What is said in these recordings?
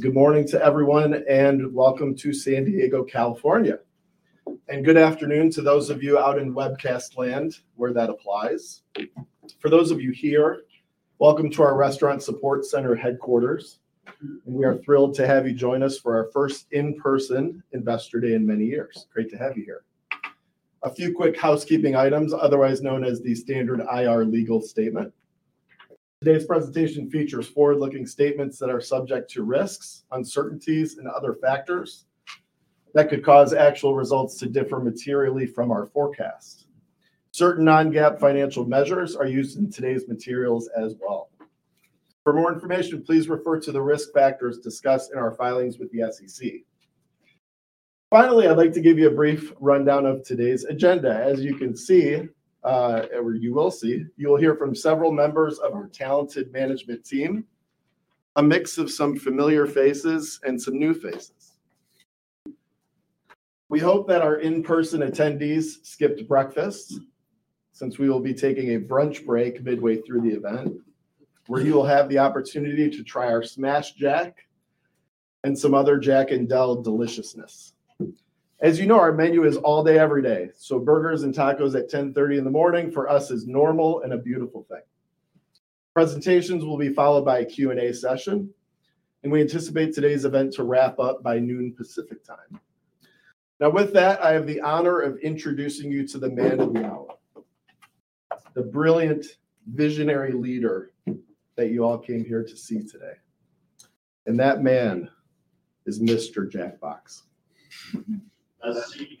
Good morning to everyone, and welcome to San Diego, California. And good afternoon to those of you out in webcast land, where that applies. For those of you here, welcome to our Restaurant Support Center headquarters, and we are thrilled to have you join us for our first in-person Investor Day in many years. Great to have you here. A few quick housekeeping items, otherwise known as the standard IR legal statement. Today's presentation features forward-looking statements that are subject to risks, uncertainties, and other factors that could cause actual results to differ materially from our forecast. Certain non-GAAP financial measures are used in today's materials as well. For more information, please refer to the risk factors discussed in our filings with the SEC. Finally, I'd like to give you a brief rundown of today's agenda. As you can see, or you will see, you'll hear from several members of our talented management team, a mix of some familiar faces and some new faces. We hope that our in-person attendees skipped breakfast, since we will be taking a brunch break midway through the event, where you will have the opportunity to try our Smashed Jack and some other Jack and Del deliciousness. As you know, our menu is all day, every day, so burgers and tacos at 10:30 AM in the morning for us is normal and a beautiful thing. Presentations will be followed by a Q&A session, and we anticipate today's event to wrap up by noon Pacific Time. Now, with that, I have the honor of introducing you to the man of the hour, the brilliant, visionary leader that you all came here to see today, and that man is Mr. Jack Box. Let's see.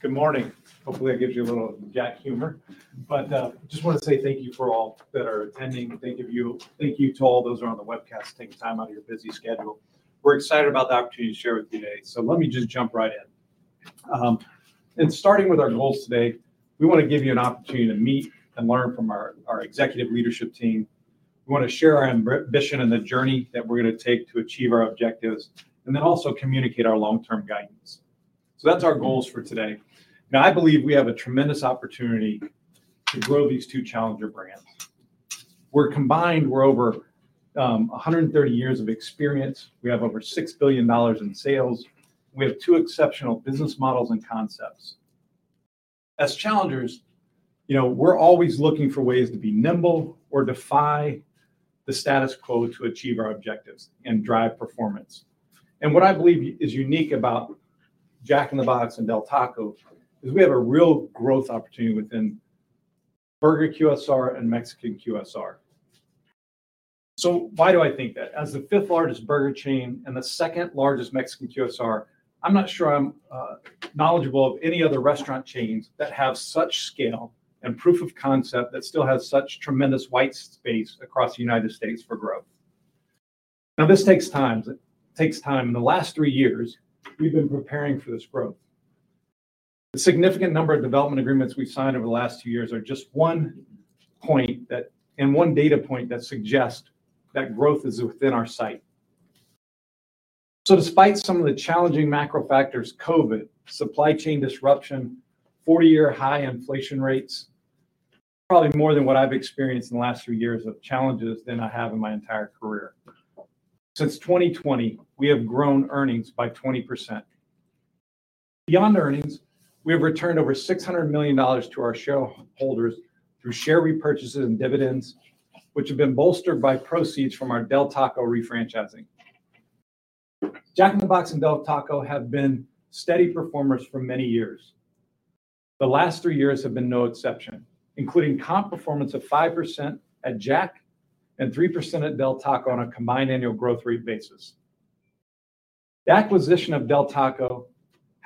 Good morning. Hopefully, that gives you a little Jack humor, but just wanna say thank you for all that are attending. Thank you to all those who are on the webcast, taking time out of your busy schedule. We're excited about the opportunity to share with you today, so let me just jump right in. Starting with our goals today, we wanna give you an opportunity to meet and learn from our executive leadership team. We wanna share our brand vision and the journey that we're gonna take to achieve our objectives, and then also communicate our long-term guidance. So that's our goals for today. Now, I believe we have a tremendous opportunity to grow these two challenger brands. We're combined, we're over 130 years of experience. We have over $6 billion in sales. We have two exceptional business models and concepts. As challengers, you know, we're always looking for ways to be nimble or defy the status quo to achieve our objectives and drive performance. And what I believe is unique about Jack in the Box and Del Taco is we have a real growth opportunity within burger QSR and Mexican QSR. So why do I think that? As the fifth largest burger chain and the second largest Mexican QSR, I'm not sure I'm knowledgeable of any other restaurant chains that have such scale and proof of concept that still has such tremendous white space across the United States for growth. Now, this takes time. It takes time. In the last three years, we've been preparing for this growth. The significant number of development agreements we've signed over the last two years are just one data point that suggests that growth is within our sight. So despite some of the challenging macro factors, COVID, supply chain disruption, 40-year high inflation rates, probably more than what I've experienced in the last three years of challenges than I have in my entire career. Since 2020, we have grown earnings by 20%. Beyond earnings, we have returned over $600 million to our shareholders through share repurchases and dividends, which have been bolstered by proceeds from our Del Taco refranchising. Jack in the Box and Del Taco have been steady performers for many years. The last three years have been no exception, including comp performance of 5% at Jack and 3% at Del Taco on a combined annual growth rate basis. The acquisition of Del Taco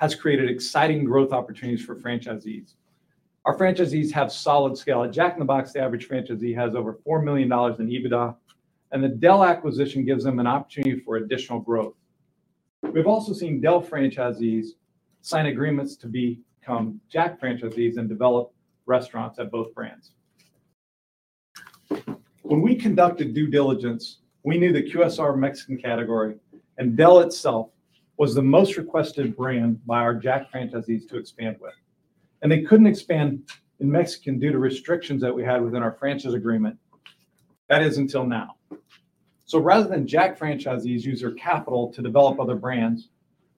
has created exciting growth opportunities for franchisees. Our franchisees have solid scale. At Jack in the Box, the average franchisee has over $4 million in EBITDA, and the Del acquisition gives them an opportunity for additional growth. We've also seen Del franchisees sign agreements to become Jack franchisees and develop restaurants at both brands. When we conducted due diligence, we knew the QSR Mexican category and Del itself was the most requested brand by our Jack franchisees to expand with. And they couldn't expand in Mexican due to restrictions that we had within our franchise agreement. That is, until now. So rather than Jack franchisees use their capital to develop other brands,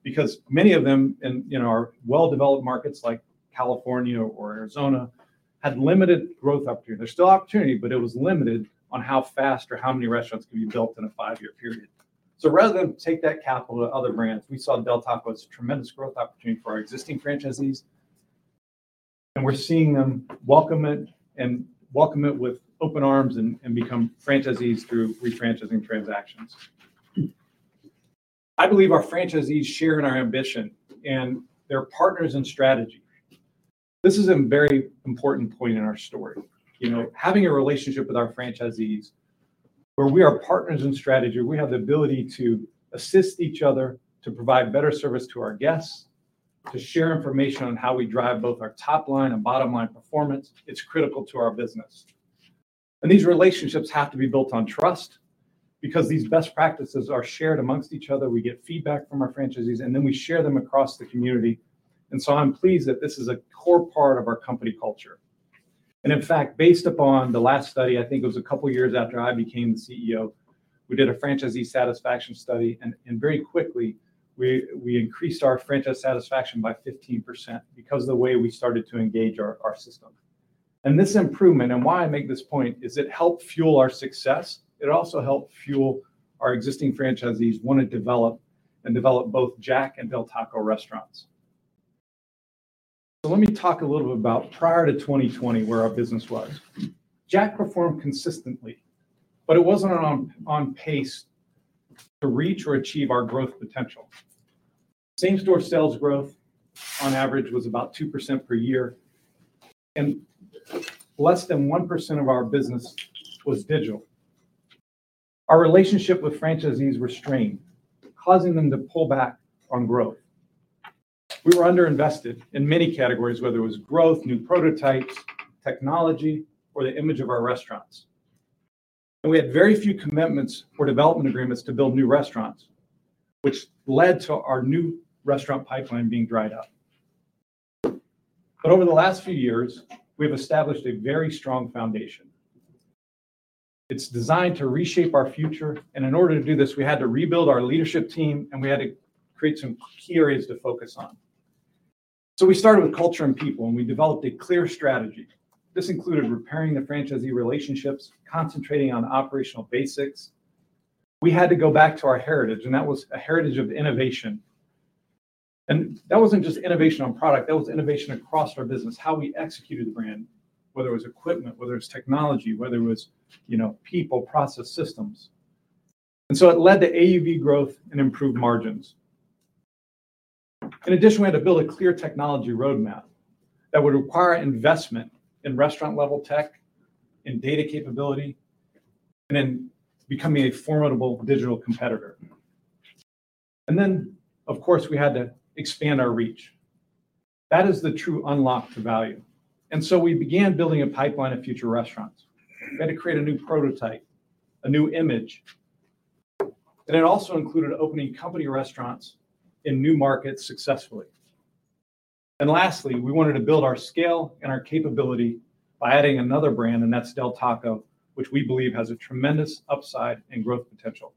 because many of them in our well-developed markets, like California or Arizona, had limited growth opportunity. There's still opportunity, but it was limited on how fast or how many restaurants could be built in a five-year period. So rather than take that capital to other brands, we saw Del Taco as a tremendous growth opportunity for our existing franchisees, and we're seeing them welcome it, and welcome it with open arms and, and become franchisees through refranchising transactions. I believe our franchisees share in our ambition, and they're partners in strategy... This is a very important point in our story. You know, having a relationship with our franchisees where we are partners in strategy, we have the ability to assist each other, to provide better service to our guests, to share information on how we drive both our top line and bottom line performance, it's critical to our business. These relationships have to be built on trust, because these best practices are shared among each other. We get feedback from our franchisees, and then we share them across the community. So I'm pleased that this is a core part of our company culture. In fact, based upon the last study, I think it was a couple of years after I became the CEO, we did a franchisee satisfaction study, and very quickly we increased our franchise satisfaction by 15% because of the way we started to engage our system. This improvement, and why I make this point, is it helped fuel our success. It also helped fuel our existing franchisees want to develop and develop both Jack and Del Taco restaurants. So let me talk a little bit about prior to 2020, where our business was. Jack performed consistently, but it wasn't on pace to reach or achieve our growth potential. Same-store sales growth on average was about 2% per year, and less than 1% of our business was digital. Our relationship with franchisees were strained, causing them to pull back on growth. We were underinvested in many categories, whether it was growth, new prototypes, technology, or the image of our restaurants. We had very few commitments for development agreements to build new restaurants, which led to our new restaurant pipeline being dried up. Over the last few years, we've established a very strong foundation. It's designed to reshape our future, and in order to do this, we had to rebuild our leadership team, and we had to create some key areas to focus on. We started with culture and people, and we developed a clear strategy. This included repairing the franchisee relationships, concentrating on operational basics. We had to go back to our heritage, and that was a heritage of innovation. That wasn't just innovation on product, that was innovation across our business, how we executed the brand, whether it was equipment, whether it's technology, whether it was, you know, people, process, systems. So it led to AUV growth and improved margins. In addition, we had to build a clear technology roadmap that would require investment in restaurant-level tech and data capability, and then becoming a formidable digital competitor. Then, of course, we had to expand our reach. That is the true unlock to value. So we began building a pipeline of future restaurants. We had to create a new prototype, a new image, and it also included opening company restaurants in new markets successfully. And lastly, we wanted to build our scale and our capability by adding another brand, and that's Del Taco, which we believe has a tremendous upside and growth potential.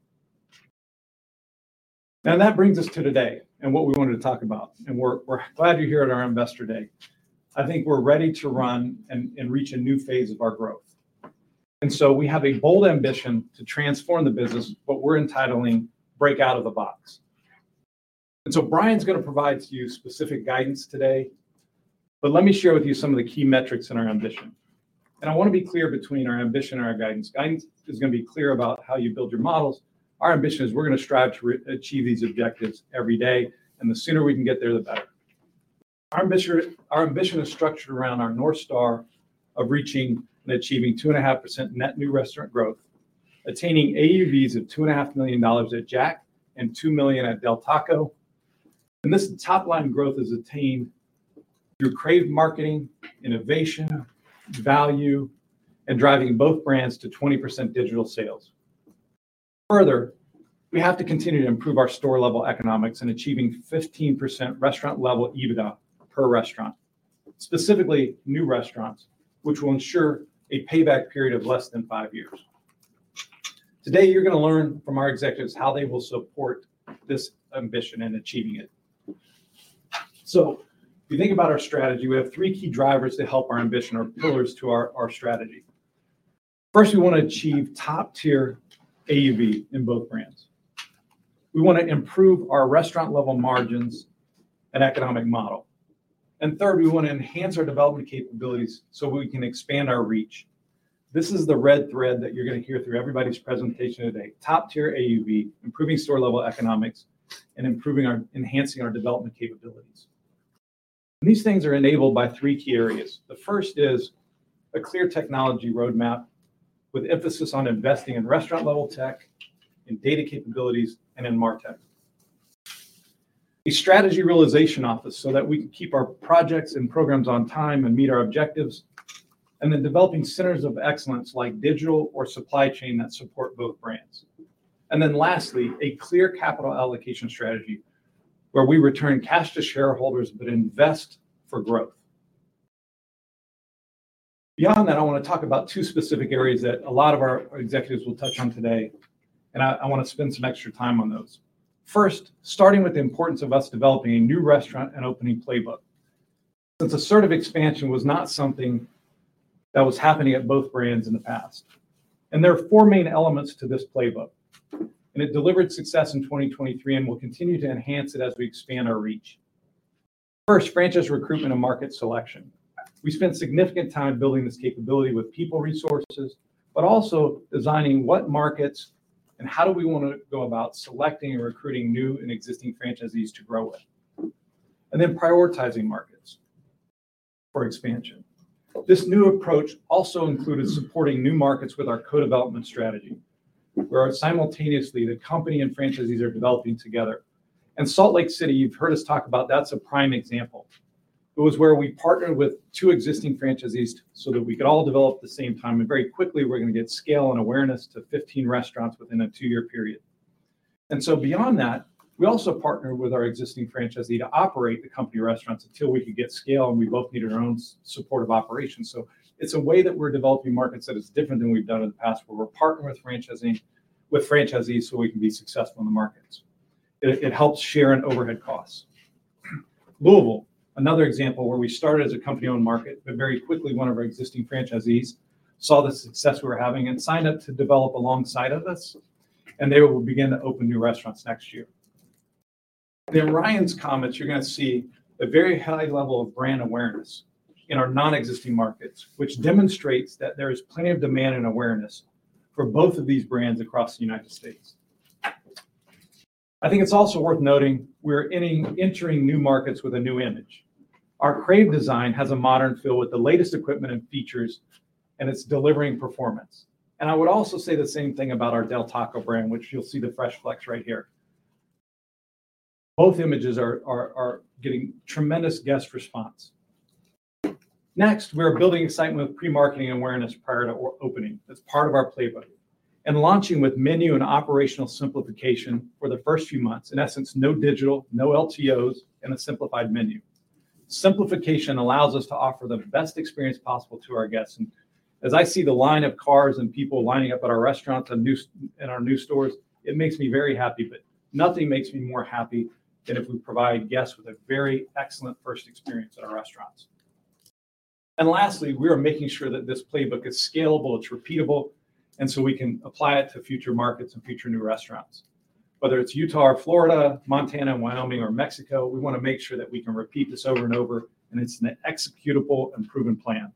Now, that brings us to today and what we wanted to talk about, and we're, we're glad you're here at our Investor Day. I think we're ready to run and, and reach a new phase of our growth. And so we have a bold ambition to transform the business, what we're entitling Break Out of the Box. And so Ryan's going to provide to you specific guidance today, but let me share with you some of the key metrics in our ambition. And I want to be clear between our ambition and our guidance. Guidance is going to be clear about how you build your models. Our ambition is we're going to strive to achieve these objectives every day, and the sooner we can get there, the better. Our mission, our ambition is structured around our North Star of reaching and achieving 2.5% net new restaurant growth, attaining AUVs of $2.5 million at Jack and $2 million at Del Taco. This top-line growth is attained through CRAVED marketing, innovation, value, and driving both brands to 20% digital sales. Further, we have to continue to improve our store-level economics in achieving 15% restaurant-level EBITDA per restaurant, specifically new restaurants, which will ensure a payback period of less than five years. Today, you're going to learn from our executives how they will support this ambition in achieving it. So if you think about our strategy, we have three key drivers to help our ambition, our pillars to our strategy. First, we want to achieve top-tier AUV in both brands. We want to improve our restaurant-level margins and economic model. And third, we want to enhance our development capabilities so we can expand our reach. This is the red thread that you're going to hear through everybody's presentation today: top-tier AUV, improving store-level economics, and improving our, enhancing our development capabilities. And these things are enabled by three key areas. The first is a clear technology roadmap, with emphasis on investing in restaurant-level tech, in data capabilities, and in Mar Tech. A Strategy Realization Office, so that we can keep our projects and programs on time and meet our objectives. And then developing centers of excellence like digital or supply chain that support both brands. And then lastly, a clear capital allocation strategy, where we return cash to shareholders but invest for growth. Beyond that, I want to talk about two specific areas that a lot of our executives will touch on today, and I, I want to spend some extra time on those. First, starting with the importance of us developing a new restaurant and opening playbook. Since assertive expansion was not something that was happening at both brands in the past. And there are four main elements to this playbook, and it delivered success in 2023 and will continue to enhance it as we expand our reach. First, franchise recruitment and market selection. We spent significant time building this capability with people resources, but also designing what markets... And how do we wanna go about selecting and recruiting new and existing franchisees to grow with? And then prioritizing markets for expansion. This new approach also included supporting new markets with our co-development strategy, where simultaneously, the company and franchisees are developing together. Salt Lake City, you've heard us talk about, that's a prime example. It was where we partnered with two existing franchisees so that we could all develop at the same time, and very quickly we're gonna get scale and awareness to 15 restaurants within a two-year period. So beyond that, we also partnered with our existing franchisee to operate the company restaurants until we could get scale, and we both needed our own supportive operations. It's a way that we're developing markets that is different than we've done in the past, where we're partnering with franchisees so we can be successful in the markets. It helps share in overhead costs. Louisville, another example where we started as a company-owned market, but very quickly, one of our existing franchisees saw the success we were having and signed up to develop alongside of us, and they will begin to open new restaurants next year. In Ryan's comments, you're gonna see a very high level of brand awareness in our non-existing markets, which demonstrates that there is plenty of demand and awareness for both of these brands across the United States. I think it's also worth noting we're entering new markets with a new image. Our Crave design has a modern feel with the latest equipment and features, and it's delivering performance. And I would also say the same thing about our Del Taco brand, which you'll see the Fresh Flex right here. Both images are getting tremendous guest response. Next, we are building excitement with pre-marketing and awareness prior to opening. That's part of our playbook. Launching with menu and operational simplification for the first few months, in essence, no digital, no LTOs, and a simplified menu. Simplification allows us to offer the best experience possible to our guests, and as I see the line of cars and people lining up at our restaurants and in our new stores, it makes me very happy. But nothing makes me more happy than if we provide guests with a very excellent first experience at our restaurants. Lastly, we are making sure that this playbook is scalable, it's repeatable, and so we can apply it to future markets and future new restaurants. Whether it's Utah or Florida, Montana, Wyoming or Mexico, we wanna make sure that we can repeat this over and over, and it's an executable and proven plan.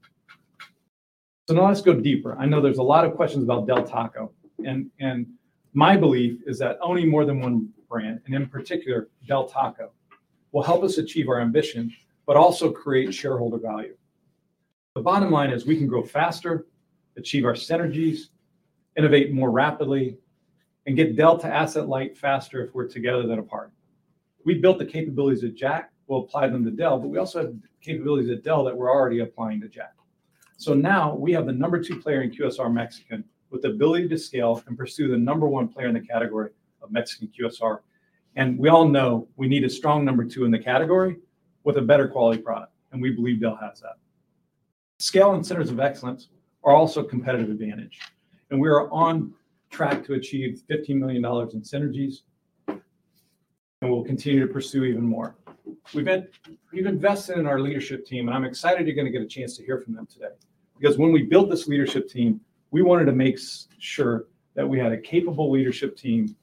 So now let's go deeper. I know there's a lot of questions about Del Taco, and my belief is that owning more than one brand, and in particular Del Taco, will help us achieve our ambition, but also create shareholder value. The bottom line is we can grow faster, achieve our synergies, innovate more rapidly, and get Del to asset light faster if we're together than apart. We built the capabilities at Jack, we'll apply them to Del, but we also have capabilities at Del that we're already applying to Jack. So now we have the number two player in QSR Mexican, with the ability to scale and pursue the number one player in the category of Mexican QSR. We all know we need a strong number two in the category with a better quality product, and we believe Del has that. Scale and centers of excellence are also a competitive advantage, and we are on track to achieve $15 million in synergies, and we'll continue to pursue even more. We've invested in our leadership team, and I'm excited you're gonna get a chance to hear from them today. Because when we built this leadership team, we wanted to make sure that we had a capable leadership team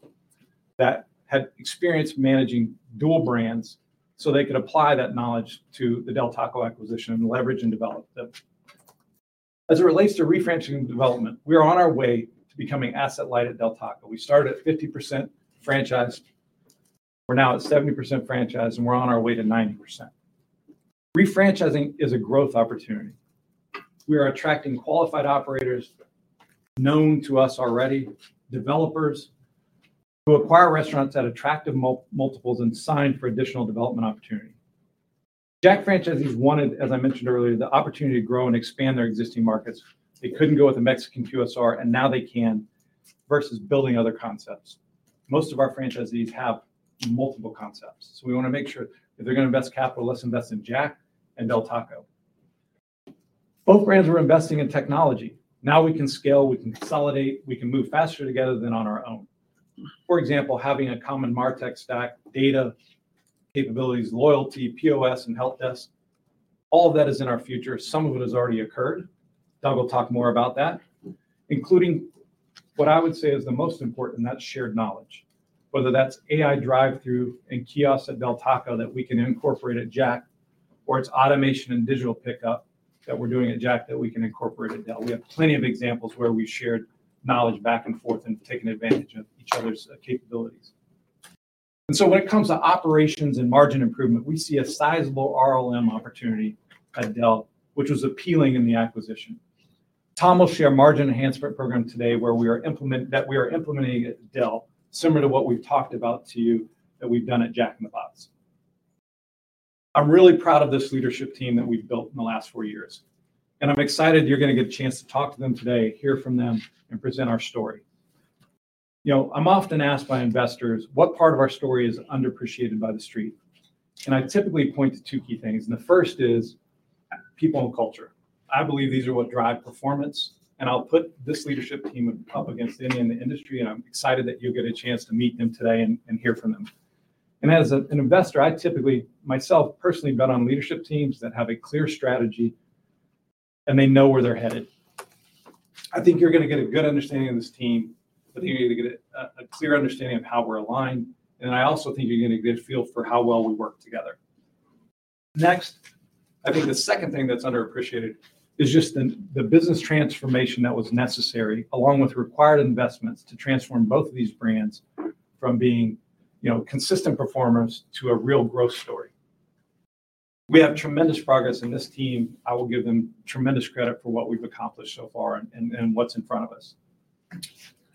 that had experience managing dual brands, so they could apply that knowledge to the Del Taco acquisition and leverage and develop them. As it relates to refranchising development, we are on our way to becoming asset light at Del Taco. We started at 50% franchised, we're now at 70% franchised, and we're on our way to 90%. Refranchising is a growth opportunity. We are attracting qualified operators known to us already, developers to acquire restaurants at attractive multiples and sign for additional development opportunity. Jack franchisees wanted, as I mentioned earlier, the opportunity to grow and expand their existing markets. They couldn't go with the Mexican QSR, and now they can, versus building other concepts. Most of our franchisees have multiple concepts, so we wanna make sure if they're gonna invest capital, let's invest in Jack and Del Taco. Both brands are investing in technology. Now we can scale, we can consolidate, we can move faster together than on our own. For example, having a common MarTech stack, data, capabilities, loyalty, POS, and help desk, all of that is in our future. Some of it has already occurred. Doug will talk more about that, including what I would say is the most important, and that's shared knowledge. Whether that's AI drive-through and kiosks at Del Taco that we can incorporate at Jack, or it's automation and digital pickup that we're doing at Jack that we can incorporate at Del. We have plenty of examples where we shared knowledge back and forth and taken advantage of each other's capabilities. And so when it comes to operations and margin improvement, we see a sizable RLM opportunity at Del, which was appealing in the acquisition. Tom will share margin enhancement program today, where we are implementing at Del, similar to what we've talked about to you, that we've done at Jack in the Box. I'm really proud of this leadership team that we've built in the last four years, and I'm excited you're gonna get a chance to talk to them today, hear from them, and present our story. You know, I'm often asked by investors, "What part of our story is underappreciated by the street?" And I typically point to two key things, and the first is, people and culture. I believe these are what drive performance, and I'll put this leadership team up against any in the industry, and I'm excited that you'll get a chance to meet them today and hear from them. And as a, an investor, I typically, myself, personally bet on leadership teams that have a clear strategy and they know where they're headed. I think you're gonna get a good understanding of this team. I think you're gonna get a clear understanding of how we're aligned, and I also think you'll get a good feel for how well we work together.... Next, I think the second thing that's underappreciated is just the business transformation that was necessary, along with the required investments to transform both of these brands from being, you know, consistent performers to a real growth story. We have tremendous progress in this team. I will give them tremendous credit for what we've accomplished so far and what's in front of us.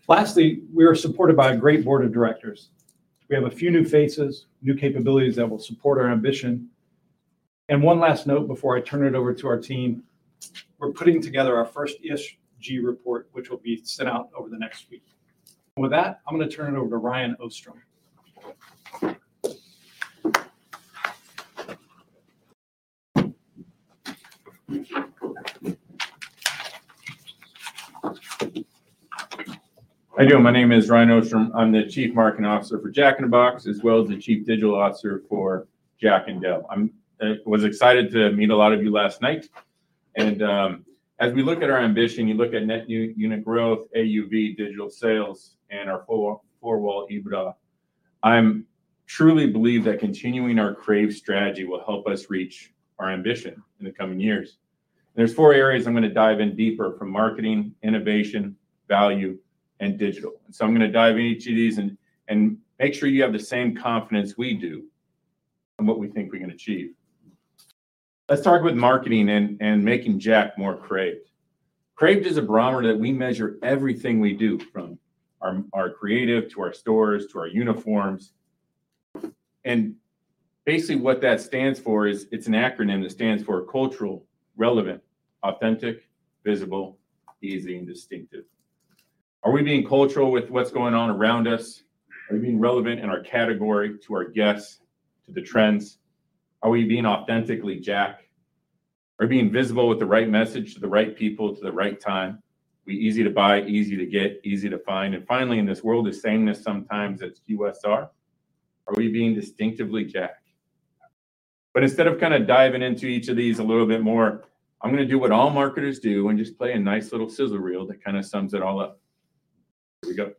Lastly, we are supported by a great board of directors. We have a few new faces, new capabilities that will support our ambition. One last note before I turn it over to our team, we're putting together our first ESG report, which will be sent out over the next week. With that, I'm gonna turn it over to Ryan Ostrom. How you doing? My name is Ryan Ostrom. I'm the Chief Marketing Officer for Jack in the Box, as well as the Chief Digital Officer for Jack and Del. I'm was excited to meet a lot of you last night, and as we look at our ambition, you look at net new unit growth, AUV, digital sales, and our full four-wall EBITDA. I truly believe that continuing our CRAVE strategy will help us reach our ambition in the coming years. There's four areas I'm gonna dive in deeper, from marketing, innovation, value, and digital. So I'm gonna dive into each of these and make sure you have the same confidence we do in what we think we can achieve. Let's start with marketing and making Jack more craved. Crave is a barometer that we measure everything we do, from our, our creative, to our stores, to our uniforms. Basically what that stands for is, it's an acronym that stands for cultural, relevant, authentic, visible, easy, and distinctive. Are we being cultural with what's going on around us? Are we being relevant in our category, to our guests, to the trends? Are we being authentically Jack? Are we being visible with the right message, to the right people, to the right time? Are we easy to buy, easy to get, easy to find? And finally, in this world of sameness, sometimes it's QSR. Are we being distinctively Jack? But instead of kinda diving into each of these a little bit more, I'm gonna do what all marketers do and just play a nice little sizzle reel that kinda sums it all up. Here we go.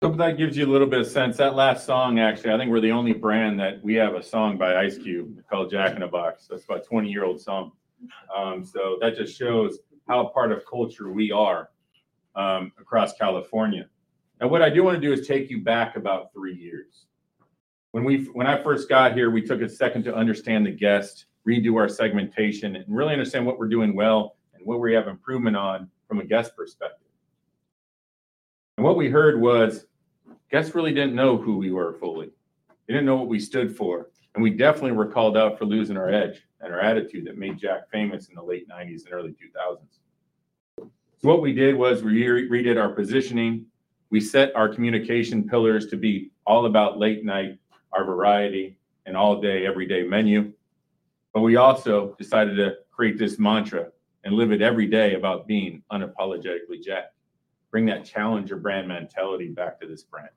Hope that gives you a little bit of sense. That last song, actually, I think we're the only brand that we have a song by Ice Cube called Jack in the Box. That's about a 20-year-old song. So that just shows how a part of culture we are across California. And what I do wanna do is take you back about three years. When I first got here, we took a second to understand the guest, redo our segmentation, and really understand what we're doing well and what we have improvement on from a guest perspective. And what we heard was, guests really didn't know who we were fully. They didn't know what we stood for, and we definitely were called out for losing our edge and our attitude that made Jack famous in the late 1990s and early 2000s. What we did was redid our positioning. We set our communication pillars to be all about late night, our variety, and all-day, everyday menu. But we also decided to create this mantra and live it every day about being unapologetically Jack. Bring that challenger brand mentality back to this brand.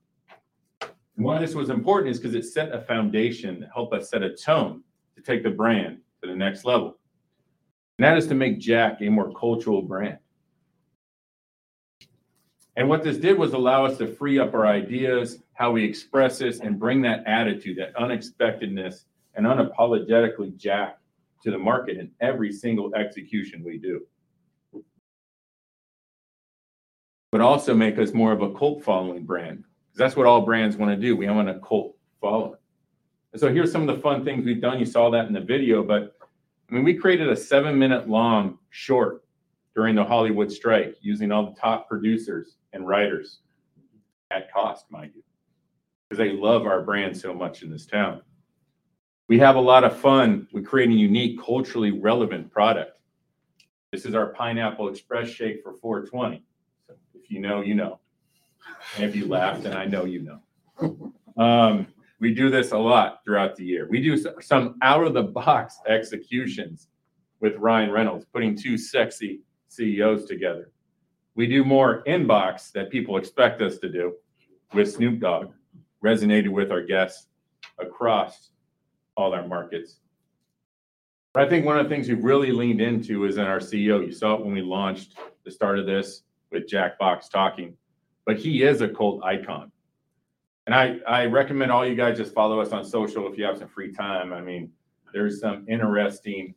Why this was important is because it set a foundation to help us set a tone to take the brand to the next level, and that is to make Jack a more cultural brand. What this did was allow us to free up our ideas, how we express this, and bring that attitude, that unexpectedness and unapologetically Jack, to the market in every single execution we do, but also make us more of a cult following brand, because that's what all brands want to do. We want a cult following. Here are some of the fun things we've done. You saw that in the video, but, I mean, we created a seven-minute-long short during the Hollywood strike, using all the top producers and writers, at cost, mind you, because they love our brand so much in this town. We have a lot of fun with creating a unique, culturally relevant product. This is our Pineapple Express Shake for 4/20. So if you know, you know. And if you laughed, then I know you know. We do this a lot throughout the year. We do some out-of-the-box executions with Ryan Reynolds, putting two sexy CEOs together. We do more in box that people expect us to do with Snoop Dogg, resonated with our guests across all our markets. But I think one of the things we've really leaned into is in our CEO. You saw it when we launched the start of this with Jack Box talking, but he is a cult icon. I recommend all you guys just follow us on social if you have some free time. I mean, there's some interesting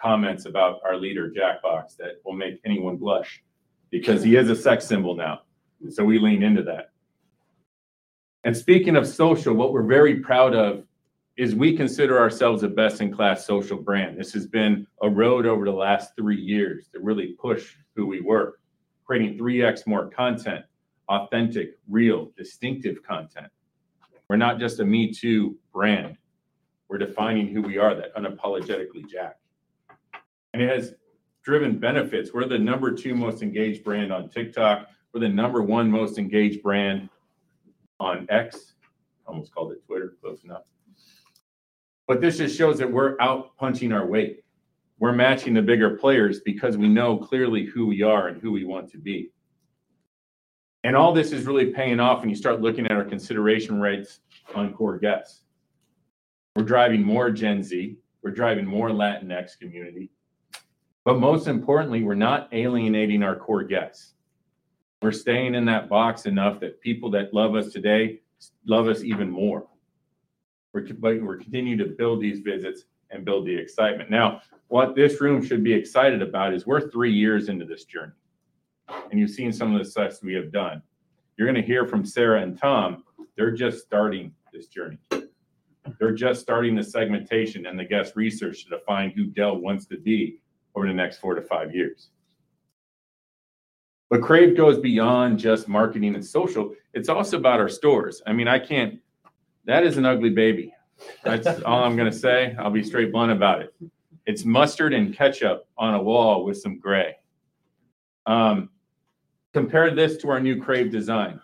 comments about our leader, Jack Box, that will make anyone blush, because he is a sex symbol now, so we lean into that. Speaking of social, what we're very proud of is we consider ourselves a best-in-class social brand. This has been a road over the last three years to really push who we were, creating 3x more content, authentic, real, distinctive content. We're not just a me-too brand. We're defining who we are, that unapologetically Jack. It has driven benefits. We're the number two most engaged brand on TikTok. We're the number one most engaged brand on X. Almost called it Twitter. Close enough. But this just shows that we're out punching our weight. We're matching the bigger players because we know clearly who we are and who we want to be. And all this is really paying off, and you start looking at our consideration rates on core guests. We're driving more Gen Z, we're driving more Latinx community, but most importantly, we're not alienating our core guests. We're staying in that box enough that people that love us today love us even more. We're - but we're continuing to build these visits and build the excitement. Now, what this room should be excited about is we're three years into this journey, and you've seen some of the success we have done. You're going to hear from Sarah and Tom. They're just starting this journey. They're just starting the segmentation and the guest research to define who Del Taco wants to be over the next four-five years. But Crave goes beyond just marketing and social. It's also about our stores. I mean, I can't... That is an ugly baby. That's all I'm going to say. I'll be straight blunt about it. It's mustard and ketchup on a wall with some gray. Compare this to our new Crave design: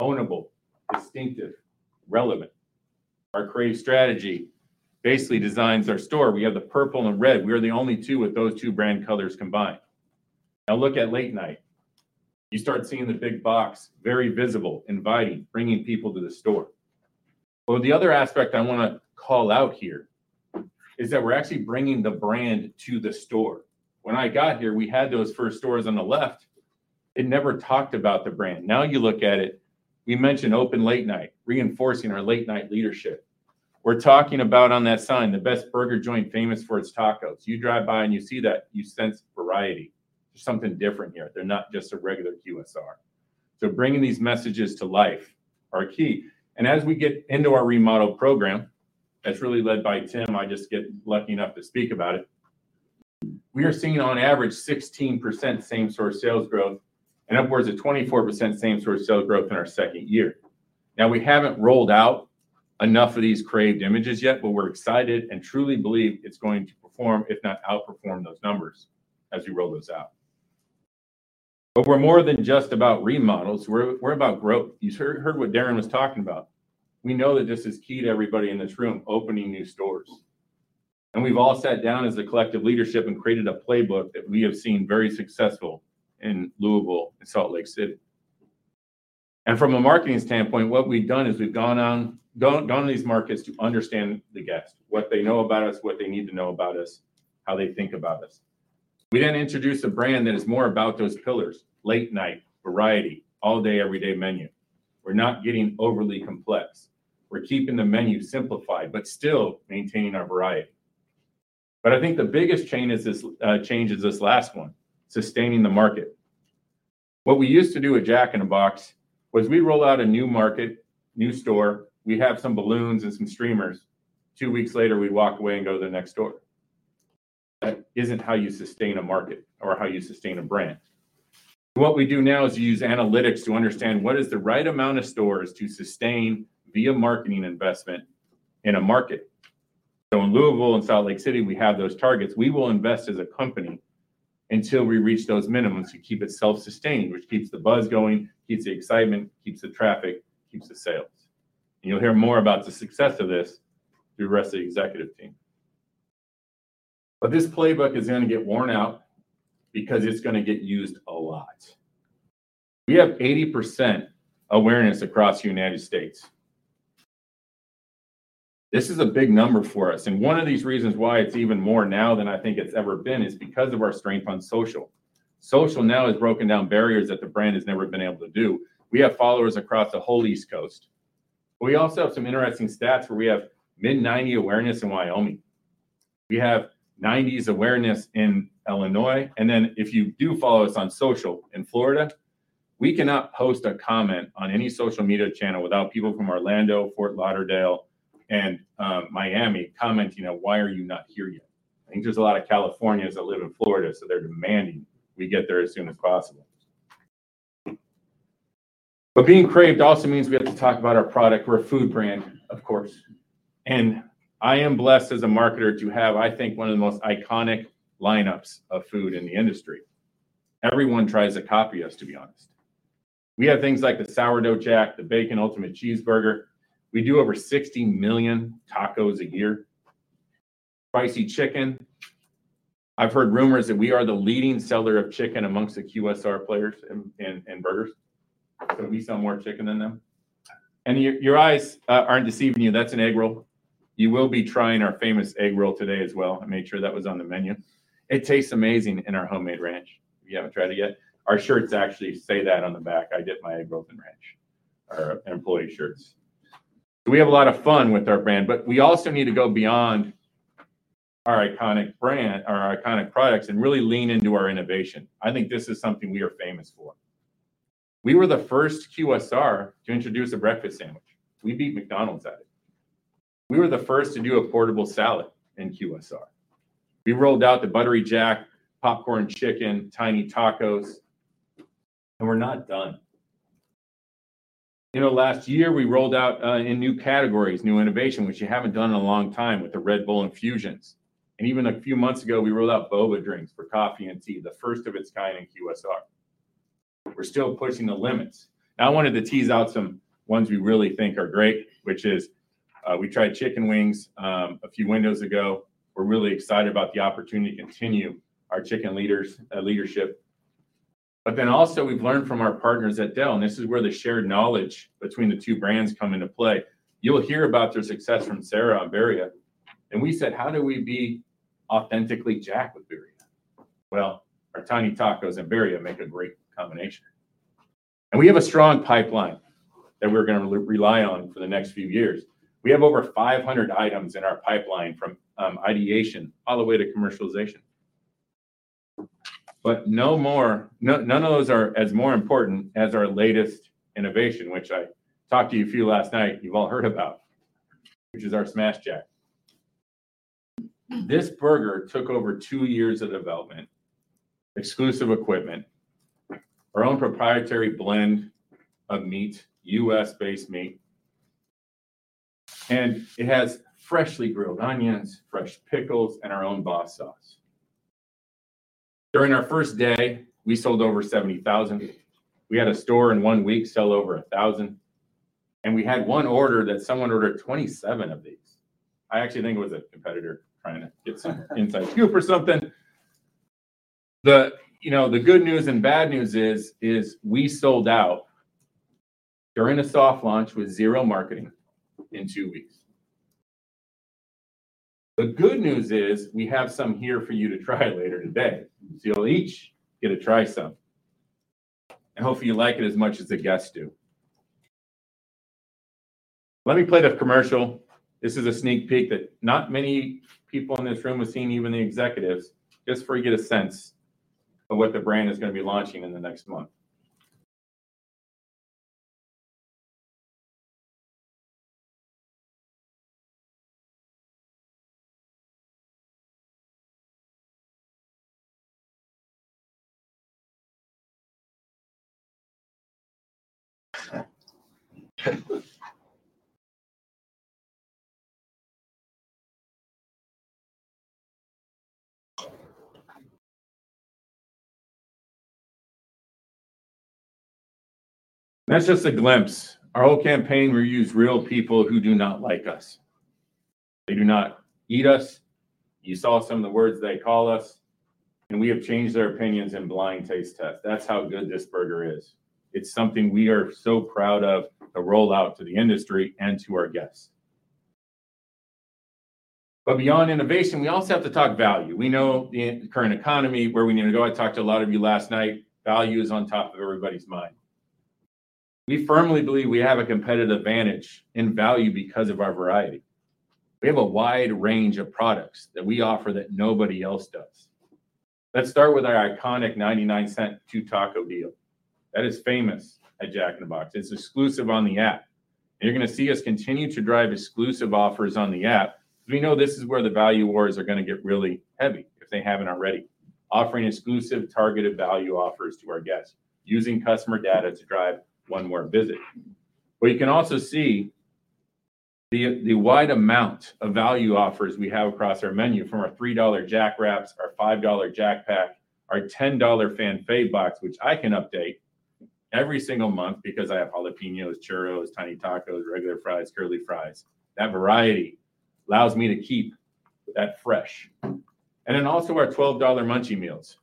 ownable, distinctive, relevant. Our Crave strategy basically designs our store. We have the purple and red. We are the only two with those two brand colors combined. Now look at late night. You start seeing the big box, very visible, inviting, bringing people to the store. But the other aspect I want to call out here is that we're actually bringing the brand to the store. When I got here, we had those first stores on the left. It never talked about the brand. Now, you look at it, we mention open late night, reinforcing our late night leadership. We're talking about, on that sign, the best burger joint famous for its tacos. You drive by and you see that, you sense variety. There's something different here. They're not just a regular QSR. So bringing these messages to life are key, and as we get into our remodel program, that's really led by Tim, I just get lucky enough to speak about it, we are seeing on average 16% same-store sales growth and upwards of 24% same-store sales growth in our second year. Now, we haven't rolled out enough of these Crave images yet, but we're excited and truly believe it's going to perform, if not outperform, those numbers as we roll those out. But we're more than just about remodels. We're about growth. You heard what Darin was talking about. We know that this is key to everybody in this room, opening new stores. And we've all sat down as a collective leadership and created a playbook that we have seen very successful in Louisville and Salt Lake City. And from a marketing standpoint, what we've done is we've gone to these markets to understand the guest, what they know about us, what they need to know about us, how they think about us. We then introduced a brand that is more about those pillars: late night, variety, all-day, everyday menu. We're not getting overly complex. We're keeping the menu simplified, but still maintaining our variety. But I think the biggest change is this last one, sustaining the market. What we used to do at Jack in the Box was we roll out a new market, new store, we have some balloons and some streamers. Two weeks later, we walk away and go to the next store. That isn't how you sustain a market or how you sustain a brand. What we do now is use analytics to understand what is the right amount of stores to sustain via marketing investment in a market. So in Louisville and Salt Lake City, we have those targets. We will invest as a company until we reach those minimums to keep it self-sustained, which keeps the buzz going, keeps the excitement, keeps the traffic, keeps the sales. You'll hear more about the success of this through the rest of the executive team. But this playbook is going to get worn out because it's going to get used a lot. We have 80% awareness across the United States. This is a big number for us, and one of these reasons why it's even more now than I think it's ever been is because of our strength on social. Social now has broken down barriers that the brand has never been able to do. We have followers across the whole East Coast. We also have some interesting stats where we have mid-90% awareness in Wyoming. We have 90% awareness in Illinois, and then if you do follow us on social in Florida, we cannot post a comment on any social media channel without people from Orlando, Fort Lauderdale, and Miami commenting on, "Why are you not here yet?" I think there's a lot of Californians that live in Florida, so they're demanding we get there as soon as possible. Being craved also means we have to talk about our product. We're a food brand, of course, and I am blessed as a marketer to have, I think, one of the most iconic lineups of food in the industry. Everyone tries to copy us, to be honest. We have things like the Sourdough Jack, the Bacon Ultimate Cheeseburger. We do over 60 million tacos a year. Spicy Chicken. I've heard rumors that we are the leading seller of chicken amongst the QSR players and burgers, so we sell more chicken than them. Your eyes aren't deceiving you, that's an egg roll. You will be trying our famous egg roll today as well. I made sure that was on the menu. It tastes amazing in our homemade ranch, if you haven't tried it yet. Our shirts actually say that on the back, "I get my egg rolls in ranch," our employee shirts. We have a lot of fun with our brand, but we also need to go beyond our iconic brand, our iconic products, and really lean into our innovation. I think this is something we are famous for. We were the first QSR to introduce a breakfast sandwich. We beat McDonald's at it. We were the first to do a portable salad in QSR. We rolled out the Buttery Jack, Popcorn Chicken, Tiny Tacos, and we're not done. You know, last year, we rolled out in new categories, new innovation, which you haven't done in a long time, with the Red Bull Infusions. And even a few months ago, we rolled out boba drinks for coffee and tea, the first of its kind in QSR. We're still pushing the limits. Now, I wanted to tease out some ones we really think are great, which is, we tried chicken wings a few windows ago. We're really excited about the opportunity to continue our chicken leadership. But then also, we've learned from our partners at Del Taco, and this is where the shared knowledge between the two brands come into play. You'll hear about their success from Sarah on Birria. And we said: How do we be authentically Jack with Birria? Well, our Tiny Tacos and Birria make a great combination. And we have a strong pipeline that we're gonna rely on for the next few years. We have over 500 items in our pipeline, from ideation all the way to commercialization. But no more... None, none of those are as more important as our latest innovation, which I talked to you a few last night, you've all heard about, which is our Smashed Jack. This burger took over two years of development, exclusive equipment, our own proprietary blend of meat, U.S.-based meat, and it has freshly grilled onions, fresh pickles, and our own Boss Sauce. During our first day, we sold over 70,000. We had a store in one week sell over 1,000, and we had one order that someone ordered 27 of these. I actually think it was a competitor trying to get some inside scoop or something. The, you know, the good news and bad news is we sold out during a soft launch with zero marketing in two weeks. The good news is we have some here for you to try later today. So you'll each get to try some, and hopefully you like it as much as the guests do. Let me play the commercial. This is a sneak peek that not many people in this room have seen, even the executives. Just for you to get a sense of what the brand is gonna be launching in the next month. That's just a glimpse. Our whole campaign, we use real people who do not like us. They do not eat us. You saw some of the words they call us, and we have changed their opinions in blind taste tests. That's how good this burger is. It's something we are so proud of to roll out to the industry and to our guests. But beyond innovation, we also have to talk value. We know the current economy, where we need to go. I talked to a lot of you last night. Value is on top of everybody's mind. We firmly believe we have a competitive advantage in value because of our variety. We have a wide range of products that we offer that nobody else does. Let's start with our iconic $0.99, two-taco deal. That is famous at Jack in the Box. It's exclusive on the app, and you're gonna see us continue to drive exclusive offers on the app, because we know this is where the value wars are gonna get really heavy, if they haven't already. Offering exclusive, targeted value offers to our guests, using customer data to drive one more visit. But you can also see the wide amount of value offers we have across our menu, from our $3 Jack Wraps, our $5 Jack Pack, our $10 Fan Favs Box, which I can update every single month because I have jalapeños, churros, tiny tacos, regular fries, curly fries. That variety allows me to keep that fresh. And then also our $12 Munchie Meals.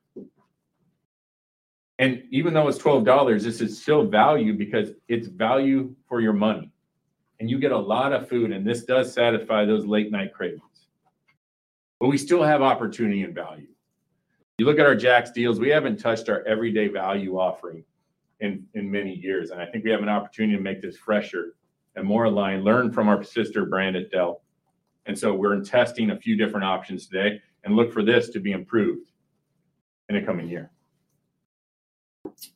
And even though it's $12, this is still value because it's value for your money, and you get a lot of food, and this does satisfy those late-night cravings. But we still have opportunity and value.... You look at our Jack's Deals, we haven't touched our everyday value offering in many years, and I think we have an opportunity to make this fresher and more aligned. Learn from our sister brand at Del. We're testing a few different options today, and look for this to be improved in the coming year.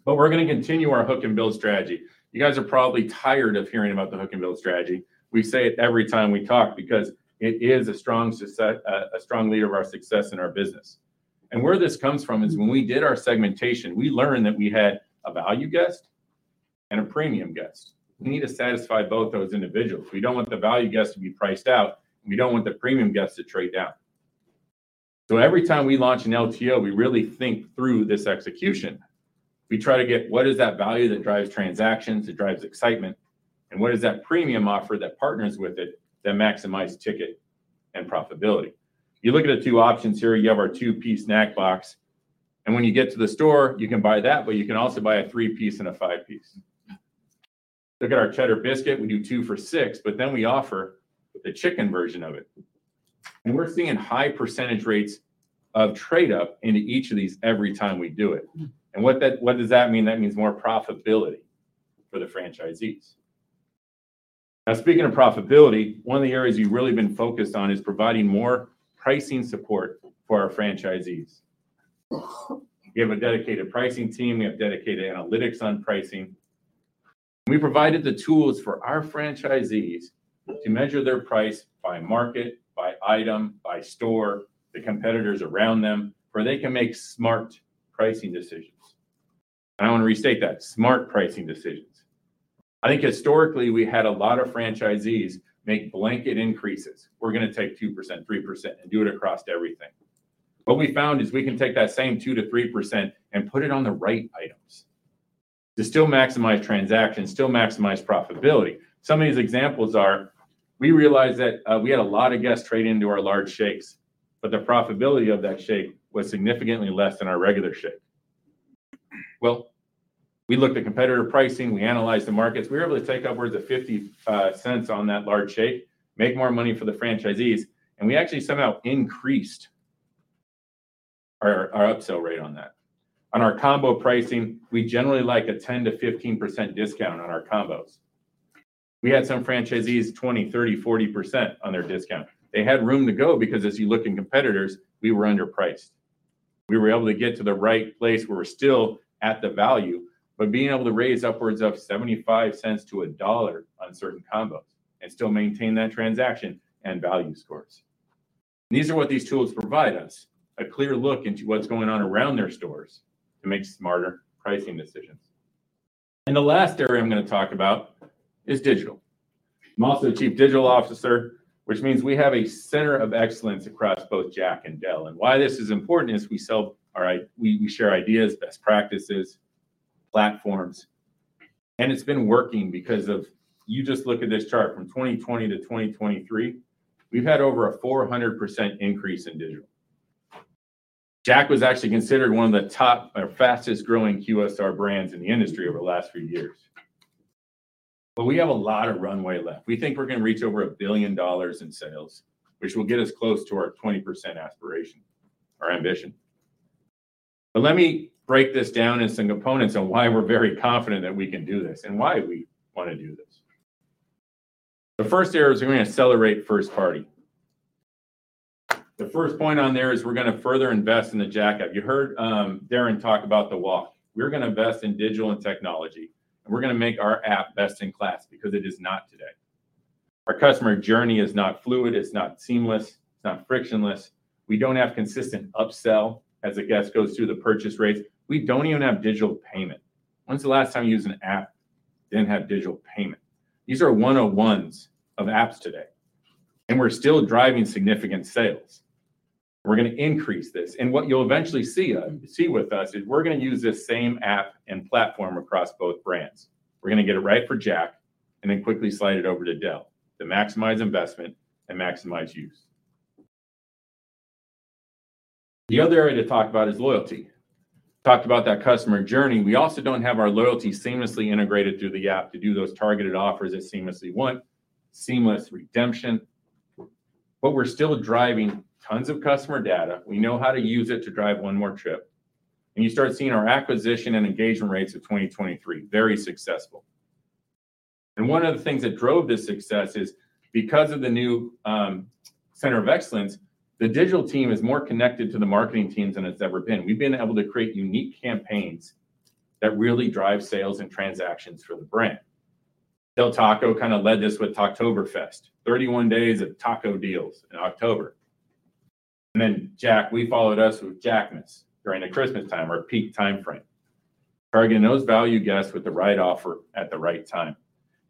But we're gonna continue our Hook and Build strategy. You guys are probably tired of hearing about the Hook and Build strategy. We say it every time we talk because it is a strong lever of our success in our business. Where this comes from is when we did our segmentation, we learned that we had a value guest and a premium guest. We need to satisfy both those individuals. We don't want the value guest to be priced out, and we don't want the premium guests to trade down. Every time we launch an LTO, we really think through this execution. We try to get what is that value that drives transactions, it drives excitement, and what is that premium offer that partners with it that maximize ticket and profitability? You look at the two options here. You have our two-piece snack box, and when you get to the store, you can buy that, but you can also buy a three-piece and a five-piece. Look at our cheddar biscuit. We do two for $6, but then we offer the chicken version of it, and we're seeing high percentage rates of trade up into each of these every time we do it. And what that... What does that mean? That means more profitability for the franchisees. Now, speaking of profitability, one of the areas we've really been focused on is providing more pricing support for our franchisees. We have a dedicated pricing team, we have dedicated analytics on pricing. We provided the tools for our franchisees to measure their price by market, by item, by store, the competitors around them, where they can make smart pricing decisions. And I want to restate that, smart pricing decisions. I think historically, we had a lot of franchisees make blanket increases. "We're gonna take 2%, 3%, and do it across everything." What we found is we can take that same 2%-3% and put it on the right items to still maximize transactions, still maximize profitability. Some of these examples are, we realized that, we had a lot of guests trade into our large shakes, but the profitability of that shake was significantly less than our regular shake. Well, we looked at competitor pricing, we analyzed the markets. We were able to take upwards of $0.50 on that large shake, make more money for the franchisees, and we actually somehow increased our upsell rate on that. On our combo pricing, we generally like a 10%-15% discount on our combos. We had some franchisees, 20%, 30%, 40% on their discount. They had room to go because as you look in competitors, we were underpriced. We were able to get to the right place where we're still at the value, but being able to raise upwards of $0.75-$1 on certain combos and still maintain that transaction and value scores. These are what these tools provide us, a clear look into what's going on around their stores to make smarter pricing decisions. The last area I'm gonna talk about is digital. I'm also Chief Digital Officer, which means we have a center of excellence across both Jack and Del. And why this is important is we share ideas, best practices, platforms, and it's been working because... you just look at this chart from 2020 to 2023, we've had over a 400% increase in digital. Jack was actually considered one of the top or fastest growing QSR brands in the industry over the last few years. But we have a lot of runway left. We think we're gonna reach over $1 billion in sales, which will get us close to our 20% aspiration, our ambition. But let me break this down in some components on why we're very confident that we can do this and why we wanna do this. The first area is we're gonna accelerate first party. The first point on there is we're gonna further invest in the Jack app. You heard Darin talk about the walk. We're gonna invest in digital and technology, and we're gonna make our app best in class, because it is not today. Our customer journey is not fluid, it's not seamless, it's not frictionless. We don't have consistent upsell as a guest goes through the purchase rates. We don't even have digital payment. When's the last time you used an app that didn't have digital payment? These are one-on-ones of apps today, and we're still driving significant sales. We're gonna increase this, and what you'll eventually see with us is we're gonna use this same app and platform across both brands. We're gonna get it right for Jack, and then quickly slide it over to Del to maximize investment and maximize use. The other area to talk about is loyalty. Talked about that customer journey. We also don't have our loyalty seamlessly integrated through the app to do those targeted offers as seamlessly we want, seamless redemption, but we're still driving tons of customer data. We know how to use it to drive one more trip, and you start seeing our acquisition and engagement rates of 2023, very successful. And one of the things that drove this success is, because of the new, center of excellence, the digital team is more connected to the marketing team than it's ever been. We've been able to create unique campaigns that really drive sales and transactions for the brand. Del Taco kind of led this with Tacktoberfest, 31 days of taco deals in October. And then Jack, we followed us with Jackmas during the Christmas time, our peak timeframe, targeting those value guests with the right offer at the right time.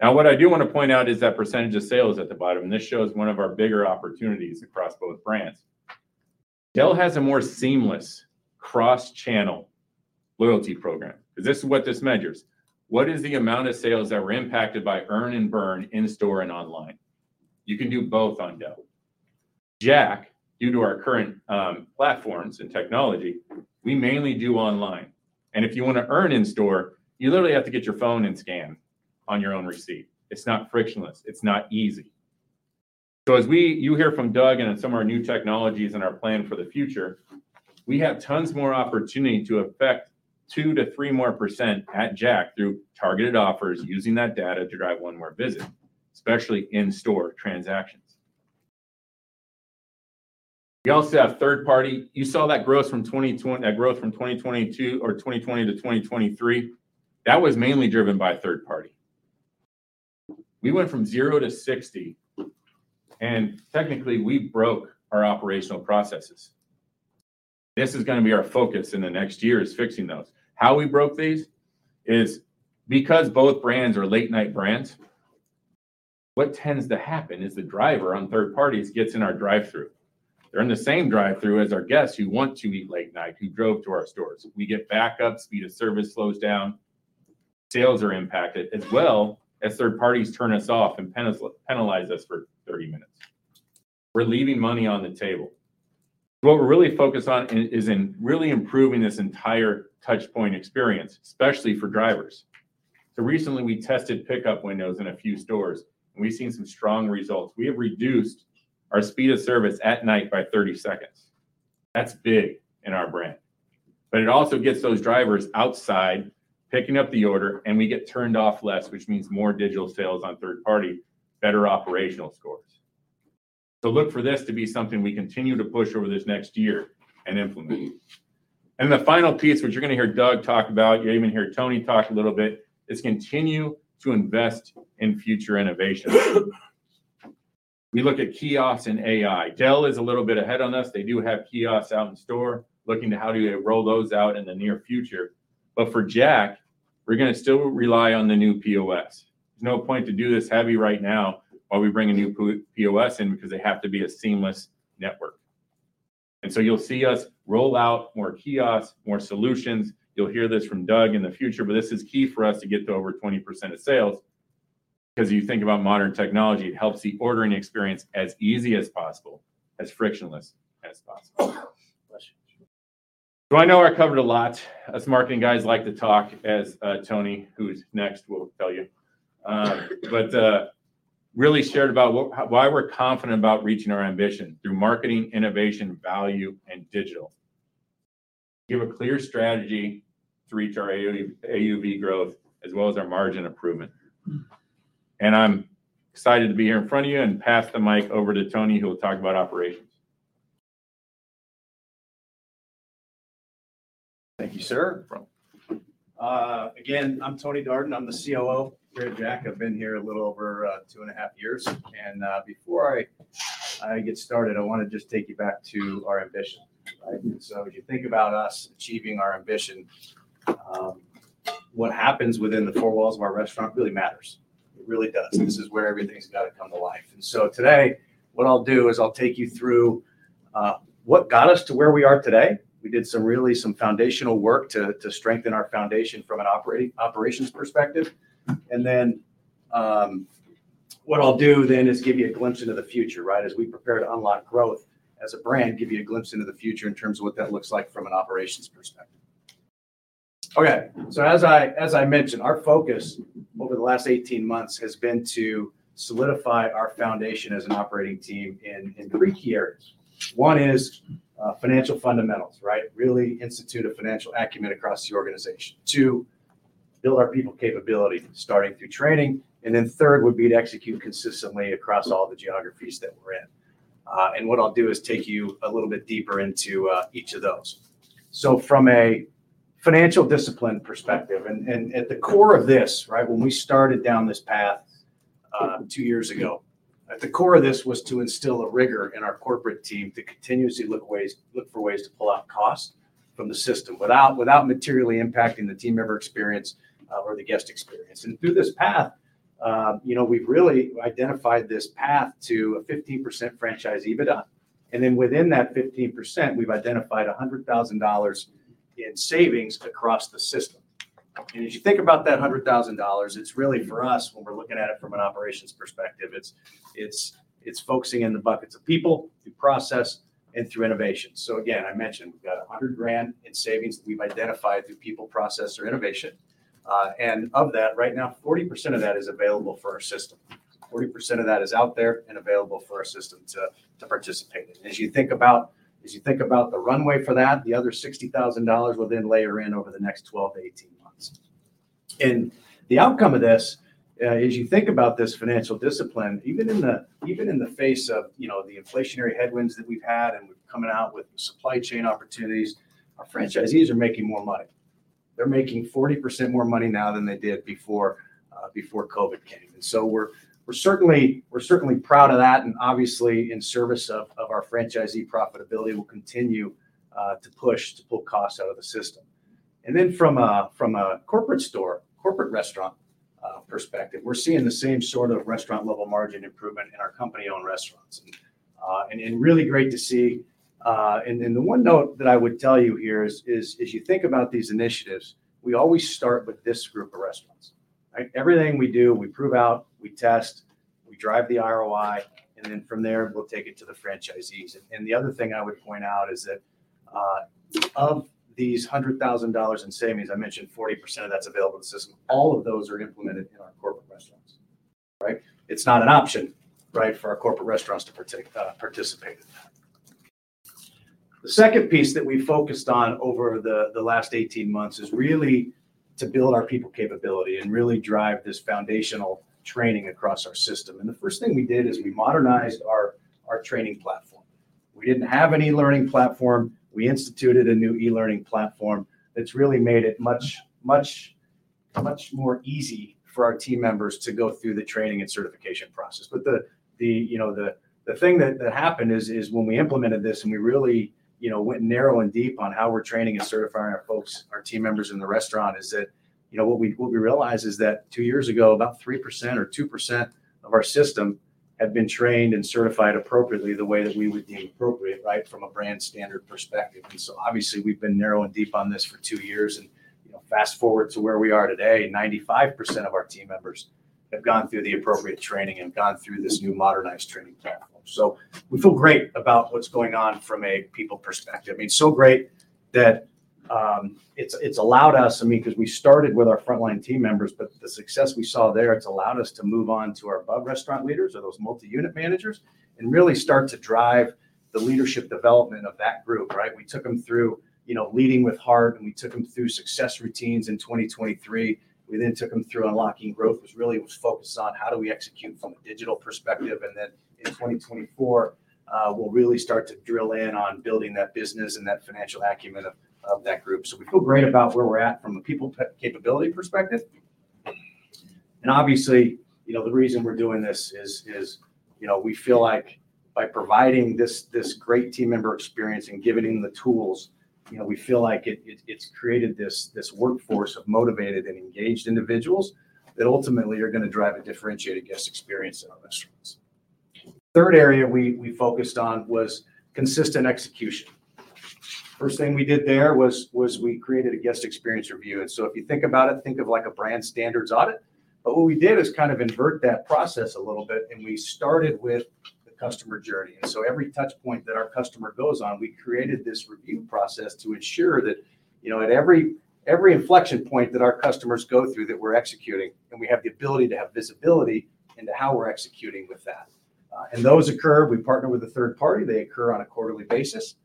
Now, what I do want to point out is that percentage of sales at the bottom, and this shows one of our bigger opportunities across both brands. Del has a more seamless cross-channel loyalty program, because this is what this measures. What is the amount of sales that were impacted by earn and burn in store and online? You can do both on Del. Jack, due to our current platforms and technology, we mainly do online, and if you wanna earn in store, you literally have to get your phone and scan on your own receipt. It's not frictionless, it's not easy. So, as you hear from Doug and some of our new technologies and our plan for the future, we have tons more opportunity to affect 2%-3% more at Jack through targeted offers, using that data to drive one more visit, especially in-store transactions. We also have third-party. You saw that growth from 2020 to 2023, that was mainly driven by third-party. We went from zero to 60, and technically, we broke our operational processes. This is gonna be our focus in the next year, is fixing those. How we broke these is because both brands are late-night brands, what tends to happen is the driver on third parties gets in our drive-thru. They're in the same drive-thru as our guests who want to eat late night, who drove to our stores. We get backups, speed of service slows down, sales are impacted, as well as third parties turn us off and penalize us for 30 minutes. We're leaving money on the table. What we're really focused on is really improving this entire touchpoint experience, especially for drivers. So recently, we tested pickup windows in a few stores, and we've seen some strong results. We have reduced our speed of service at night by 30 seconds. That's big in our brand, but it also gets those drivers outside, picking up the order, and we get turned off less, which means more digital sales on third-party, better operational scores. So look for this to be something we continue to push over this next year and implement. The final piece, which you're gonna hear Doug talk about, you'll even hear Tony talk a little bit, is continue to invest in future innovations. We look at kiosks and AI. Del Taco is a little bit ahead on us. They do have kiosks out in store, looking to how do we roll those out in the near future. But for Jack, we're gonna still rely on the new POS. There's no point to do this heavy right now while we bring a new POS in, because they have to be a seamless network. And so you'll see us roll out more kiosks, more solutions. You'll hear this from Doug in the future, but this is key for us to get to over 20% of sales. Because if you think about modern technology, it helps the ordering experience as easy as possible, as frictionless as possible. So I know I covered a lot. Us marketing guys like to talk, as Tony, who's next, will tell you. But really shared about what... why we're confident about reaching our ambition through marketing, innovation, value, and digital. Give a clear strategy to reach our AUV, AUV growth, as well as our margin improvement. I'm excited to be here in front of you and pass the mic over to Tony, who will talk about operations. Thank you, sir. Again, I'm Tony Darden. I'm the COO here at Jack. I've been here a little over two and a half years. Before I get started, I wanna just take you back to our ambition, right? So if you think about us achieving our ambition, what happens within the four walls of our restaurant really matters. It really does. This is where everything's gotta come to life. So today, what I'll do is I'll take you through what got us to where we are today. We did some really foundational work to strengthen our foundation from an operations perspective. Then what I'll do then is give you a glimpse into the future, right? As we prepare to unlock growth as a brand, give you a glimpse into the future in terms of what that looks like from an operations perspective. Okay, so as I mentioned, our focus over the last 18 months has been to solidify our foundation as an operating team in three key areas. One is financial fundamentals, right? Really institute a financial acumen across the organization. Two, build our people capability, starting through training. And then third would be to execute consistently across all the geographies that we're in. And what I'll do is take you a little bit deeper into each of those. So from a financial discipline perspective, and at the core of this, right, when we started down this path, two years ago, at the core of this was to instill a rigor in our corporate team to continuously look for ways to pull out costs from the system without materially impacting the team member experience, or the guest experience. And through this path, you know, we've really identified this path to a 15% franchise EBITDA, and then within that 15%, we've identified $100,000 in savings across the system. And as you think about that $100,000, it's really, for us, when we're looking at it from an operations perspective, it's focusing in the buckets of people, through process, and through innovation. So again, I mentioned we've got $100,000 in savings that we've identified through people, process, or innovation. And of that, right now, 40% of that is available for our system. 40% of that is out there and available for our system to participate in. As you think about the runway for that, the other $60,000 will then layer in over the next 12-18 months. And the outcome of this, as you think about this financial discipline, even in the face of, you know, the inflationary headwinds that we've had and coming out with supply chain opportunities, our franchisees are making more money. They're making 40% more money now than they did before, before COVID came. So we're certainly proud of that, and obviously in service of our franchisee profitability, we'll continue to push to pull costs out of the system. Then from a corporate store, corporate restaurant perspective, we're seeing the same sort of restaurant-level margin improvement in our company-owned restaurants. And really great to see. Then the one note that I would tell you here is as you think about these initiatives, we always start with this group of restaurants. Right? Everything we do, we prove out, we test, we drive the ROI, and then from there, we'll take it to the franchisees. And the other thing I would point out is that of these $100,000 in savings, I mentioned 40% of that's available in the system. All of those are implemented in our corporate restaurants, right? It's not an option, right, for our corporate restaurants to participate in that. The second piece that we focused on over the last 18 months is really to build our people capability and really drive this foundational training across our system. The first thing we did is we modernized our training platform. We didn't have an e-learning platform. We instituted a new e-learning platform that's really made it much, much, much more easy for our team members to go through the training and certification process. But the thing that happened is when we implemented this, and we really went narrow and deep on how we're training and certifying our folks, our team members in the restaurant, is that what we realized is that two years ago, about 3% or 2% of our system had been trained and certified appropriately the way that we would deem appropriate, right, from a brand standard perspective. And so obviously, we've been narrow and deep on this for two years, and fast-forward to where we are today, 95% of our team members have gone through the appropriate training and gone through this new modernized training platform. So we feel great about what's going on from a people perspective. I mean, so great that it's allowed us... I mean, 'cause we started with our frontline team members, but the success we saw there, it's allowed us to move on to our above restaurant leaders or those multi-unit managers and really start to drive the leadership development of that group, right? We took them through, you know, Leading with Heart, and we took them through Success Routines in 2023. We then took them through Unlocking Growth, which really was focused on how do we execute from a digital perspective, and then in 2024, we'll really start to drill in on building that business and that financial acumen of that group. So we feel great about where we're at from a people capability perspective. Obviously, you know, the reason we're doing this is, you know, we feel like by providing this great team member experience and giving them the tools, you know, we feel like it's created this workforce of motivated and engaged individuals that ultimately are gonna drive a differentiated guest experience in our restaurants. Third area we focused on was consistent execution. First thing we did there was we created a guest experience review. So if you think about it, think of like a brand standards audit. But what we did is kind of invert that process a little bit, and we started with the customer journey. And so every touch point that our customer goes on, we created this review process to ensure that, you know, at every inflection point that our customers go through, that we're executing, and we have the ability to have visibility into how we're executing with that. And those occur, we partner with a third party. They occur on a quarterly basis.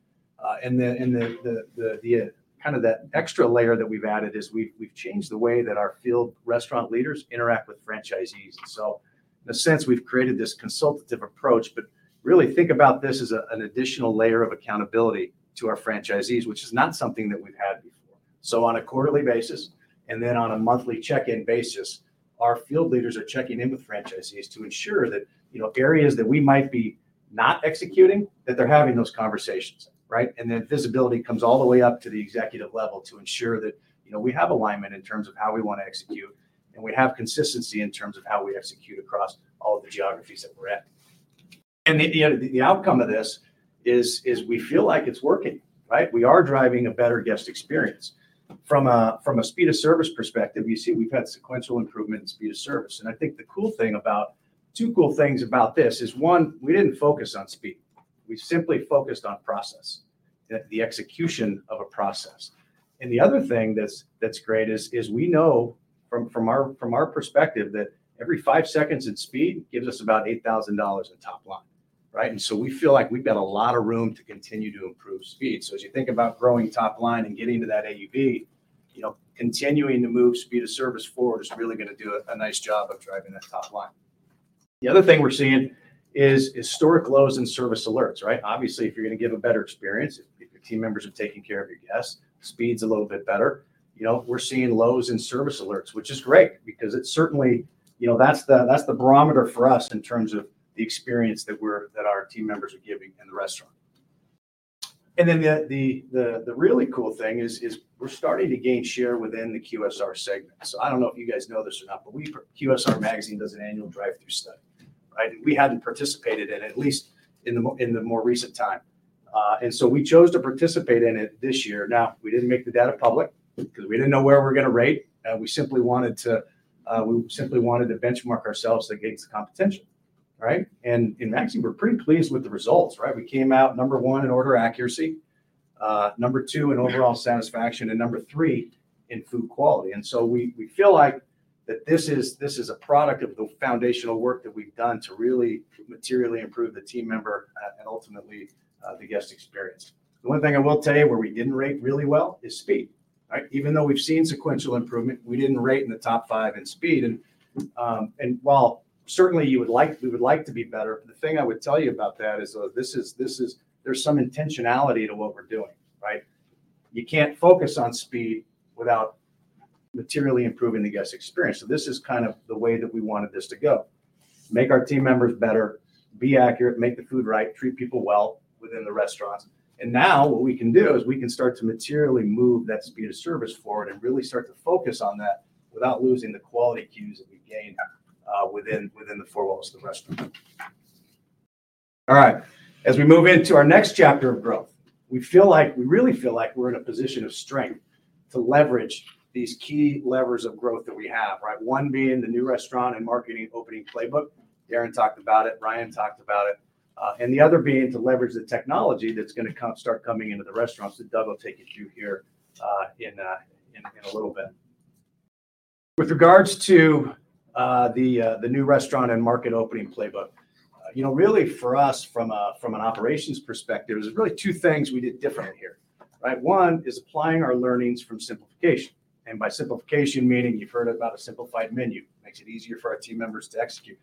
And the kind of that extra layer that we've added is we've changed the way that our field restaurant leaders interact with franchisees. And so in a sense, we've created this consultative approach, but really think about this as an additional layer of accountability to our franchisees, which is not something that we've had before. So on a quarterly basis, and then on a monthly check-in basis, our field leaders are checking in with franchisees to ensure that, you know, areas that we might be not executing, that they're having those conversations, right? And then visibility comes all the way up to the executive level to ensure that, you know, we have alignment in terms of how we wanna execute, and we have consistency in terms of how we execute across all of the geographies that we're at. And the outcome of this is we feel like it's working, right? We are driving a better guest experience. From a speed of service perspective, you see we've had sequential improvement in speed of service, and I think the cool thing about... Two cool things about this is, one, we didn't focus on speed. We simply focused on process, the execution of a process. And the other thing that's great is we know from our perspective, that every five seconds in speed gives us about $8,000 in top line, right? And so we feel like we've got a lot of room to continue to improve speed. So as you think about growing top line and getting to that AUV, you know, continuing to move speed of service forward is really gonna do a nice job of driving that top line. The other thing we're seeing is historic lows in service alerts, right? Obviously, if you're gonna give a better experience, if your team members are taking care of your guests, speed's a little bit better. You know, we're seeing lows in service alerts, which is great because it's certainly... You know, that's the barometer for us in terms of the experience that our team members are giving in the restaurant. And then the really cool thing is we're starting to gain share within the QSR segment. So I don't know if you guys know this or not, but QSR Magazine does an annual drive-thru study, right? We hadn't participated in it, at least in the more recent time. And so we chose to participate in it this year. Now, we didn't make the data public because we didn't know where we were gonna rate. We simply wanted to benchmark ourselves against the competition, right? And in the magazine, we're pretty pleased with the results, right? We came out number 1 in order accuracy, number two in overall satisfaction, and number three in food quality. So we feel like that this is a product of the foundational work that we've done to really materially improve the team member and ultimately the guest experience. The one thing I will tell you where we didn't rate really well is speed, right? Even though we've seen sequential improvement, we didn't rate in the top five in speed. And while certainly you would like, we would like to be better, the thing I would tell you about that is this is- there's some intentionality to what we're doing, right? You can't focus on speed without materially improving the guest experience. So this is kind of the way that we wanted this to go. Make our team members better, be accurate, make the food right, treat people well within the restaurants, and now what we can do is we can start to materially move that speed of service forward and really start to focus on that without losing the quality cues that we gained within the four walls of the restaurant. All right. As we move into our next chapter of growth, we feel like we really feel like we're in a position of strength to leverage these key levers of growth that we have, right? One being the new restaurant and market opening playbook. Darin talked about it, Ryan talked about it, and the other being to leverage the technology that's gonna start coming into the restaurants that Doug will take you through here in a little bit. With regards to the new restaurant and market opening playbook, you know, really for us from an operations perspective, there's really two things we did different here, right? One is applying our learnings from simplification. And by simplification, meaning you've heard about a simplified menu. Makes it easier for our team members to execute.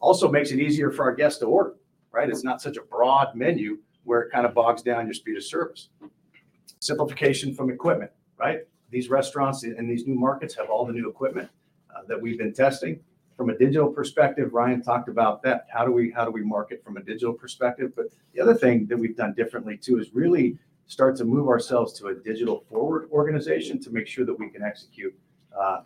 Also makes it easier for our guests to order, right? It's not such a broad menu where it kind of bogs down your speed of service. Simplification from equipment, right? These restaurants and these new markets have all the new equipment that we've been testing. From a digital perspective, Ryan talked about that. How do we market from a digital perspective? But the other thing that we've done differently, too, is really start to move ourselves to a digital-forward organization to make sure that we can execute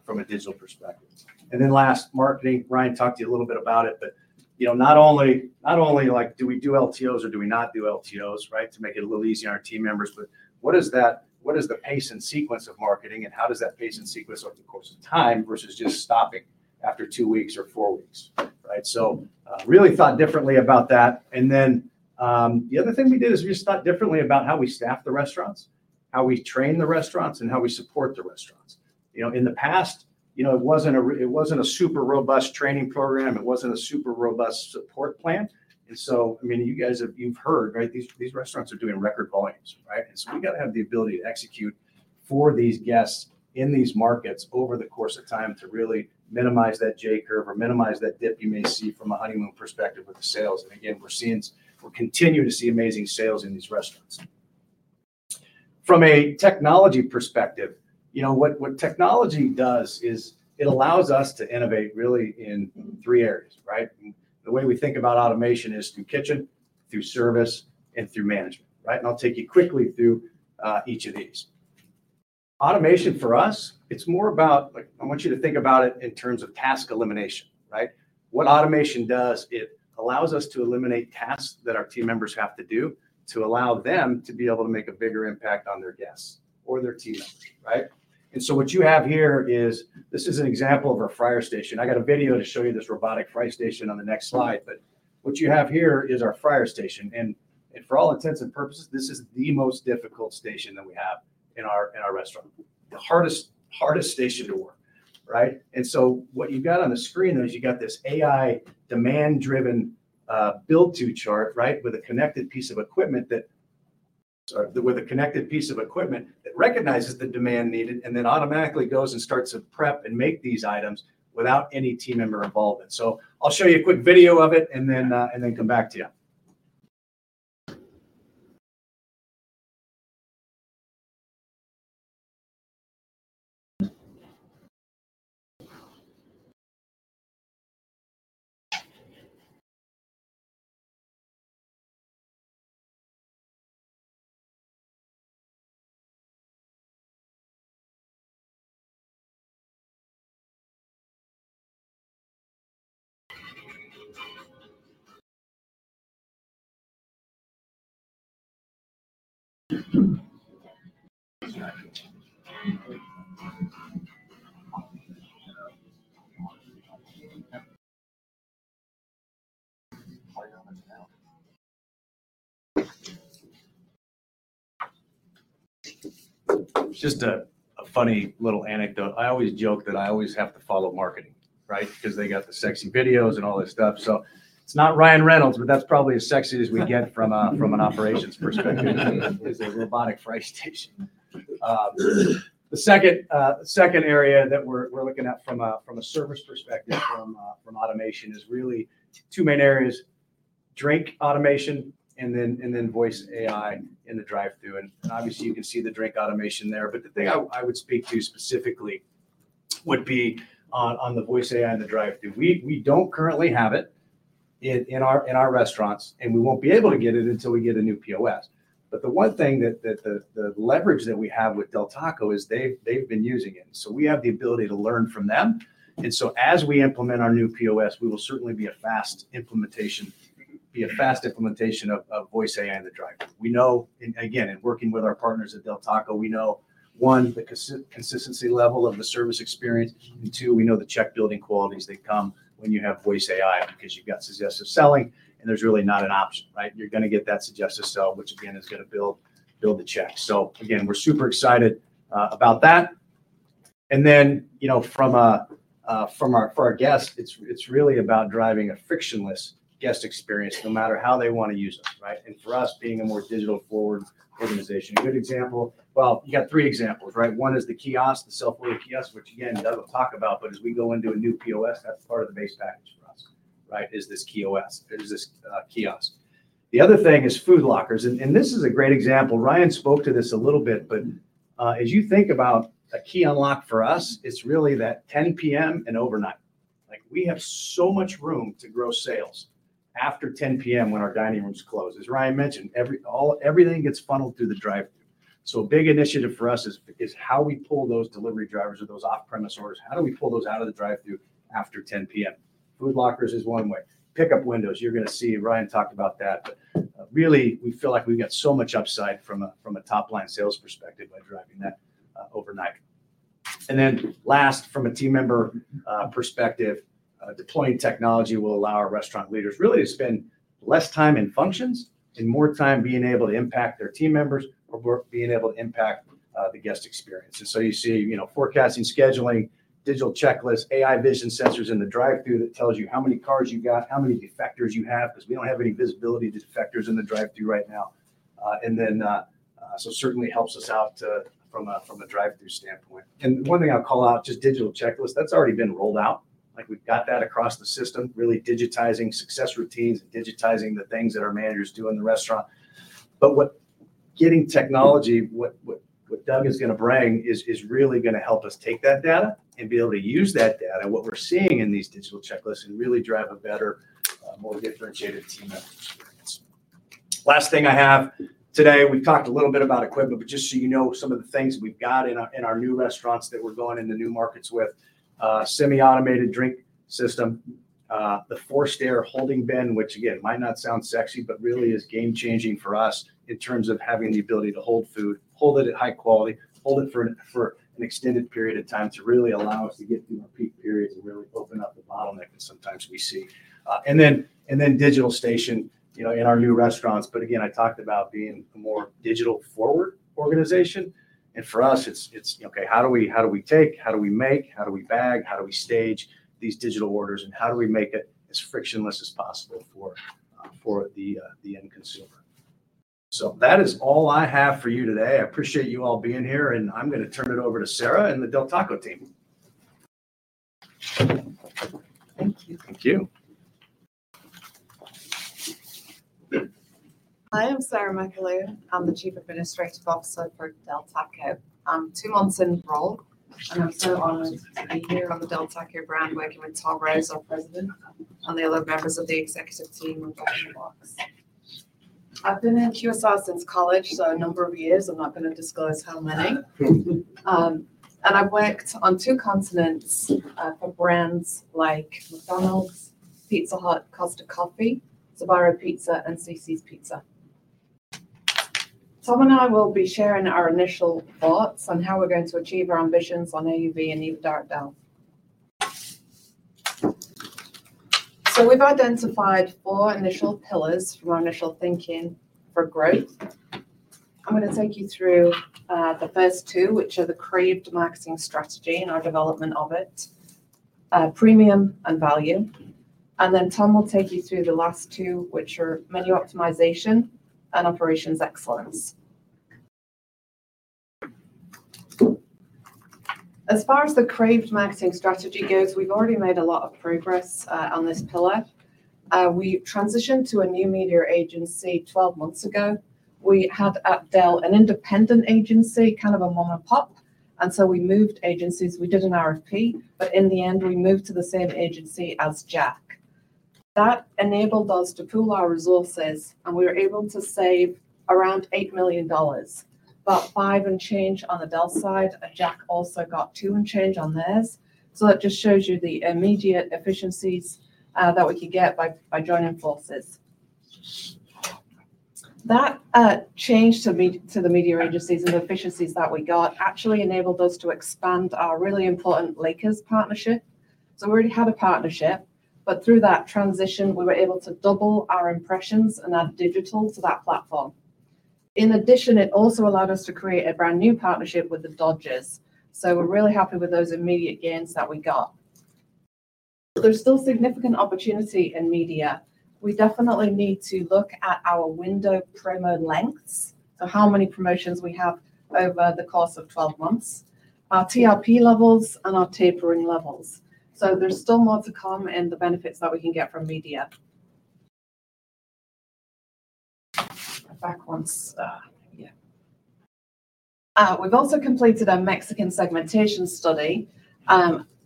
from a digital perspective. And then last, marketing. Ryan talked to you a little bit about it, but, you know, not only, not only like, do we do LTOs or do we not do LTOs, right? To make it a little easier on our team members, but what is that - what is the pace and sequence of marketing, and how does that pace and sequence over the course of time versus just stopping after two weeks or four weeks, right? So, really thought differently about that. And then, the other thing we did is we just thought differently about how we staff the restaurants, how we train the restaurants, and how we support the restaurants. You know, in the past, you know, it wasn't a super robust training program. It wasn't a super robust support plan. And so, I mean, you guys have... You've heard, right? These restaurants are doing record volumes, right? And so we gotta have the ability to execute for these guests in these markets over the course of time to really minimize that J-curve or minimize that dip you may see from a honeymoon perspective with the sales. And again, we're continuing to see amazing sales in these restaurants. From a technology perspective, you know, what technology does is it allows us to innovate really in three areas, right? The way we think about automation is through kitchen, through service, and through management, right? And I'll take you quickly through each of these. Automation, for us, it's more about, like, I want you to think about it in terms of task elimination, right? What automation does, it allows us to eliminate tasks that our team members have to do to allow them to be able to make a bigger impact on their guests or their team members, right? And so what you have here is, this is an example of our fryer station. I got a video to show you this robotic fry station on the next slide, but what you have here is our fryer station. And, and for all intents and purposes, this is the most difficult station that we have in our, in our restaurant. The hardest, hardest station to work, right? So what you've got on the screen is you've got this AI, demand-driven, build-to chart, right, with a connected piece of equipment that, sorry, with a connected piece of equipment that recognizes the demand needed and then automatically goes and starts to prep and make these items without any team member involvement. So I'll show you a quick video of it and then and then come back to you. Just a funny little anecdote. I always joke that I always have to follow marketing, right? Because they got the sexy videos and all this stuff. So it's not Ryan Reynolds, but that's probably as sexy as we get from an operations perspective, is a robotic fry station. The second second area that we're looking at from a service perspective, from automation, is really two main areas: drink automation and then voice AI in the drive-thru. Obviously, you can see the drink automation there, but the thing I would speak to specifically would be on the voice AI in the drive-thru. We don't currently have it in our restaurants, and we won't be able to get it until we get a new POS. But the one thing that the leverage that we have with Del Taco is they've been using it, so we have the ability to learn from them. So as we implement our new POS, we will certainly be a fast implementation of voice AI in the drive-thru. We know, and again, in working with our partners at Del Taco, we know, one, the consistency level of the service experience, and two, we know the check-building qualities that come when you have voice AI because you've got suggestive selling, and there's really not an option, right? You're gonna get that suggestive sell, which again, is gonna build the check. So again, we're super excited about that. And then, you know, from a, for our guests, it's really about driving a frictionless guest experience, no matter how they wanna use us, right? And for us, being a more digital-forward organization. A good example... Well, you got three examples, right? One is the kiosk, the self-order kiosk, which again, Doug will talk about, but as we go into a new POS, that's part of the base package for us, right, is this kiosk. The other thing is food lockers, and this is a great example. Ryan spoke to this a little bit, but as you think about a key unlock for us, it's really that 10:00 P.M. and overnight. Like, we have so much room to grow sales after 10:00 P.M. when our dining rooms close. As Ryan mentioned, everything gets funneled through the drive-thru. So a big initiative for us is how we pull those delivery drivers or those off-premise orders, how do we pull those out of the drive-thru after 10:00 P.M. Food lockers is one way. Pickup windows, you're gonna see Ryan talked about that, but really, we feel like we've got so much upside from a top-line sales perspective by driving that overnight. And then last, from a team member perspective, deploying technology will allow our restaurant leaders really to spend less time in functions and more time being able to impact their team members, or work being able to impact the guest experience. And so you see, you know, forecasting, scheduling, digital checklists, AI vision sensors in the drive-thru that tells you how many cars you got, how many factors you have, because we don't have any visibility to factors in the drive-thru right now. And then so certainly helps us out from a drive-thru standpoint. And one thing I'll call out, just digital checklist, that's already been rolled out. Like, we've got that across the system, really digitizing Success Routines, and digitizing the things that our managers do in the restaurant. But what getting technology, Doug is gonna bring, is really gonna help us take that data and be able to use that data, what we're seeing in these digital checklists, and really drive a better, more differentiated team experience. Last thing I have today, we've talked a little bit about equipment, but just so you know, some of the things we've got in our new restaurants that we're going into new markets with. Semi-automated drink system, the forced air holding bin, which again, might not sound sexy, but really is game-changing for us in terms of having the ability to hold food, hold it at high quality, hold it for an extended period of time, to really allow us to get through our peak periods and really open up the bottleneck that sometimes we see. And then digital station, you know, in our new restaurants. But again, I talked about being a more digital-forward organization, and for us it's, okay, how do we take, how do we make, how do we bag, how do we stage these digital orders? And how do we make it as frictionless as possible for the end consumer? So that is all I have for you today. I appreciate you all being here, and I'm gonna turn it over to Sarah and the Del Taco team. Thank you. Thank you. Hi, I'm Sarah McAloon. I'm the Chief Administrative Officer for Del Taco. I'm two months into the role, and I'm so honored to be here on the Del Taco brand, working with Tom Rose, our President, and the other members of the executive team in the box. I've been in QSR since college, so a number of years, I'm not gonna disclose how many. And I've worked on two continents for brands like McDonald's, Pizza Hut, Costa Coffee, Sbarro, and Cici's Pizza. Tom and I will be sharing our initial thoughts on how we're going to achieve our ambitions on AUV and EBITDA for Del. So we've identified four initial pillars for our initial thinking for growth. I'm gonna take you through the first two, which are the Crave Marketing Strategy and our development of it, premium and value. Then Tom will take you through the last two, which are menu optimization and operations excellence. As far as the Crave Marketing Strategy goes, we've already made a lot of progress on this pillar. We transitioned to a new media agency 12 months ago. We had, at Del, an independent agency, kind of a monopoly, and so we moved agencies. We did an RFP, but in the end, we moved to the same agency as Jack. That enabled us to pool our resources, and we were able to save around $8 million. About $5 million and change on the Del side, and Jack also got $2 million and change on theirs. So that just shows you the immediate efficiencies that we could get by joining forces. That change to me, to the media agencies and the efficiencies that we got actually enabled us to expand our really important Lakers partnership. So we already had a partnership, but through that transition, we were able to double our impressions and add digital to that platform. In addition, it also allowed us to create a brand-new partnership with the Dodgers. So we're really happy with those immediate gains that we got. But there's still significant opportunity in media. We definitely need to look at our window promo lengths, so how many promotions we have over the course of 12 months, our TRP levels, and our tapering levels. So there's still more to come, and the benefits that we can get from media. Back one slide. Yeah. We've also completed a Mexican segmentation study.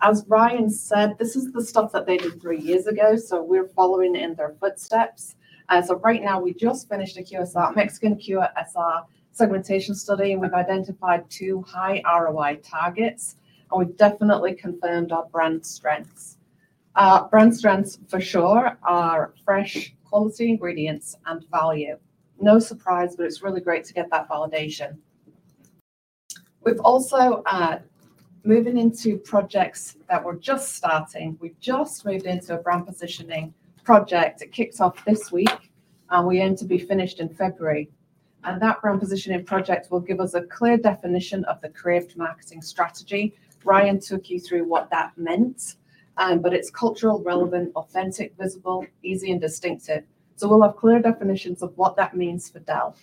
As Brian said, this is the stuff that they did three years ago, so we're following in their footsteps. So right now, we just finished a QSR, Mexican QSR segmentation study, and we've identified two high ROI targets, and we've definitely confirmed our brand strengths. Our brand strengths, for sure, are fresh, quality ingredients and value. No surprise, but it's really great to get that validation. We've also moving into projects that we're just starting. We've just moved into a brand positioning project. It kicks off this week, and we aim to be finished in February. And that brand positioning project will give us a clear definition of the Crave Marketing Strategy. Brian took you through what that meant, but it's cultural, relevant, authentic, visible, easy and distinctive. So we'll have clear definitions of what that means for Del.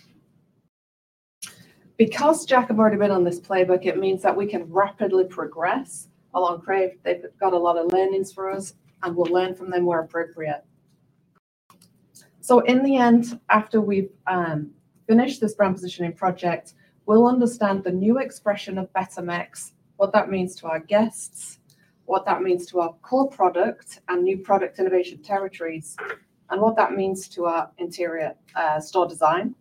Because Jack have already been on this playbook, it means that we can rapidly progress along Crave. They've got a lot of learnings for us, and we'll learn from them where appropriate. So in the end, after we've finished this brand positioning project, we'll understand the new expression of Better Mex, what that means to our guests, what that means to our core product and new product innovation territories, and what that means to our interior store design,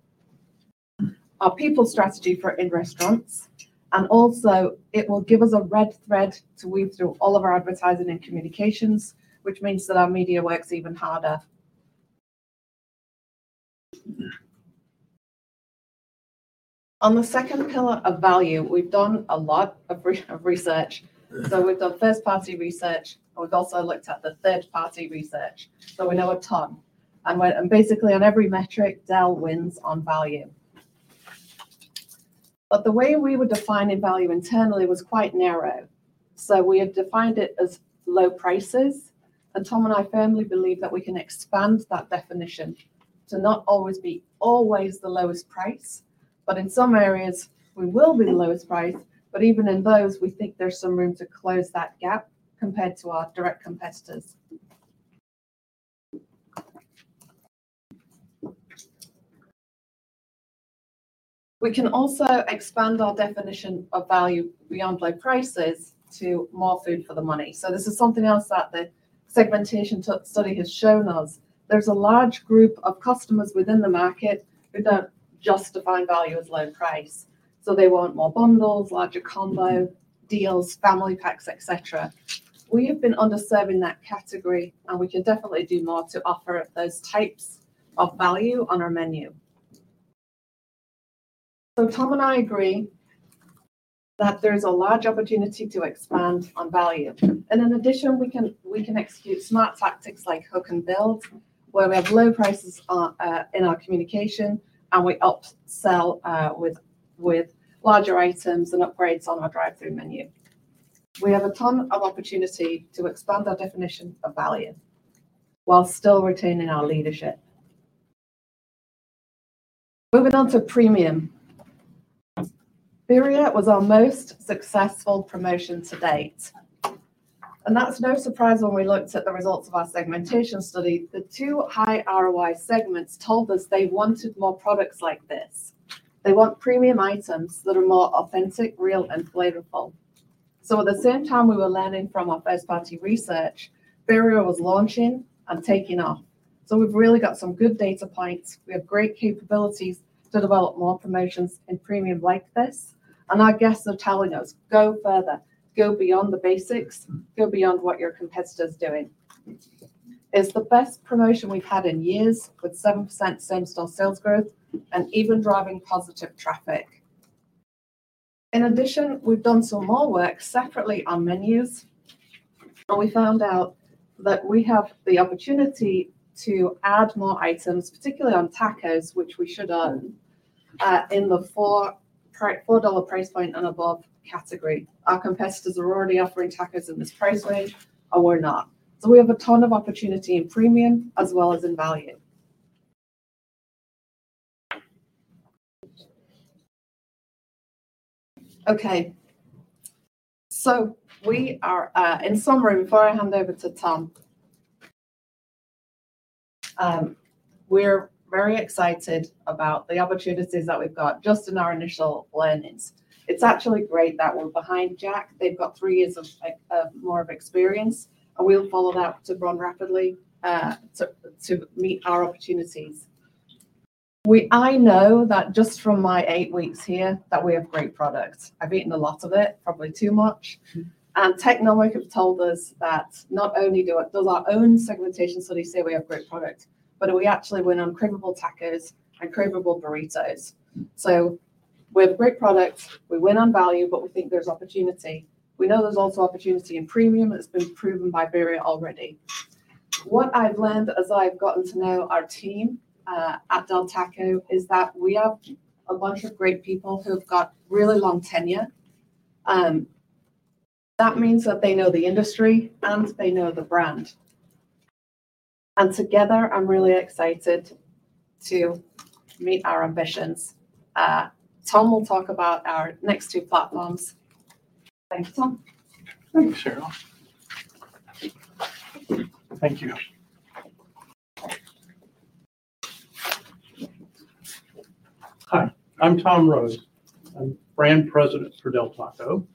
our people strategy for in restaurants, and also it will give us a red thread to weave through all of our advertising and communications, which means that our media works even harder. On the second pillar of value, we've done a lot of research. So we've done first-party research, and we've also looked at the third-party research, so we know a ton. Basically on every metric, Del wins on value. But the way we were defining value internally was quite narrow, so we had defined it as low prices. And Tom and I firmly believe that we can expand that definition to not always be the lowest price, but in some areas we will be the lowest price, but even in those, we think there's some room to close that gap compared to our direct competitors. We can also expand our definition of value beyond low prices to more food for the money. So this is something else that the segmentation study has shown us. There's a large group of customers within the market who don't just define value as low price. So they want more bundles, larger combo deals, family packs, et cetera. We have been underserving that category, and we can definitely do more to offer up those types of value on our menu. So Tom and I agree that there's a large opportunity to expand on value. In addition, we can execute smart tactics like Hook and Build, where we have low prices on in our communication, and we upsell with larger items and upgrades on our drive-thru menu. We have a ton of opportunity to expand our definition of value while still retaining our leadership. Moving on to premium. Birria was our most successful promotion to date, and that's no surprise when we looked at the results of our segmentation study. The two high ROI segments told us they wanted more products like this. They want premium items that are more authentic, real, and flavorful. So at the same time we were learning from our first-party research, Birria was launching and taking off, so we've really got some good data points. We have great capabilities to develop more promotions in premium like this, and our guests are telling us, "Go further. Go beyond the basics. Go beyond what your competitor's doing." It's the best promotion we've had in years, with 7% same-store sales growth and even driving positive traffic. In addition, we've done some more work separately on menus, and we found out that we have the opportunity to add more items, particularly on tacos, which we should own in the $4 price point and above category. Our competitors are already offering tacos in this price range, and we're not. So we have a ton of opportunity in premium as well as in value. Okay, so we are... In summary, before I hand over to Tom, we're very excited about the opportunities that we've got just in our initial learnings. It's actually great that we're behind Jack. They've got three years of, like, more of experience, and we'll follow that to grow rapidly, to meet our opportunities. I know that just from my eight weeks here, that we have great products. I've eaten a lot of it, probably too much. Technomic have told us that not only do it, does our own segmentation study say we have great products, but we actually win on craveable tacos and craveable burritos. We have great products. We win on value, but we think there's opportunity. We know there's also opportunity in premium that's been proven by Birria already. What I've learned as I've gotten to know our team at Del Taco is that we have a bunch of great people who have got really long tenure. That means that they know the industry, and they know the brand. And together, I'm really excited to meet our ambitions. Tom will talk about our next two platforms. Thanks, Tom. Thank you, Sarah. Thank you. Hi, I'm Tom Rose. I'm brand president for Del Taco.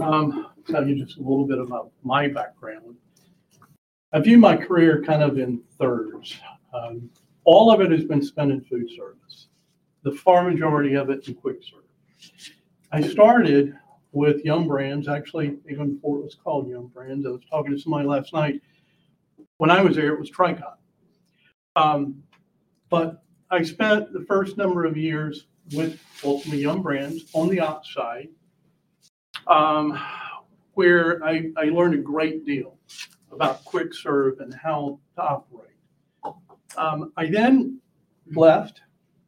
Tell you just a little bit about my background. I view my career kind of in thirds. All of it has been spent in food service, the far majority of it in quick serve. I started with Yum Brands, actually, even before it was called Yum Brands. I was talking to somebody last night. When I was there, it was Tricon. But I spent the first number of years with ultimately Yum Brands on the ops side, where I learned a great deal about quick serve and how to operate. I then left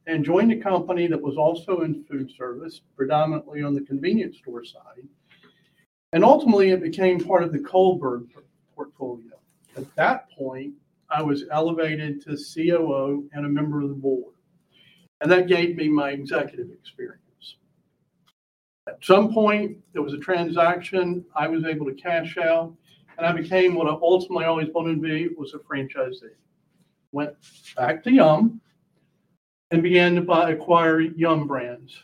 and joined a company that was also in food service, predominantly on the convenience store side, and ultimately it became part of the Kohlberg portfolio. At that point, I was elevated to COO and a member of the board, and that gave me my executive experience. At some point, there was a transaction. I was able to cash out, and I became what I ultimately always wanted to be, was a franchisee. Went back to Yum and began to buy, acquire Yum brands.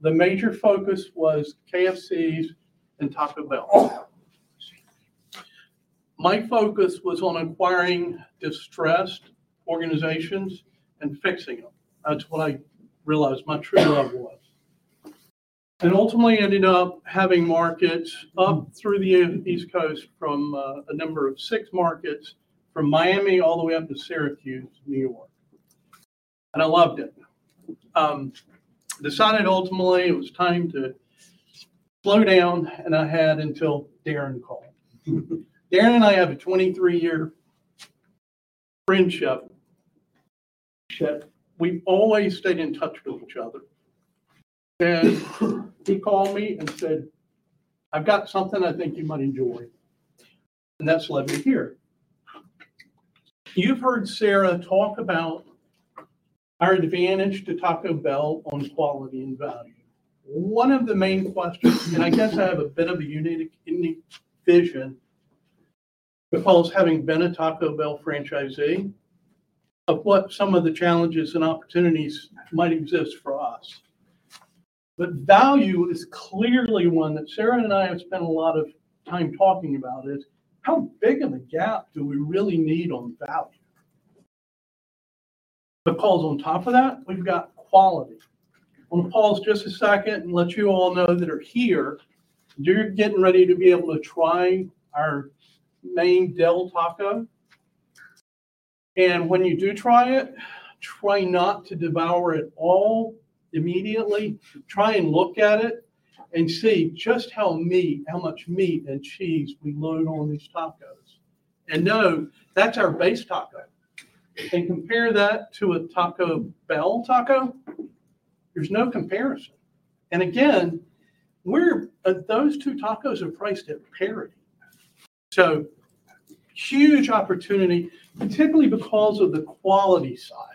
The major focus was KFC and Taco Bell. Excuse me. My focus was on acquiring distressed organizations and fixing them. That's what I realized my true love was.... And ultimately ended up having markets up through the East Coast from a number of six markets, from Miami all the way up to Syracuse, New York. And I loved it. Decided ultimately it was time to slow down, and I had until Darin called. Darin and I have a 23-year friendship. We've always stayed in touch with each other, and he called me and said, "I've got something I think you might enjoy," and that's led me here. You've heard Sarah talk about our advantage to Taco Bell on quality and value. One of the main questions, and I guess I have a bit of a unique, unique vision, because having been a Taco Bell franchisee, of what some of the challenges and opportunities might exist for us. But value is clearly one that Sarah and I have spent a lot of time talking about is: How big of a gap do we really need on value? But pause on top of that, we've got quality. I want to pause just a second and let you all know that are here, you're getting ready to be able to try our main Del Taco. When you do try it, try not to devour it all immediately. Try and look at it and see just how much meat and cheese we load on these tacos. And know that's our base taco. And compare that to a Taco Bell taco. There's no comparison. And again, those two tacos are priced at parity. So huge opportunity, particularly because of the quality side.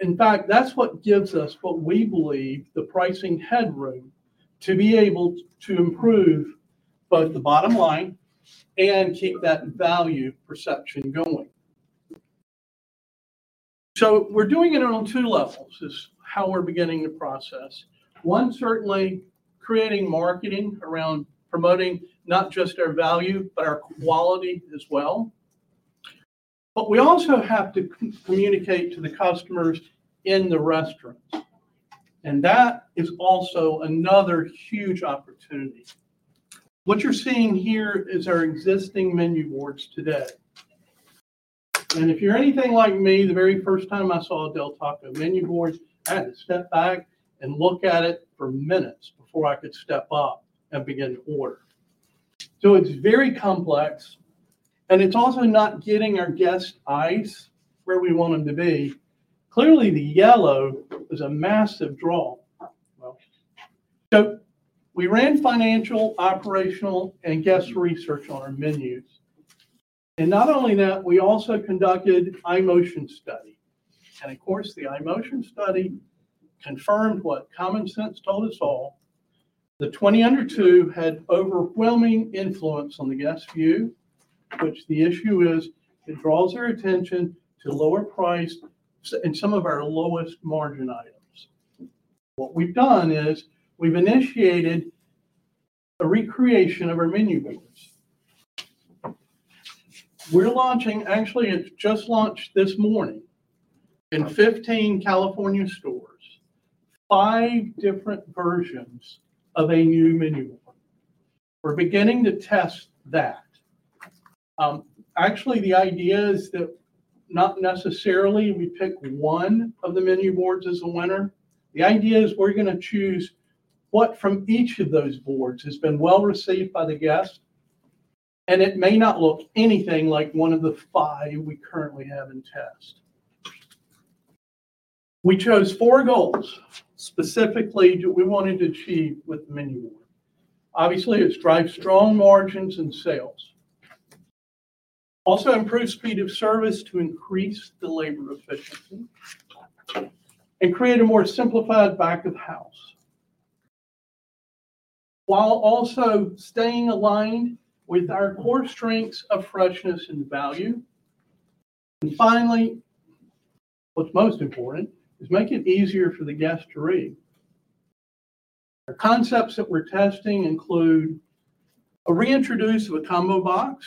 In fact, that's what gives us, what we believe, the pricing headroom to be able to improve both the bottom line and keep that value perception going. So we're doing it on two levels, is how we're beginning the process. One, certainly creating marketing around promoting not just our value, but our quality as well. But we also have to communicate to the customers in the restaurants, and that is also another huge opportunity. What you're seeing here is our existing menu boards today. If you're anything like me, the very first time I saw a Del Taco menu board, I had to step back and look at it for minutes before I could step up and begin to order. It's very complex, and it's also not getting our guests' eyes where we want them to be. Clearly, the yellow is a massive draw. Well, we ran financial, operational, and guest research on our menus. Not only that, we also conducted eye motion study. Of course, the eye motion study confirmed what common sense told us all. The 20 Under $2 had overwhelming influence on the guest view, which the issue is it draws their attention to lower price and some of our lowest margin items. What we've done is we've initiated a recreation of our menu boards. We're launching. Actually, it just launched this morning in 15 California stores, five different versions of a new menu board. We're beginning to test that. Actually, the idea is that not necessarily we pick one of the menu boards as a winner. The idea is we're going to choose what from each of those boards has been well-received by the guests, and it may not look anything like one of the five we currently have in test. We chose four goals, specifically, that we wanted to achieve with the menu board. Obviously, it's drive strong margins and sales. Also, improve speed of service to increase the labor efficiency and create a more simplified back-of-the-house, while also staying aligned with our core strengths of freshness and value. And finally, what's most important is make it easier for the guest to read. The concepts that we're testing include a reintroduce of a combo box,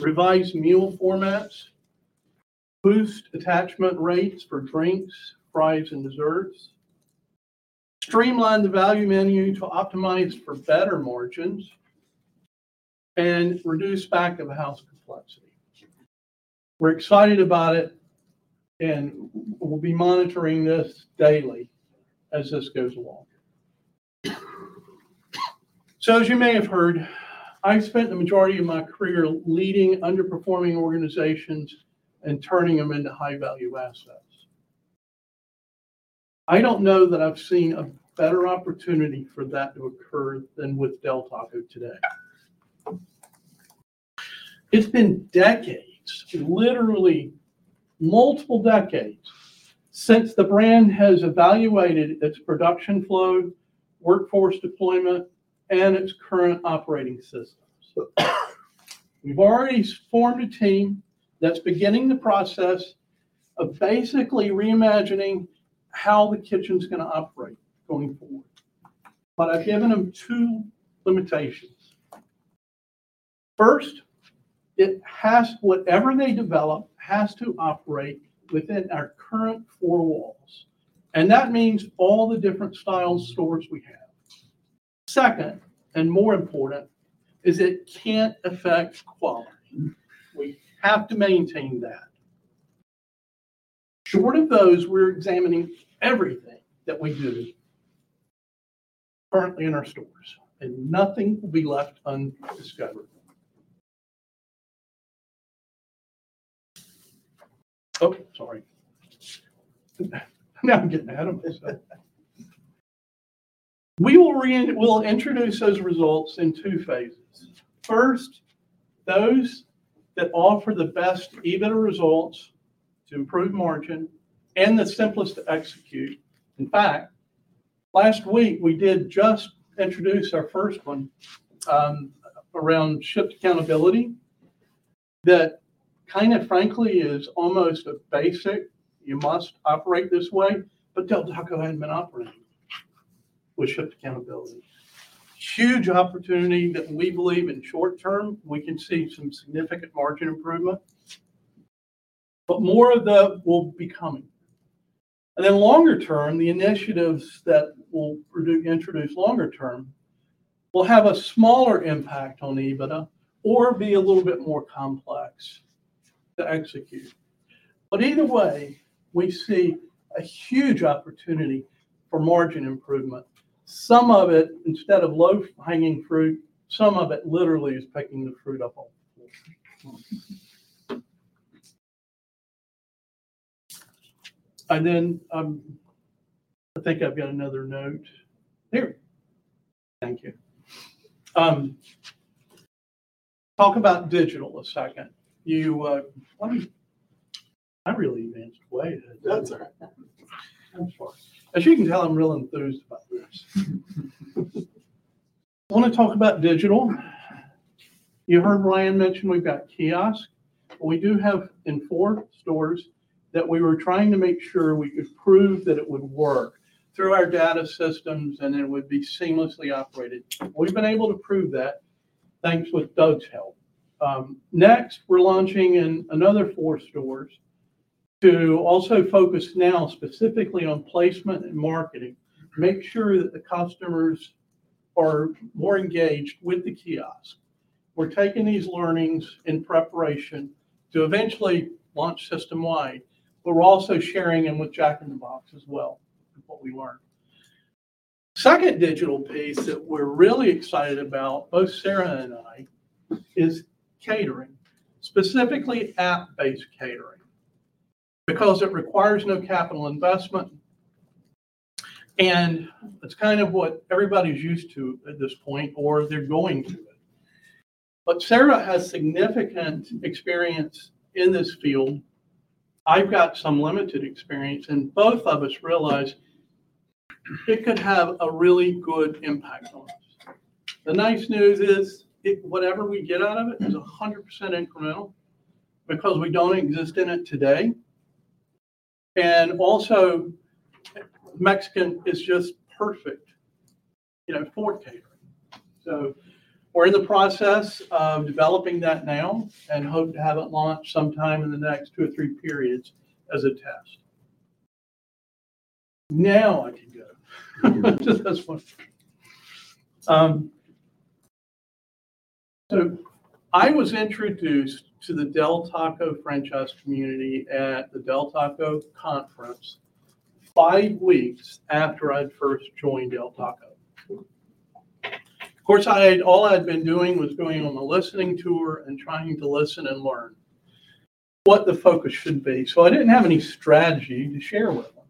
revised meal formats, boost attachment rates for drinks, fries, and desserts, streamline the value menu to optimize for better margins, and reduce back-of-the-house complexity. We're excited about it, and we'll be monitoring this daily as this goes along. As you may have heard, I spent the majority of my career leading underperforming organizations and turning them into high-value assets. I don't know that I've seen a better opportunity for that to occur than with Del Taco today. It's been decades, literally multiple decades, since the brand has evaluated its production flow, workforce deployment, and its current operating systems. We've already formed a team that's beginning the process of basically reimagining how the kitchen is going to operate going forward. But I've given them two limitations.... First, it has whatever they develop has to operate within our current four walls, and that means all the different style stores we have. Second, and more important, is it can't affect quality. We have to maintain that. Short of those, we're examining everything that we do currently in our stores, and nothing will be left undiscovered. Oh, sorry. Now I'm getting ahead of myself. We'll introduce those results in two phases. First, those that offer the best EBITDA results to improve margin and the simplest to execute. In fact, last week, we did just introduce our first one around shift accountability. That kind of, frankly, is almost a basic, you must operate this way, but Del Taco hadn't been operating with shift accountability. Huge opportunity that we believe in short term, we can see some significant margin improvement, but more of the will be coming. And then longer term, the initiatives that we'll introduce longer term will have a smaller impact on EBITDA or be a little bit more complex to execute. But either way, we see a huge opportunity for margin improvement. Some of it, instead of low hanging fruit, some of it literally is picking the fruit up on the floor. And then, I think I've got another note. Here. Thank you. Talk about digital a second. You, let me... I really advanced way ahead. That's all right. As you can tell, I'm real enthused about this. I want to talk about digital. You heard Ryan mention we've got kiosk. We do have in four stores that we were trying to make sure we could prove that it would work through our data systems, and it would be seamlessly operated. We've been able to prove that, thanks with Doug's help. Next, we're launching in another four stores to also focus now specifically on placement and marketing, make sure that the customers are more engaged with the kiosk. We're taking these learnings in preparation to eventually launch system-wide, but we're also sharing them with Jack in the Box as well, with what we learned. Second digital piece that we're really excited about, both Sarah and I, is catering, specifically app-based catering, because it requires no capital investment, and it's kind of what everybody's used to at this point, or they're going to it. But Sarah has significant experience in this field. I've got some limited experience, and both of us realize it could have a really good impact on us. The nice news is, it, whatever we get out of it is 100% incremental because we don't exist in it today, and also, Mexican is just perfect, you know, for catering. So we're in the process of developing that now and hope to have it launched sometime in the next two or three periods as a test. Now, I can go to this one. So, I was introduced to the Del Taco franchise community at the Del Taco conference five weeks after I'd first joined Del Taco. Of course, I had, all I'd been doing was going on a listening tour and trying to listen and learn what the focus should be, so I didn't have any strategy to share with them.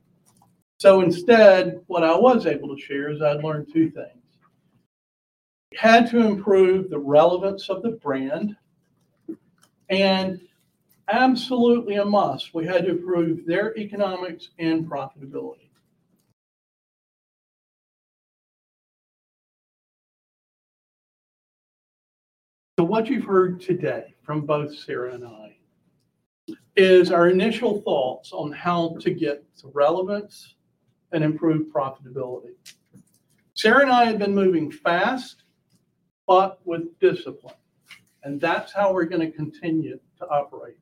So instead, what I was able to share is I'd learned two things: had to improve the relevance of the brand, and absolutely a must, we had to improve their economics and profitability. So what you've heard today from both Sarah and I is our initial thoughts on how to get the relevance and improve profitability. Sarah and I have been moving fast, but with discipline, and that's how we're going to continue to operate.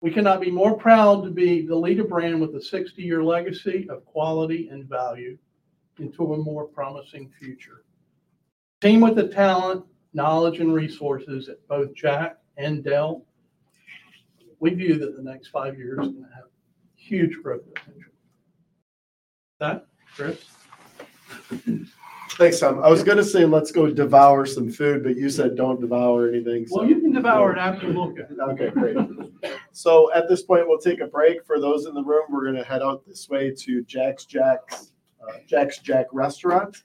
We cannot be more proud to be the leader brand with a 60-year legacy of quality and value into a more promising future. Same with the talent, knowledge, and resources at both Jack and Del, we view that the next five years are going to have huge growth potential. With that, Chris? Thanks, Tom. I was going to say let's go devour some food, but you said, "Don't devour anything," so- Well, you can devour it after the meeting. Okay, great. So at this point, we'll take a break. For those in the room, we're going to head out this way to Jack in the Box restaurant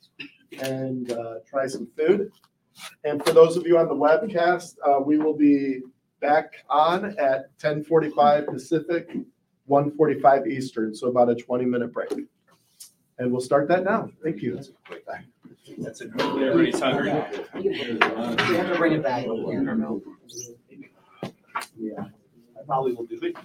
and try some food. And for those of you on the webcast, we will be back on at 10:45 Pacific, 1:45 Eastern, so about a 20-minute break. And we'll start that now. Thank you. That's a great thing. That's it. Everybody's hungry. We have to bring it back. Yeah, I probably will do it.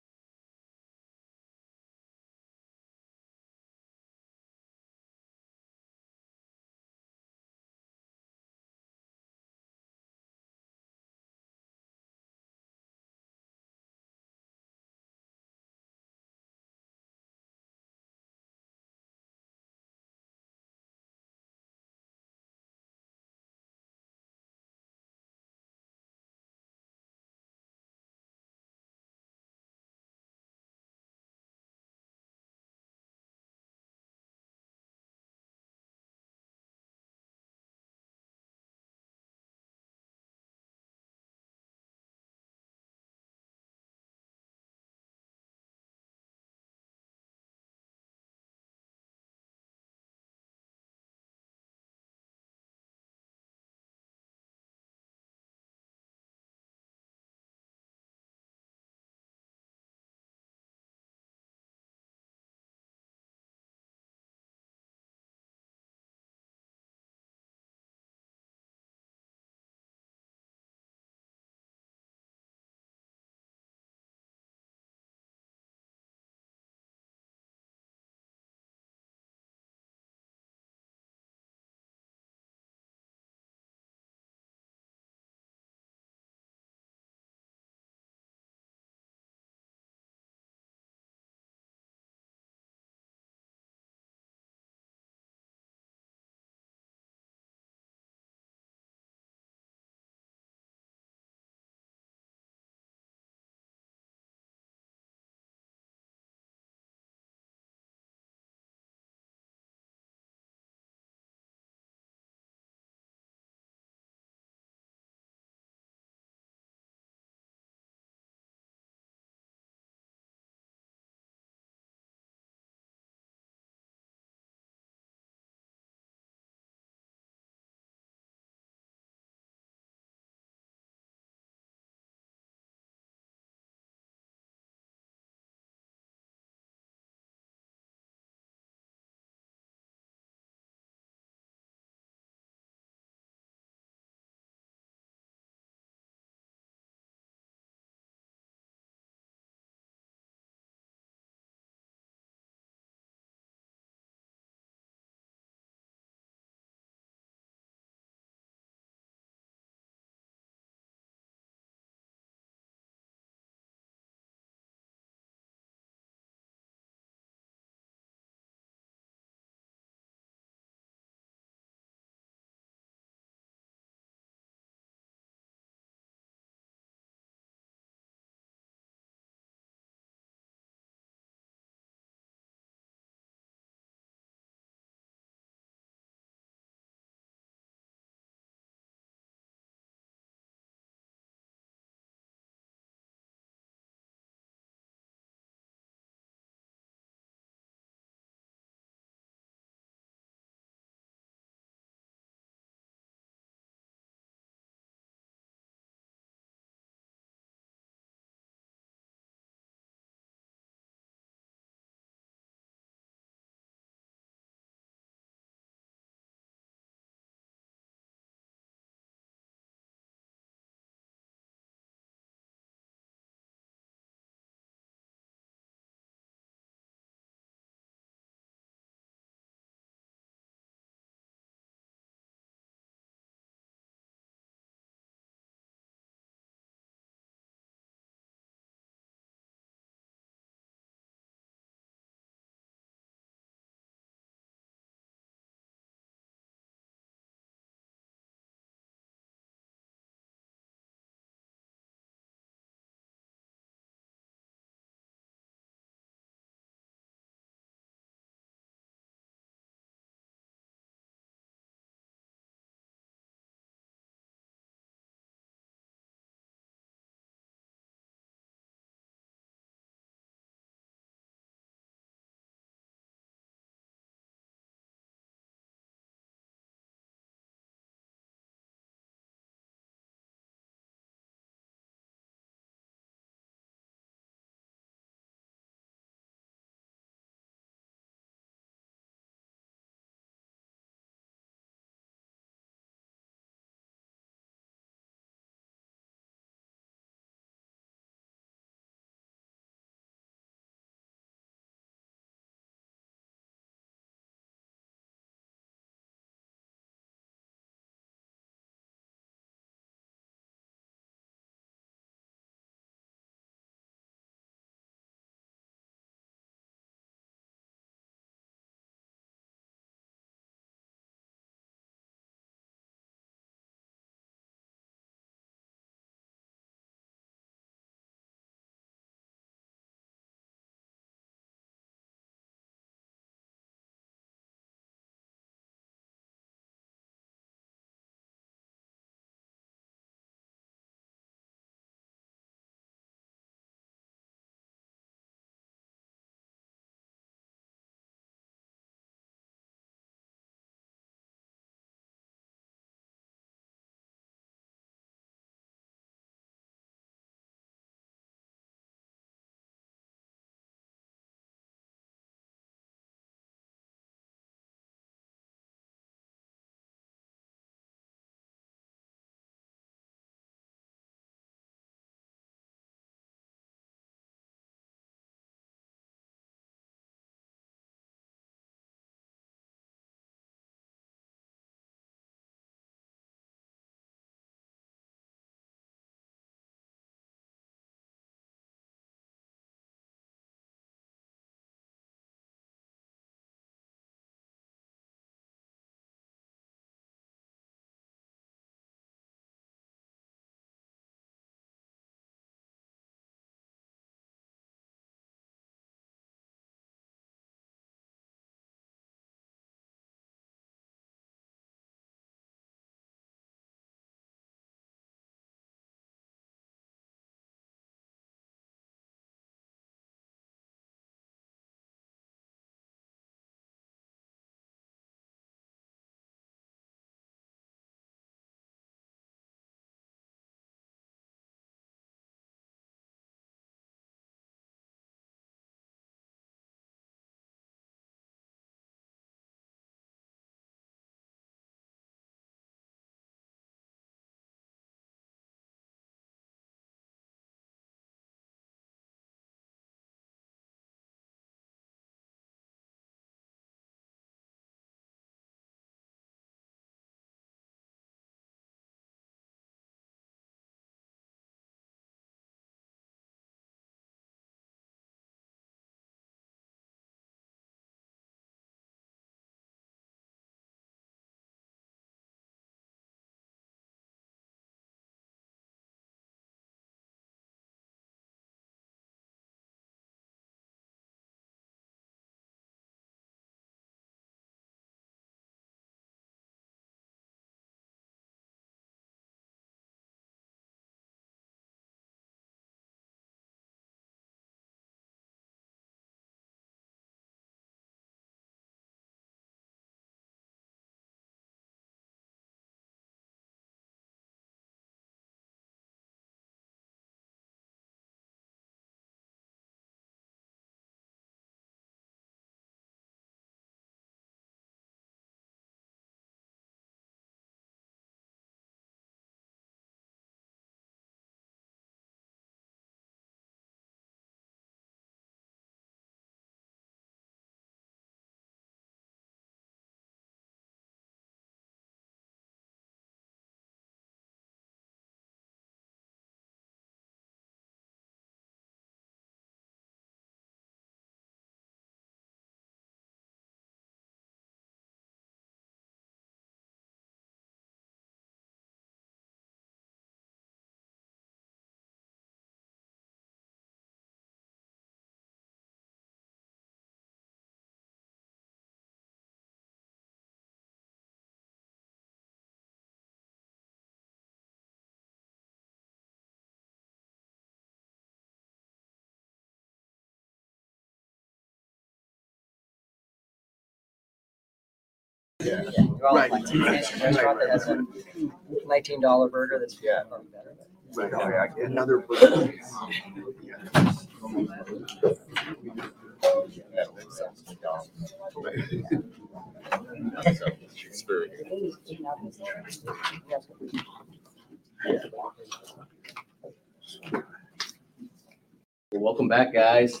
Welcome back, guys.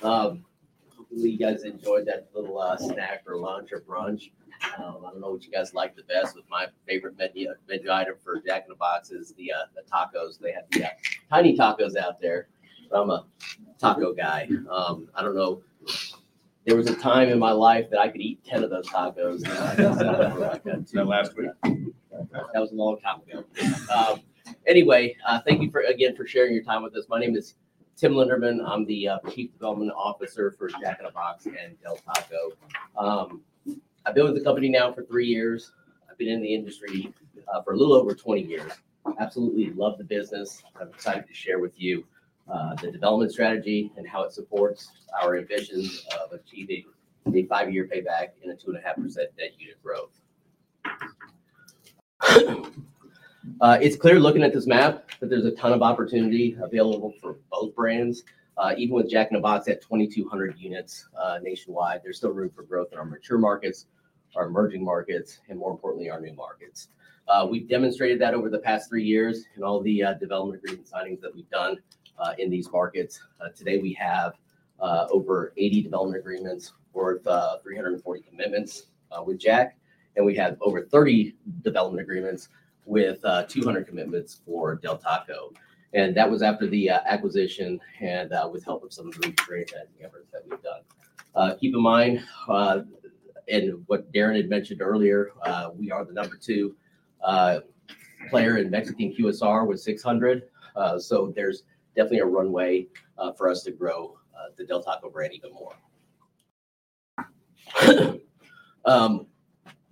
Hopefully you guys enjoyed that little snack or lunch or brunch. I don't know what you guys liked the best, but my favorite menu item for Jack in the Box is the tacos. They have the Tiny Tacos out there, but I'm a taco guy. I don't know. There was a time in my life that I could eat 10 of those tacos. Was that last week? That was a long time ago. Anyway, thank you for, again, for sharing your time with us. My name is Tim Linderman. I'm the Chief Development Officer for Jack in the Box and Del Taco. I've been with the company now for three years. I've been in the industry for a little over 20 years. Absolutely love the business. I'm excited to share with you the development strategy and how it supports our ambition of achieving the five-year payback and a 2.5% net unit growth. It's clear looking at this map that there's a ton of opportunity available for both brands. Even with Jack in the Box at 2,200 units nationwide, there's still room for growth in our mature markets, our emerging markets, and more importantly, our new markets. We've demonstrated that over the past three years in all the development agreement signings that we've done in these markets. Today, we have over 80 development agreements worth 340 commitments with Jack, and we have over 30 development agreements with 200 commitments for Del Taco, and that was after the acquisition and with help of some of the great efforts that we've done. Keep in mind, and what Darin had mentioned earlier, we are the number two player in Mexican QSR with 600. So there's definitely a runway for us to grow the Del Taco brand even more.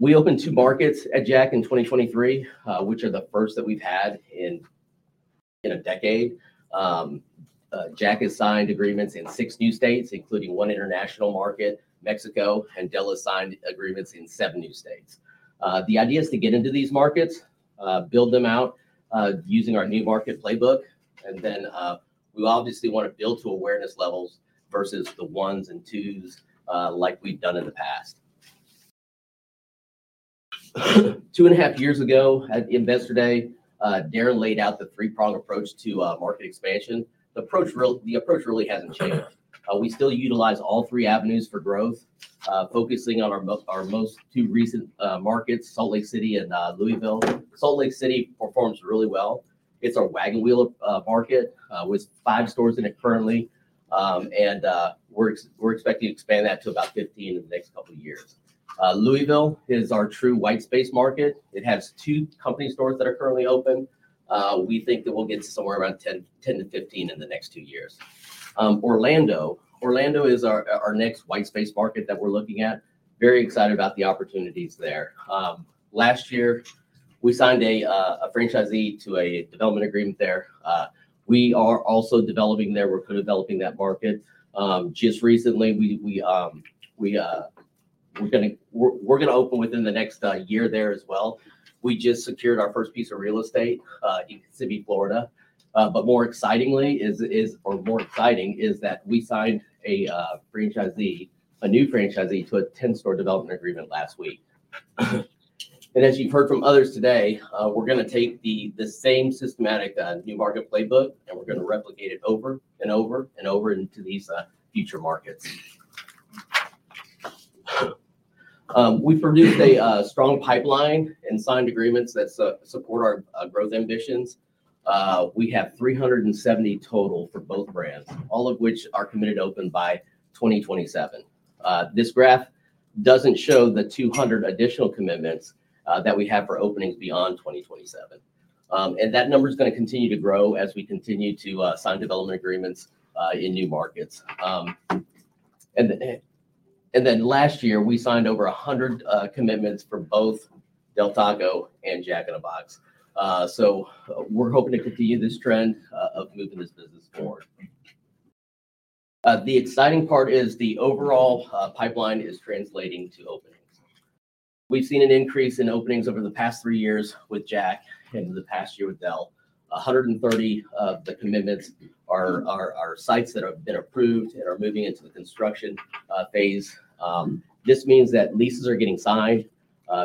We opened two markets at Jack in 2023, which are the first that we've had in a decade. Jack has signed agreements in six new states, including one international market, Mexico, and Del has signed agreements in seven new states. The idea is to get into these markets, build them out, using our new market playbook, and then, we obviously want to build to awareness levels versus the ones and twos, like we've done in the past. 2.5 years ago, at the Investor Day, Darin laid out the three-prong approach to market expansion. The approach really hasn't changed. We still utilize all three avenues for growth, focusing on our most two recent markets, Salt Lake City and Louisville. Salt Lake City performs really well. It's our wagon wheel market, with five stores in it currently. We're expecting to expand that to about 15 in the next couple of years. Louisville is our true white space market. It has two company stores that are currently open. We think that we'll get somewhere around 10, 10-15 in the next two years. Orlando. Orlando is our next white space market that we're looking at. Very excited about the opportunities there. Last year, we signed a franchisee to a development agreement there. We are also developing there. We're co-developing that market. Just recently, we're gonna open within the next year there as well. We just secured our first piece of real estate in Florida. But more excitingly is, or more exciting, is that we signed a franchisee, a new franchisee, to a 10-store development agreement last week. And as you've heard from others today, we're gonna take the same systematic new market playbook, and we're gonna replicate it over and over and over into these future markets. We've produced a strong pipeline and signed agreements that support our growth ambitions. We have 370 total for both brands, all of which are committed to open by 2027. This graph doesn't show the 200 additional commitments that we have for openings beyond 2027. And that number is gonna continue to grow as we continue to sign development agreements in new markets. Then last year, we signed over 100 commitments for both Del Taco and Jack in the Box. So we're hoping to continue this trend of moving this business forward. The exciting part is the overall pipeline is translating to openings. We've seen an increase in openings over the past three years with Jack, and over the past year with Del. 130 of the commitments are sites that have been approved and are moving into the construction phase. This means that leases are getting signed,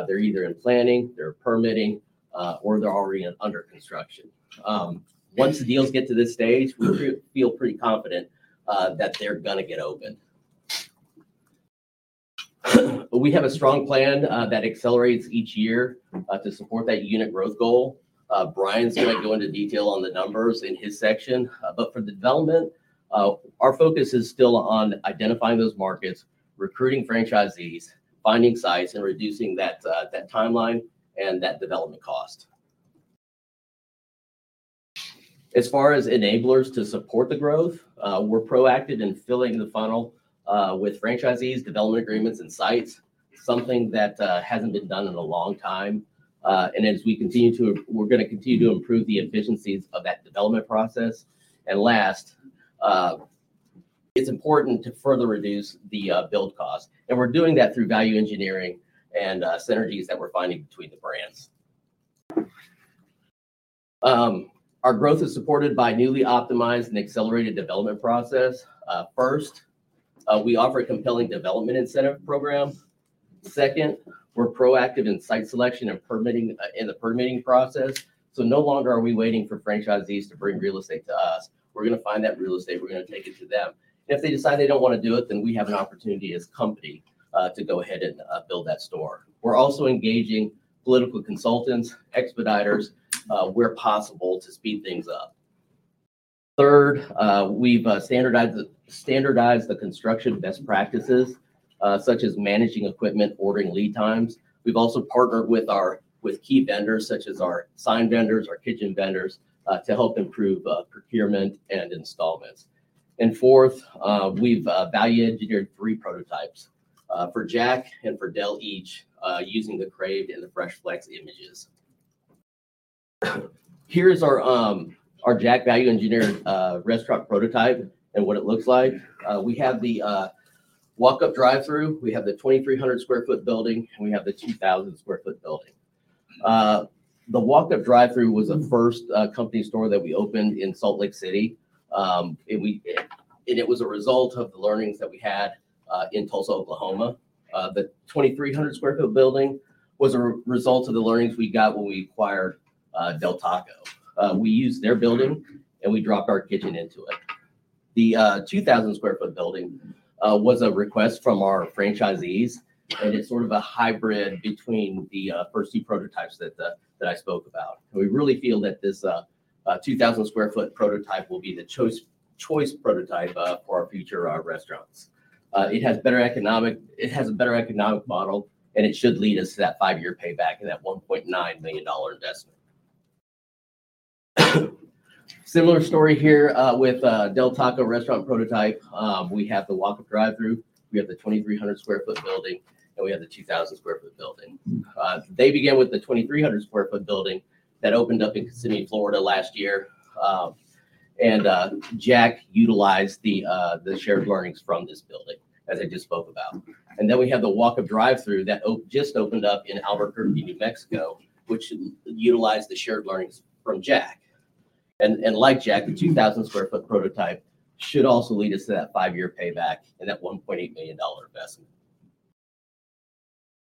they're either in planning, they're permitting, or they're already in under construction. Once the deals get to this stage, we feel pretty confident that they're gonna get opened. We have a strong plan that accelerates each year to support that unit growth goal. Brian's gonna go into detail on the numbers in his section. But for the development, our focus is still on identifying those markets, recruiting franchisees, finding sites, and reducing that timeline and that development cost. As far as enablers to support the growth, we're proactive in filling the funnel with franchisees, development agreements, and sites. Something that hasn't been done in a long time. We're gonna continue to improve the efficiencies of that development process. And last, it's important to further reduce the build cost, and we're doing that through value engineering and synergies that we're finding between the brands. Our growth is supported by newly optimized and accelerated development process. First, we offer a compelling development incentive program. Second, we're proactive in site selection and permitting, in the permitting process. So no longer are we waiting for franchisees to bring real estate to us, we're gonna find that real estate, we're gonna take it to them. And if they decide they don't wanna do it, then we have an opportunity as a company, to go ahead and, build that store. We're also engaging political consultants, expediters, where possible, to speed things up. Third, we've standardized the construction best practices, such as managing equipment, ordering lead times. We've also partnered with key vendors, such as our sign vendors, our kitchen vendors, to help improve, procurement and installments. And fourth, we've value engineered three prototypes, for Jack and for Del, each, using the Crave and the Fresh Flex images. Here's our Jack value engineered restaurant prototype and what it looks like. We have the walk-up drive-thru, we have the 2,300 sq ft building, and we have the 2,000 sq ft building. The walk-up drive-thru was the first company store that we opened in Salt Lake City. And it was a result of the learnings that we had in Tulsa, Oklahoma. The 2,300 sq ft building was a result of the learnings we got when we acquired Del Taco. We used their building, and we dropped our kitchen into it. The 2,000 sq ft building was a request from our franchisees, and it's sort of a hybrid between the first two prototypes that I spoke about. We really feel that this 2,000 sq ft prototype will be the choice, choice prototype for our future restaurants. It has a better economic model, and it should lead us to that five-year payback and that $1.9 million investment. Similar story here with Del Taco restaurant prototype. We have the walk-up drive-thru, we have the 2,300 sq ft building, and we have the 2,000 sq ft building. They began with the 2,300 sq ft building that opened up in Kissimmee, Florida last year. And Jack utilized the shared learnings from this building, as I just spoke about. And then we have the walk-up drive-thru that just opened up in Albuquerque, New Mexico, which utilized the shared learnings from Jack. Like Jack, the 2,000 sq ft prototype should also lead us to that five-year payback and that $1.8 million investment.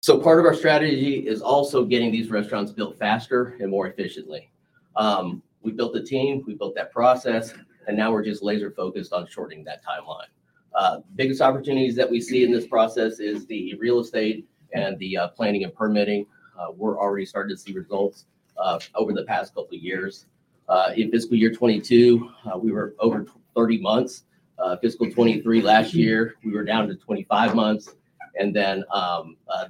So part of our strategy is also getting these restaurants built faster and more efficiently. We built the team, we built that process, and now we're just laser focused on shortening that timeline. Biggest opportunities that we see in this process is the real estate and the planning and permitting. We're already starting to see results over the past couple of years. In fiscal year 2022, we were over 30 months. Fiscal 2023, last year, we were down to 25 months. And then,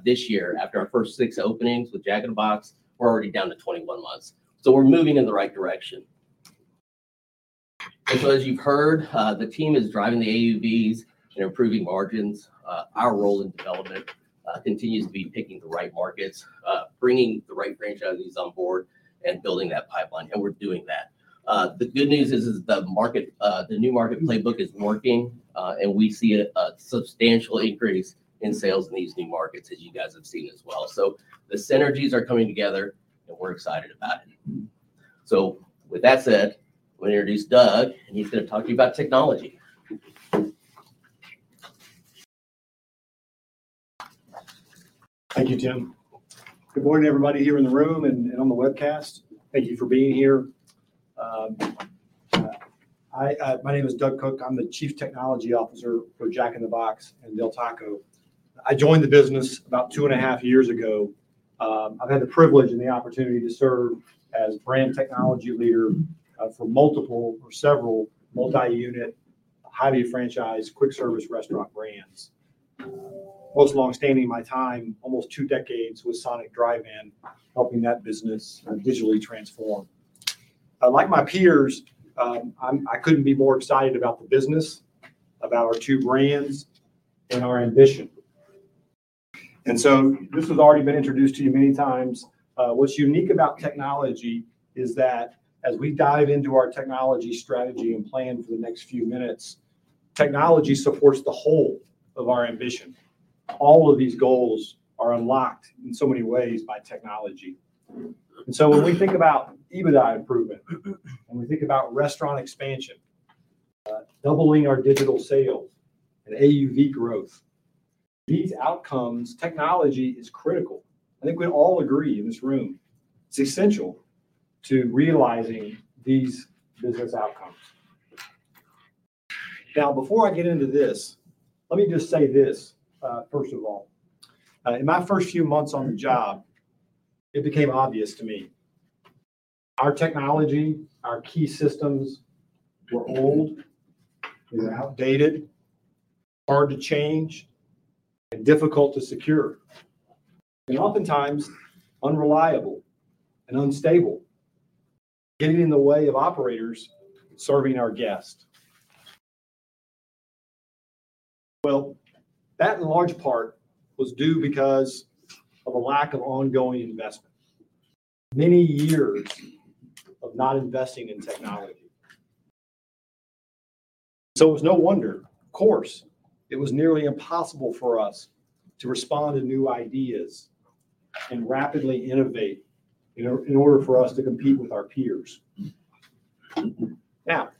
this year, after our first six openings with Jack in the Box, we're already down to 21 months. So we're moving in the right direction. And so as you've heard, the team is driving the AUVs and improving margins. Our role in development continues to be picking the right markets, bringing the right franchisees on board, and building that pipeline, and we're doing that. The good news is the market, the new market playbook is working. And we see a substantial increase in sales in these new markets, as you guys have seen as well. So the synergies are coming together, and we're excited about it. So with that said, I'm gonna introduce Doug, and he's gonna talk to you about technology. Thank you, Tim. Good morning, everybody here in the room and on the webcast. Thank you for being here. Hi, my name is Doug Cook. I'm the Chief Technology Officer for Jack in the Box and Del Taco. I joined the business about 2.5 years ago. I've had the privilege and the opportunity to serve as Brand Technology Leader for multiple or several multi-unit, highly franchised, quick-service restaurant brands, most long-standing in my time, almost two decades, with Sonic Drive-In, helping that business digitally transform. Like my peers, I couldn't be more excited about the business, about our two brands, and our ambition. This has already been introduced to you many times. What's unique about technology is that as we dive into our technology strategy and plan for the next few minutes, technology supports the whole of our ambition. All of these goals are unlocked in so many ways by technology. And so when we think about EBITDA improvement, when we think about restaurant expansion, doubling our digital sales and AUV growth, these outcomes, technology is critical. I think we'd all agree in this room, it's essential to realizing these business outcomes. Now, before I get into this, let me just say this, first of all. In my first few months on the job, it became obvious to me, our technology, our key systems were old, they were outdated, hard to change and difficult to secure, and oftentimes unreliable and unstable, getting in the way of operators serving our guests. Well, that in large part was due because of a lack of ongoing investment. Many years of not investing in technology. So it was no wonder, of course, it was nearly impossible for us to respond to new ideas and rapidly innovate in order for us to compete with our peers. Now,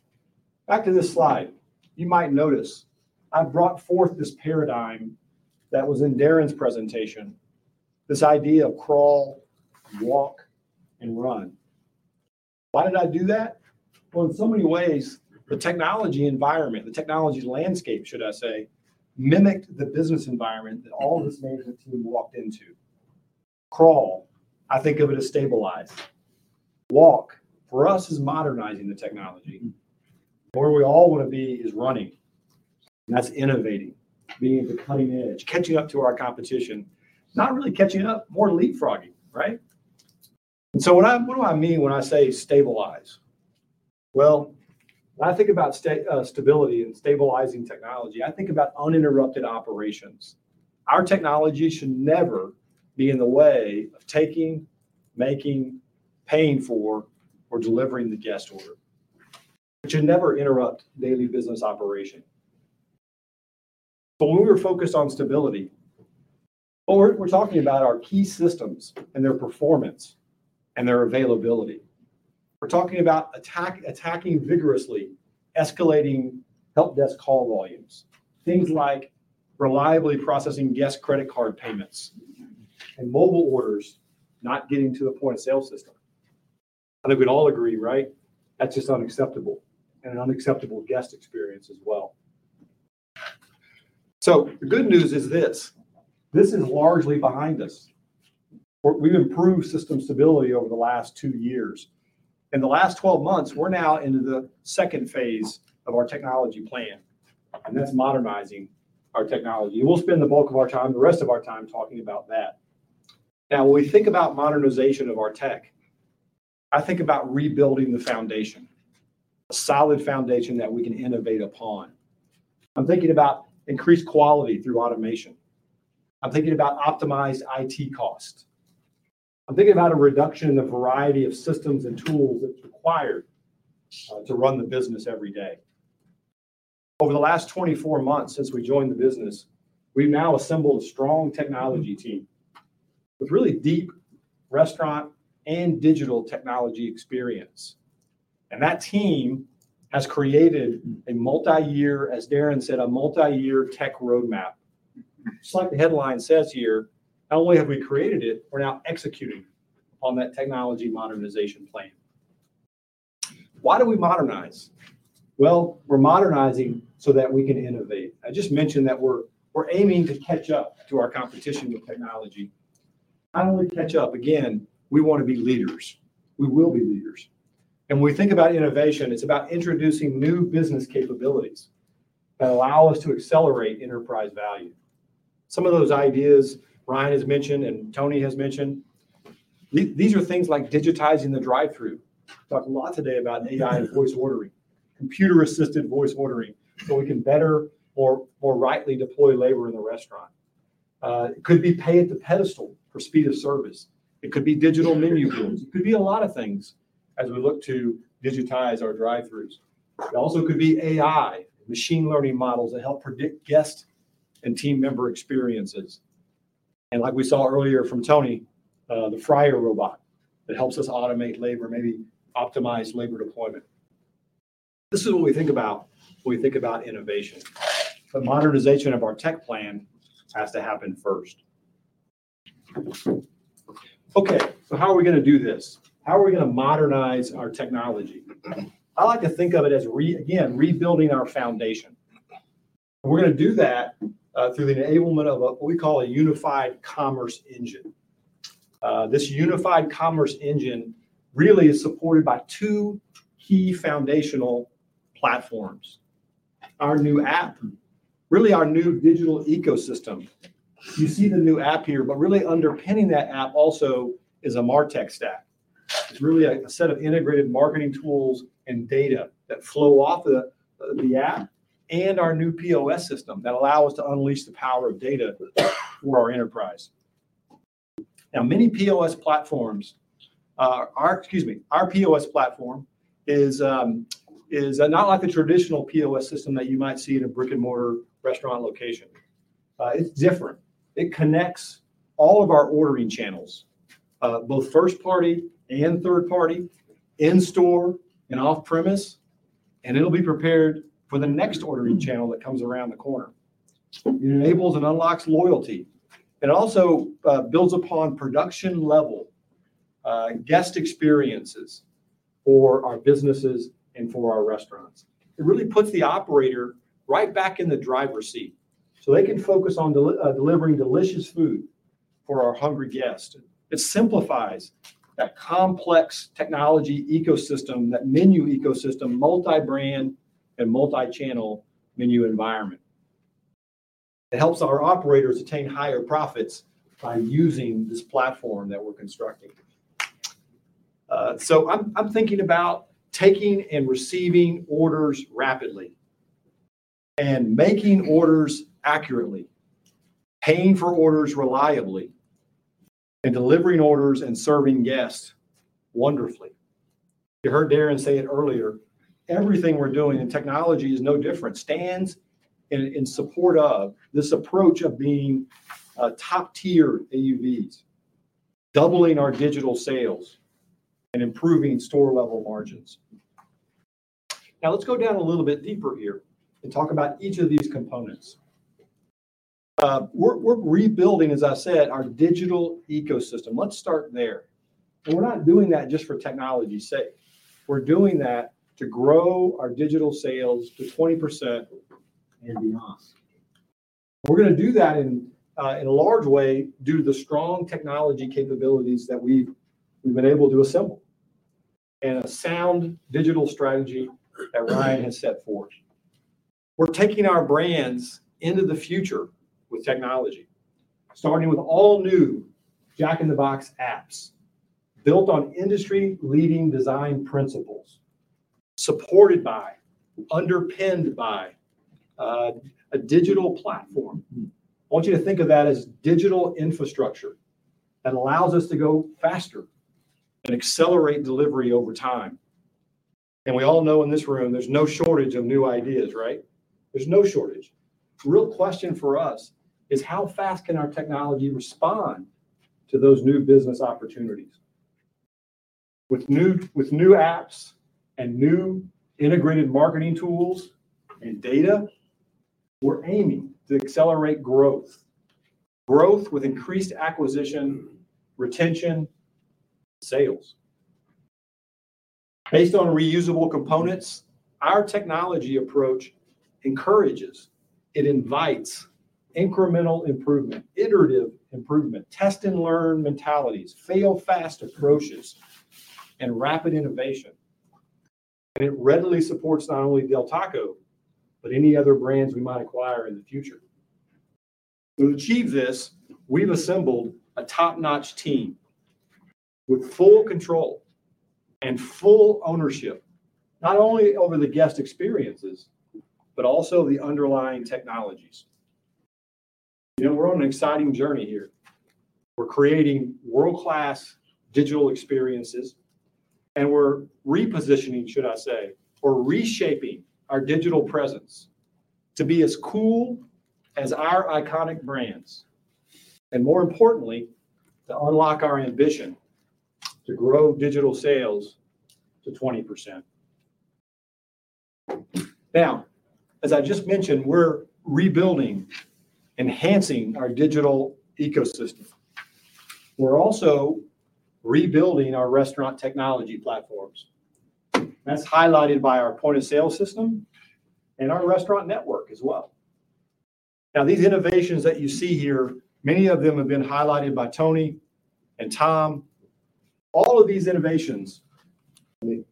back to this slide. You might notice I brought forth this paradigm that was in Darin's presentation, this idea of crawl, walk and run. Why did I do that? Well, in so many ways, the technology environment, the technology landscape, should I say, mimicked the business environment that all of this management team walked into. Crawl, I think of it as stabilize. Walk, for us, is modernizing the technology. Where we all want to be is running, and that's innovating, being at the cutting edge, catching up to our competition. Not really catching up, more leapfrogging, right? So what do I mean when I say stabilize? Well, when I think about stability and stabilizing technology, I think about uninterrupted operations. Our technology should never be in the way of taking, making, paying for, or delivering the guest order. It should never interrupt daily business operation. So when we're focused on stability, well, we're talking about our key systems and their performance and their availability. We're talking about attacking vigorously, escalating help desk call volumes, things like reliably processing guest credit card payments and mobile orders not getting to the point-of-sale system. I think we'd all agree, right? That's just unacceptable and an unacceptable guest experience as well. So the good news is this, this is largely behind us. We've improved system stability over the last two years. In the last 12 months, we're now into the phase II of our technology plan, and that's modernizing our technology. We'll spend the bulk of our time, the rest of our time talking about that. Now, when we think about modernization of our tech, I think about rebuilding the foundation, a solid foundation that we can innovate upon. I'm thinking about increased quality through automation. I'm thinking about optimized IT cost. I'm thinking about a reduction in the variety of systems and tools that's required to run the business every day. Over the last 24 months since we joined the business, we've now assembled a strong technology team with really deep restaurant and digital technology experience, and that team has created a multi-year, as Darin said, a multi-year tech roadmap. Just like the headline says here, not only have we created it, we're now executing on that technology modernization plan. Why do we modernize? Well, we're modernizing so that we can innovate. I just mentioned that we're aiming to catch up to our competition with technology. Not only catch up, again, we want to be leaders. We will be leaders. And when we think about innovation, it's about introducing new business capabilities that allow us to accelerate enterprise value. Some of those ideas Ryan has mentioned and Tony has mentioned, these are things like digitizing the drive-thru. We talked a lot today about AI and voice ordering, computer-assisted voice ordering, so we can better or, more rightly deploy labor in the restaurant. It could be pay at the pedestal for speed of service. It could be digital menu boards. It could be a lot of things as we look to digitize our drive-thrus. It also could be AI, machine learning models that help predict guest and team member experiences. And like we saw earlier from Tony, the fryer robot that helps us automate labor, maybe optimize labor deployment. This is what we think about when we think about innovation, but modernization of our tech plan has to happen first. Okay, so how are we gonna do this? How are we gonna modernize our technology? I like to think of it as re, again, rebuilding our foundation. We're gonna do that, through the enablement of a, what we call a unified commerce engine.... this unified commerce engine really is supported by two key foundational platforms. Our new app, really our new digital ecosystem. You see the new app here, but really underpinning that app also is a MarTech stack. It's really a set of integrated marketing tools and data that flow off the app and our new POS system that allow us to unleash the power of data for our enterprise. Now, many POS platforms, our POS platform is, is not like the traditional POS system that you might see in a brick-and-mortar restaurant location. It's different. It connects all of our ordering channels, both first-party and third-party, in-store and off-premise, and it'll be prepared for the next ordering channel that comes around the corner. It enables and unlocks loyalty. It also builds upon production-level guest experiences for our businesses and for our restaurants. It really puts the operator right back in the driver's seat, so they can focus on delivering delicious food for our hungry guests. It simplifies that complex technology ecosystem, that menu ecosystem, multi-brand and multi-channel menu environment. It helps our operators attain higher profits by using this platform that we're constructing. So I'm thinking about taking and receiving orders rapidly, and making orders accurately, paying for orders reliably, and delivering orders and serving guests wonderfully. You heard Darin say it earlier, everything we're doing, and technology is no different, stands in support of this approach of being a top-tier AUVs, doubling our digital sales and improving store-level margins. Now, let's go down a little bit deeper here and talk about each of these components. We're rebuilding, as I said, our digital ecosystem. Let's start there. And we're not doing that just for technology's sake. We're doing that to grow our digital sales to 20% and beyond. We're gonna do that in a large way, due to the strong technology capabilities that we've been able to assemble, and a sound digital strategy that Ryan has set forth. We're taking our brands into the future with technology, starting with all-new Jack in the Box apps, built on industry-leading design principles, supported by, underpinned by, a digital platform. I want you to think of that as digital infrastructure that allows us to go faster and accelerate delivery over time. And we all know in this room, there's no shortage of new ideas, right? There's no shortage. The real question for us is: How fast can our technology respond to those new business opportunities? With new apps and new integrated marketing tools and data, we're aiming to accelerate growth. Growth with increased acquisition, retention, sales. Based on reusable components, our technology approach encourages, it invites incremental improvement, iterative improvement, test-and-learn mentalities, fail-fast approaches, and rapid innovation. And it readily supports not only Del Taco, but any other brands we might acquire in the future. To achieve this, we've assembled a top-notch team with full control and full ownership, not only over the guest experiences, but also the underlying technologies. You know, we're on an exciting journey here. We're creating world-class digital experiences, and we're repositioning, should I say, or reshaping our digital presence to be as cool as our iconic brands, and more importantly, to unlock our ambition to grow digital sales to 20%. Now, as I just mentioned, we're rebuilding, enhancing our digital ecosystem. We're also rebuilding our restaurant technology platforms. That's highlighted by our point-of-sale system and our restaurant network as well. Now, these innovations that you see here, many of them have been highlighted by Tony and Tom. All of these innovations... I mean,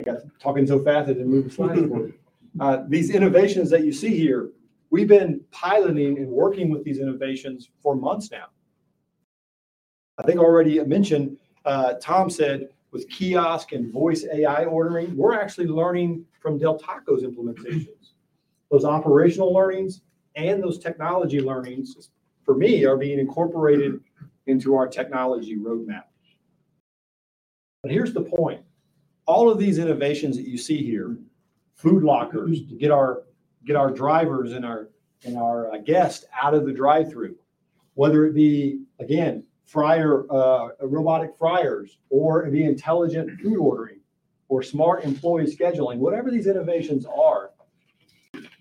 I got talking so fast I didn't move the slide forward. These innovations that you see here, we've been piloting and working with these innovations for months now. I think I already mentioned, Tom said with kiosk and voice AI ordering, we're actually learning from Del Taco's implementations. Those operational learnings and those technology learnings, for me, are being incorporated into our technology roadmap. But here's the point: All of these innovations that you see here, food lockers to get our drivers and our guests out of the drive-thru, whether it be, again, robotic fryers or it be intelligent food ordering or smart employee scheduling, whatever these innovations are,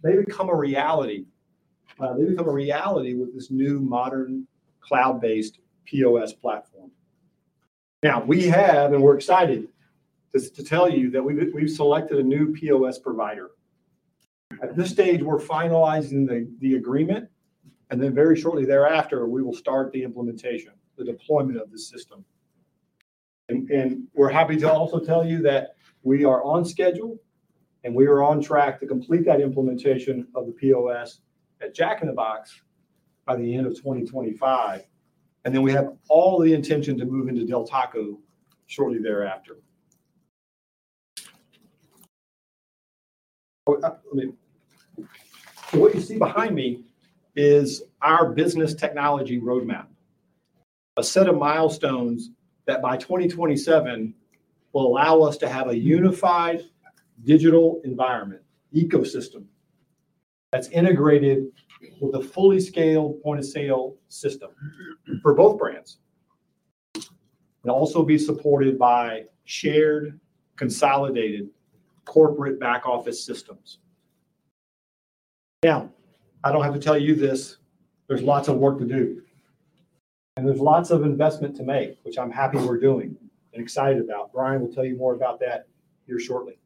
they become a reality. They become a reality with this new modern, cloud-based POS platform. Now we have, and we're excited to tell you that we've selected a new POS provider. At this stage, we're finalizing the agreement, and then very shortly thereafter, we will start the implementation, the deployment of the system. We're happy to also tell you that we are on schedule, and we are on track to complete that implementation of the POS at Jack in the Box by the end of 2025, and then we have all the intention to move into Del Taco shortly thereafter. Let me. So what you see behind me is our business technology roadmap. A set of milestones that by 2027 will allow us to have a unified digital environment, ecosystem, that's integrated with a fully scaled point-of-sale system for both brands. And also be supported by shared, consolidated corporate back-office systems. Now, I don't have to tell you this, there's lots of work to do, and there's lots of investment to make, which I'm happy we're doing and excited about. Brian will tell you more about that here shortly.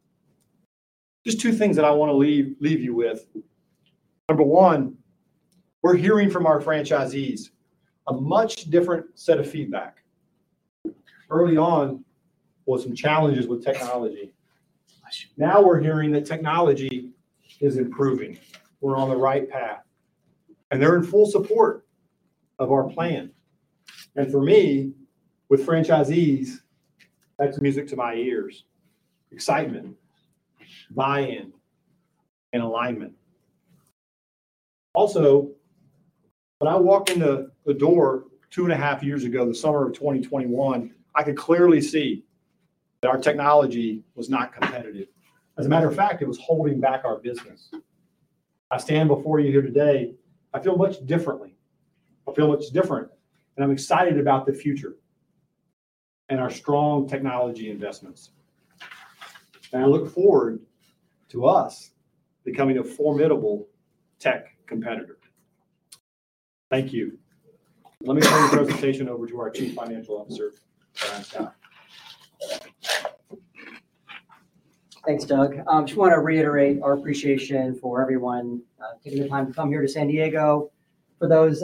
Just two things that I want to leave, leave you with. Number one, we're hearing from our franchisees a much different set of feedback. Early on, were some challenges with technology. Now we're hearing that technology is improving. We're on the right path, and they're in full support of our plan. And for me, with franchisees, that's music to my ears, excitement, buy-in, and alignment. Also, when I walked into the door 2.5 years ago, the summer of 2021, I could clearly see that our technology was not competitive. As a matter of fact, it was holding back our business. I stand before you here today, I feel much differently. I feel much different, and I'm excited about the future and our strong technology investments, and I look forward to us becoming a formidable tech competitor. Thank you. Let me turn this presentation over to our Chief Financial Officer, Brian Scott. Thanks, Doug. I just wanna reiterate our appreciation for everyone taking the time to come here to San Diego. For those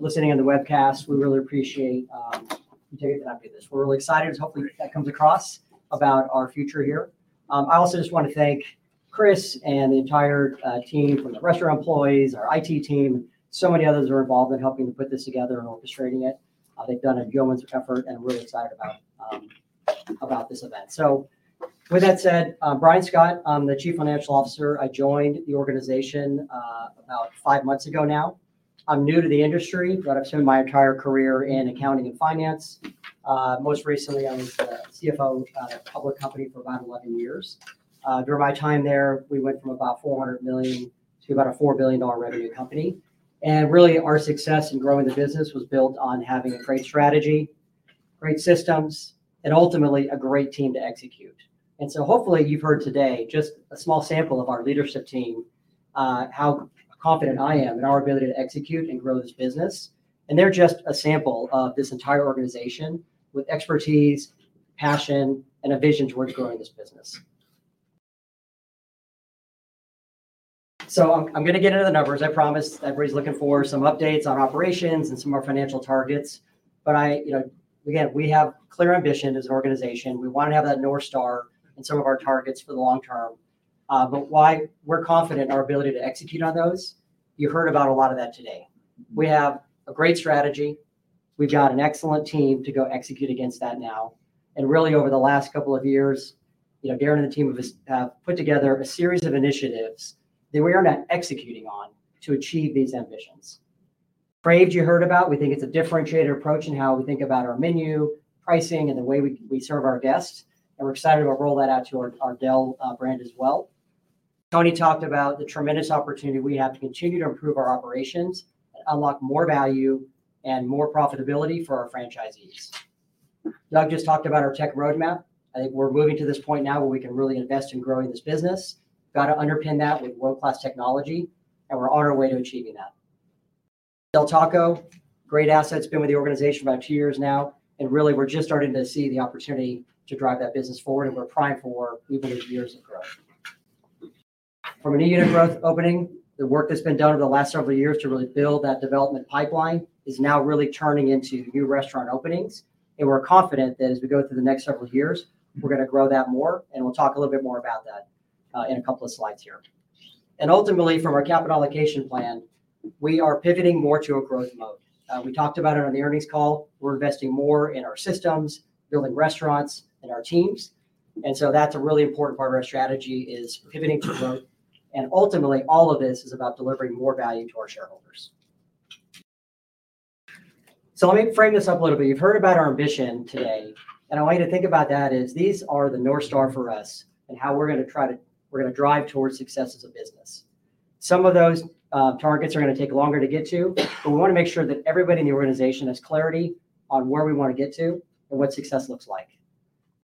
listening on the webcast, we really appreciate you taking the time to do this. We're really excited, hopefully, that comes across about our future here. I also just want to thank Chris and the entire team from the restaurant employees, our IT team, and so many others who are involved in helping to put this together and orchestrating it. They've done a tremendous effort, and I'm really excited about about this event. So with that said, Brian Scott, I'm the Chief Financial Officer. I joined the organization about five months ago now. I'm new to the industry, but I've spent my entire career in accounting and finance. Most recently, I was the CFO of a public company for about 11 years. During my time there, we went from about $400 million to about a $4 billion revenue company, and really, our success in growing the business was built on having a great strategy, great systems, and ultimately a great team to execute. So hopefully, you've heard today just a small sample of our leadership team, how confident I am in our ability to execute and grow this business. And they're just a sample of this entire organization with expertise, passion, and a vision towards growing this business. So I'm, I'm gonna get into the numbers. I promise everybody's looking for some updates on operations and some of our financial targets. But I, you know, again, we have clear ambition as an organization. We want to have that North Star in some of our targets for the long term, but why we're confident in our ability to execute on those? You've heard about a lot of that today. We have a great strategy. We've got an excellent team to go execute against that now. And really, over the last couple of years, you know, Darin and the team have put together a series of initiatives that we are now executing on to achieve these ambitions. Crave, you heard about. We think it's a differentiator approach in how we think about our menu, pricing, and the way we serve our guests, and we're excited to roll that out to our Del brand as well. Tony talked about the tremendous opportunity we have to continue to improve our operations and unlock more value and more profitability for our franchisees. Doug just talked about our tech roadmap. I think we're moving to this point now where we can really invest in growing this business. Got to underpin that with world-class technology, and we're on our way to achieving that. Del Taco, great asset. It's been with the organization about two years now, and really, we're just starting to see the opportunity to drive that business forward, and we're primed for even years of growth. From a unit growth opening, the work that's been done over the last several years to really build that development pipeline is now really turning into new restaurant openings, and we're confident that as we go through the next several years, we're gonna grow that more, and we'll talk a little bit more about that in a couple of slides here. Ultimately, from our capital allocation plan, we are pivoting more to a growth mode. We talked about it on the earnings call. We're investing more in our systems, building restaurants and our teams, and so that's a really important part of our strategy is pivoting to growth, and ultimately, all of this is about delivering more value to our shareholders. Let me frame this up a little bit. You've heard about our ambition today, and I want you to think about that as these are the North Star for us and how we're gonna try to drive towards success as a business. Some of those targets are gonna take longer to get to, but we wanna make sure that everybody in the organization has clarity on where we want to get to and what success looks like...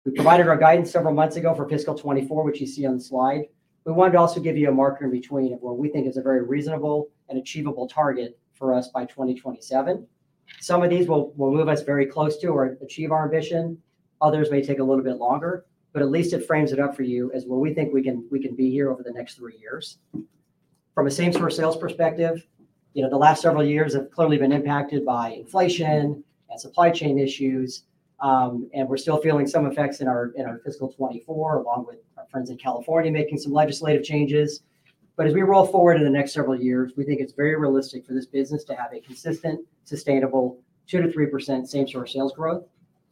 We provided our guidance several months ago for fiscal 2024, which you see on the slide. We wanted to also give you a marker in between of where we think it's a very reasonable and achievable target for us by 2027. Some of these will, will move us very close to or achieve our ambition. Others may take a little bit longer, but at least it frames it up for you as where we think we can, we can be here over the next three years. From a same-store sales perspective, you know, the last several years have clearly been impacted by inflation and supply chain issues, and we're still feeling some effects in our, in our fiscal 2024, along with our friends in California, making some legislative changes. But as we roll forward in the next several years, we think it's very realistic for this business to have a consistent, sustainable, 2%-3% same-store sales growth.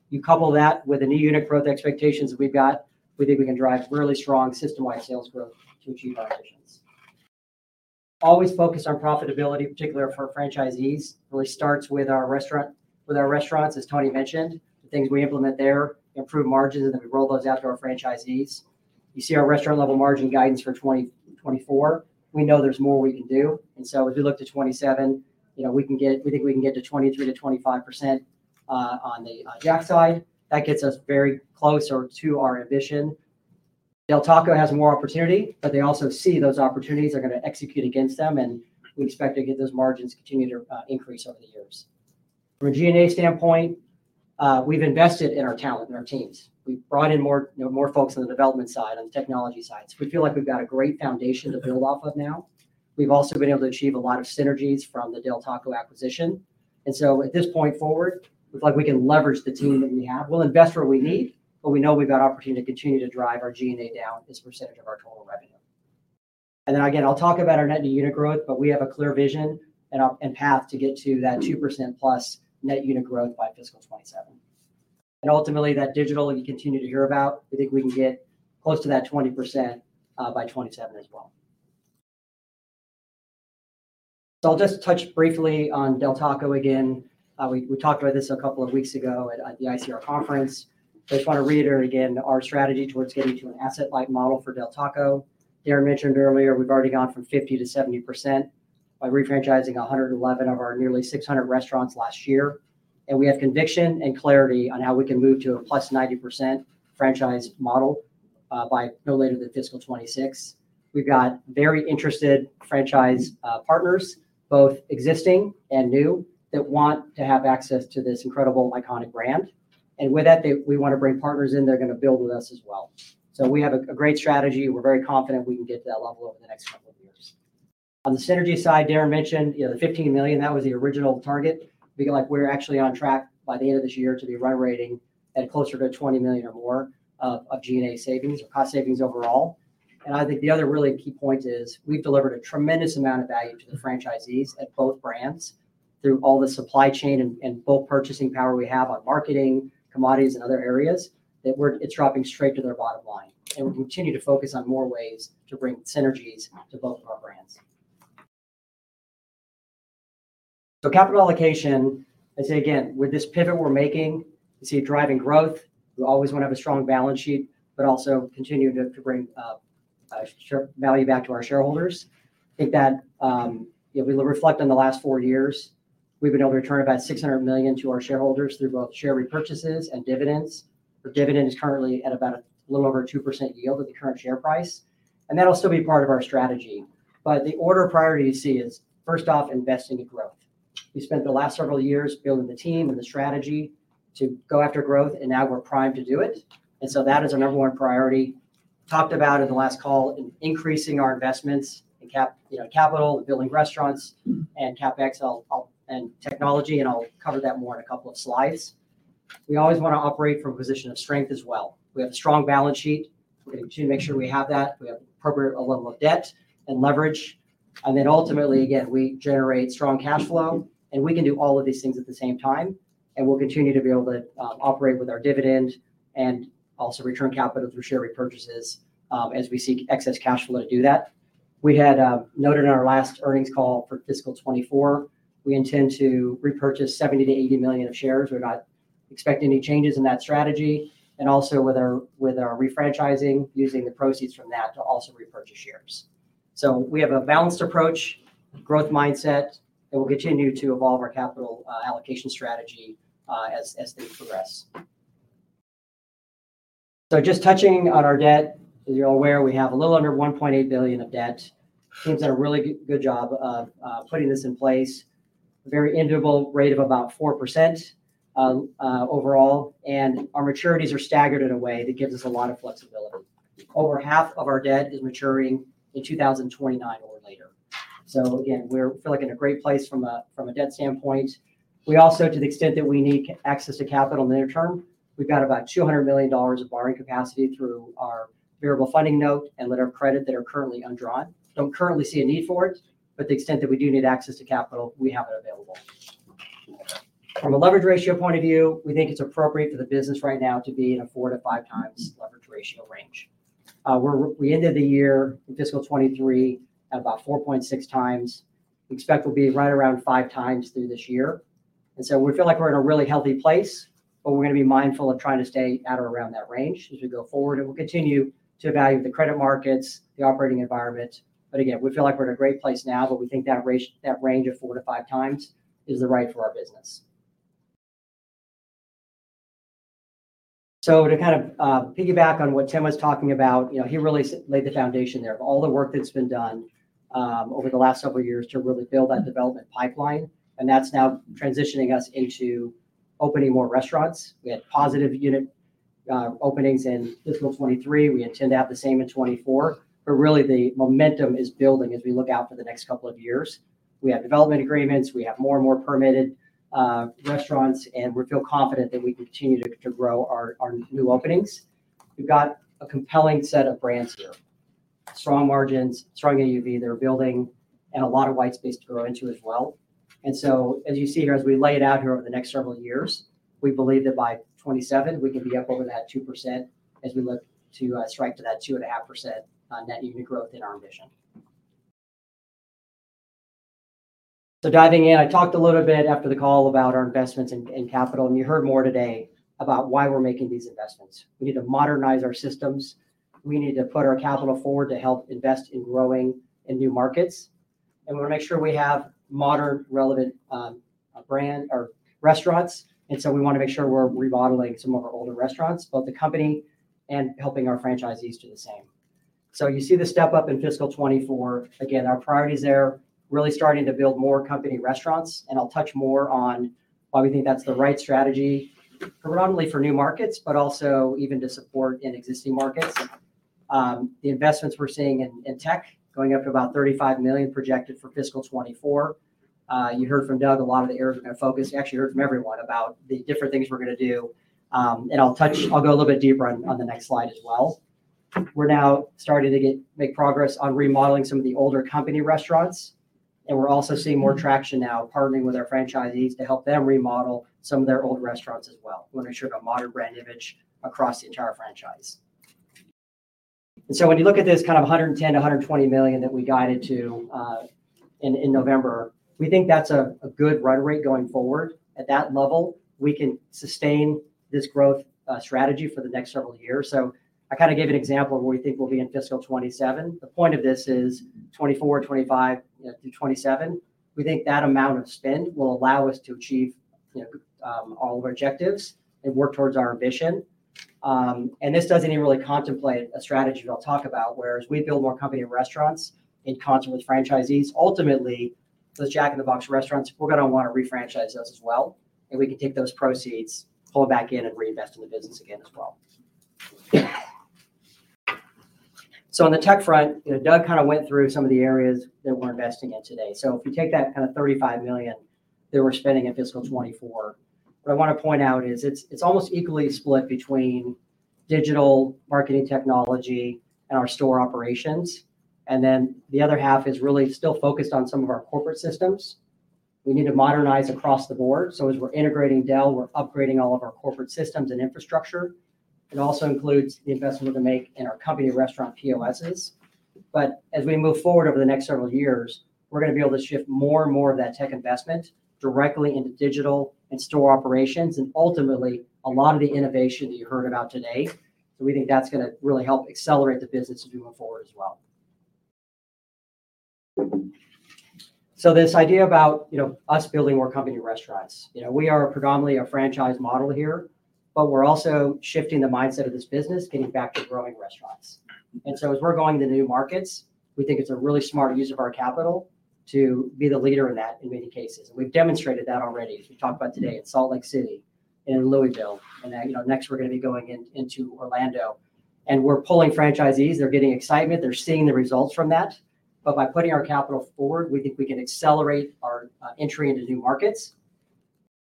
You couple that with the new unit growth expectations that we've got, we think we can drive really strong system-wide sales growth to achieve our visions. Always focused on profitability, particularly for our franchisees. Really starts with our restaurants, as Tony mentioned, the things we implement there, improve margins, and then we roll those out to our franchisees. You see our restaurant-level margin guidance for 2024. We know there's more we can do, and so as we look to 2027, you know, we think we can get to 23%-25%, on the Jack side. That gets us very closer to our ambition. Del Taco has more opportunity, but they also see those opportunities. They're gonna execute against them, and we expect to get those margins continue to increase over the years. From a G&A standpoint, we've invested in our talent and our teams. We've brought in more, you know, more folks on the development side, on the technology side. So we feel like we've got a great foundation to build off of now. We've also been able to achieve a lot of synergies from the Del Taco acquisition, and so at this point forward, we feel like we can leverage the team that we have. We'll invest where we need, but we know we've got opportunity to continue to drive our G&A down as a percentage of our total revenue. And then again, I'll talk about our net new unit growth, but we have a clear vision and path to get to that 2%+ net unit growth by fiscal 2027. And ultimately, that digital you continue to hear about, we think we can get close to that 20% by 2027 as well. So I'll just touch briefly on Del Taco again. We talked about this a couple of weeks ago at the ICR conference, but I just want to reiterate again our strategy towards getting to an asset-light model for Del Taco. Darin mentioned earlier, we've already gone from 50%-70% by refranchising 111 of our nearly 600 restaurants last year, and we have conviction and clarity on how we can move to a +90% franchise model by no later than fiscal 2026. We've got very interested franchise partners, both existing and new, that want to have access to this incredible, iconic brand. And with that, we want to bring partners in that are going to build with us as well. So we have a great strategy. We're very confident we can get to that level over the next couple of years. On the synergy side, Darin mentioned, you know, the $15 million, that was the original target. We feel like we're actually on track by the end of this year to be run-rate at closer to $20 million or more of G&A savings or cost savings overall. I think the other really key point is we've delivered a tremendous amount of value to the franchisees at both brands through all the supply chain and bulk purchasing power we have on marketing, commodities, and other areas, that it's dropping straight to their bottom line. We continue to focus on more ways to bring synergies to both of our brands. So capital allocation, I'd say again, with this pivot we're making, to see a drive in growth, we always want to have a strong balance sheet, but also continue to bring share value back to our shareholders. I think that, if we reflect on the last four years, we've been able to return about $600 million to our shareholders through both share repurchases and dividends. Our dividend is currently at about a little over 2% yield at the current share price, and that'll still be part of our strategy. But the order of priority you see is, first off, investing in growth. We spent the last several years building the team and the strategy to go after growth, and now we're primed to do it, and so that is our number one priority. Talked about in the last call, increasing our investments in cap, you know, capital, building restaurants, and CapEx and, and technology, and I'll cover that more in a couple of slides. We always want to operate from a position of strength as well. We have a strong balance sheet. We continue to make sure we have that. We have appropriate level of debt and leverage, and then ultimately, again, we generate strong cash flow, and we can do all of these things at the same time. And we'll continue to be able to operate with our dividend and also return capital through share repurchases, as we seek excess cash flow to do that. We had noted in our last earnings call for fiscal 2024, we intend to repurchase $70 million-$80 million of shares. We're not expecting any changes in that strategy, and also with our, with our refranchising, using the proceeds from that to also repurchase shares. So we have a balanced approach, growth mindset, and we'll continue to evolve our capital allocation strategy, as things progress. So just touching on our debt, as you're all aware, we have a little under $1.8 billion of debt. Team's done a really good, good job of putting this in place. A very interest rate of about 4%, overall, and our maturities are staggered in a way that gives us a lot of flexibility. Over half of our debt is maturing in 2029 or later. So again, we're feeling like in a great place from a debt standpoint. We also, to the extent that we need access to capital in the near term, we've got about $200 million of borrowing capacity through our variable funding note and letter of credit that are currently undrawn. Don't currently see a need for it, but the extent that we do need access to capital, we have it available. From a leverage ratio point of view, we think it's appropriate for the business right now to be in a 4x-5x leverage ratio range. We're... We ended the year in fiscal 2023 at about 4.6x. We expect we'll be right around 5x through this year, and so we feel like we're in a really healthy place, but we're going to be mindful of trying to stay at or around that range as we go forward, and we'll continue to evaluate the credit markets, the operating environment. But again, we feel like we're in a great place now, but we think that range of 4x-5x is right for our business. So to kind of piggyback on what Tim was talking about, you know, he really laid the foundation there of all the work that's been done over the last several years to really build that development pipeline, and that's now transitioning us into opening more restaurants. We had positive unit openings in fiscal 2023. We intend to have the same in 2024. But really, the momentum is building as we look out for the next couple of years. We have development agreements, we have more and more permitted restaurants, and we feel confident that we continue to grow our new openings. We've got a compelling set of brands here. Strong margins, strong AUV they're building, and a lot of white space to grow into as well. As you see here, as we lay it out here over the next several years, we believe that by 2027, we can be up over that 2% as we look to strike to that 2.5% net unit growth in our ambition. So diving in, I talked a little bit after the call about our investments in capital, and you heard more today about why we're making these investments. We need to modernize our systems. We need to put our capital forward to help invest in growing in new markets, and we wanna make sure we have modern, relevant brand or restaurants. And so we wanna make sure we're remodeling some of our older restaurants, both the company and helping our franchisees do the same. So you see the step up in fiscal 2024. Again, our priorities there, really starting to build more company restaurants, and I'll touch more on why we think that's the right strategy, predominantly for new markets, but also even to support in existing markets. The investments we're seeing in tech, going up to about $35 million projected for fiscal 2024. You heard from Doug a lot of the areas we're gonna focus... You actually heard from everyone about the different things we're gonna do. I'll go a little bit deeper on the next slide as well. We're now starting to make progress on remodeling some of the older company restaurants, and we're also seeing more traction now, partnering with our franchisees to help them remodel some of their old restaurants as well. We wanna ensure a modern brand image across the entire franchise. And so when you look at this kind of $110 million-$120 million that we guided to in November, we think that's a good run rate going forward. At that level, we can sustain this growth strategy for the next several years. So I kind of gave an example of where we think we'll be in fiscal 2027. The point of this is 2024, 2025, you know, through 2027, we think that amount of spend will allow us to achieve, you know, all of our objectives and work towards our ambition. And this doesn't even really contemplate a strategy I'll talk about, where as we build more company and restaurants in concert with franchisees, ultimately, those Jack in the Box restaurants, we're gonna want to refranchise those as well, and we can take those proceeds, pull them back in, and reinvest in the business again as well. So on the tech front, you know, Doug kind of went through some of the areas that we're investing in today. So if you take that kind of $35 million that we're spending in fiscal 2024, what I want to point out is it's, it's almost equally split between digital marketing technology and our store operations, and then the other half is really still focused on some of our corporate systems. We need to modernize across the board, so as we're integrating Del Taco, we're upgrading all of our corporate systems and infrastructure. It also includes the investment we're gonna make in our company restaurant POSs. But as we move forward over the next several years, we're gonna be able to shift more and more of that tech investment directly into digital and store operations, and ultimately, a lot of the innovation that you heard about today. So we think that's gonna really help accelerate the business moving forward as well. So this idea about, you know, us building more company restaurants. You know, we are predominantly a franchise model here, but we're also shifting the mindset of this business, getting back to growing restaurants. And so as we're going to new markets, we think it's a really smart use of our capital to be the leader in that in many cases. We've demonstrated that already. If you talk about today in Salt Lake City and Louisville, and now, you know, next we're gonna be going into Orlando. We're pulling franchisees, they're getting excitement, they're seeing the results from that. But by putting our capital forward, we think we can accelerate our entry into new markets.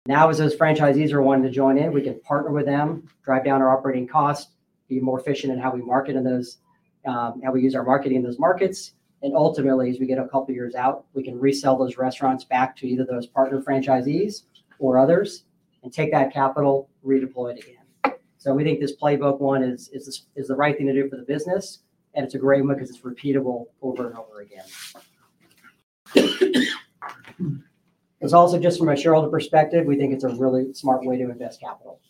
Now, as those franchisees are wanting to join in, we can partner with them, drive down our operating costs, be more efficient in how we market in those, how we use our marketing in those markets. Ultimately, as we get a couple of years out, we can resell those restaurants back to either those partner franchisees or others and take that capital, redeploy it again. So we think this playbook one is the right thing to do for the business, and it's a great one because it's repeatable over and over again. It's also just from a shareholder perspective, we think it's a really smart way to invest capital.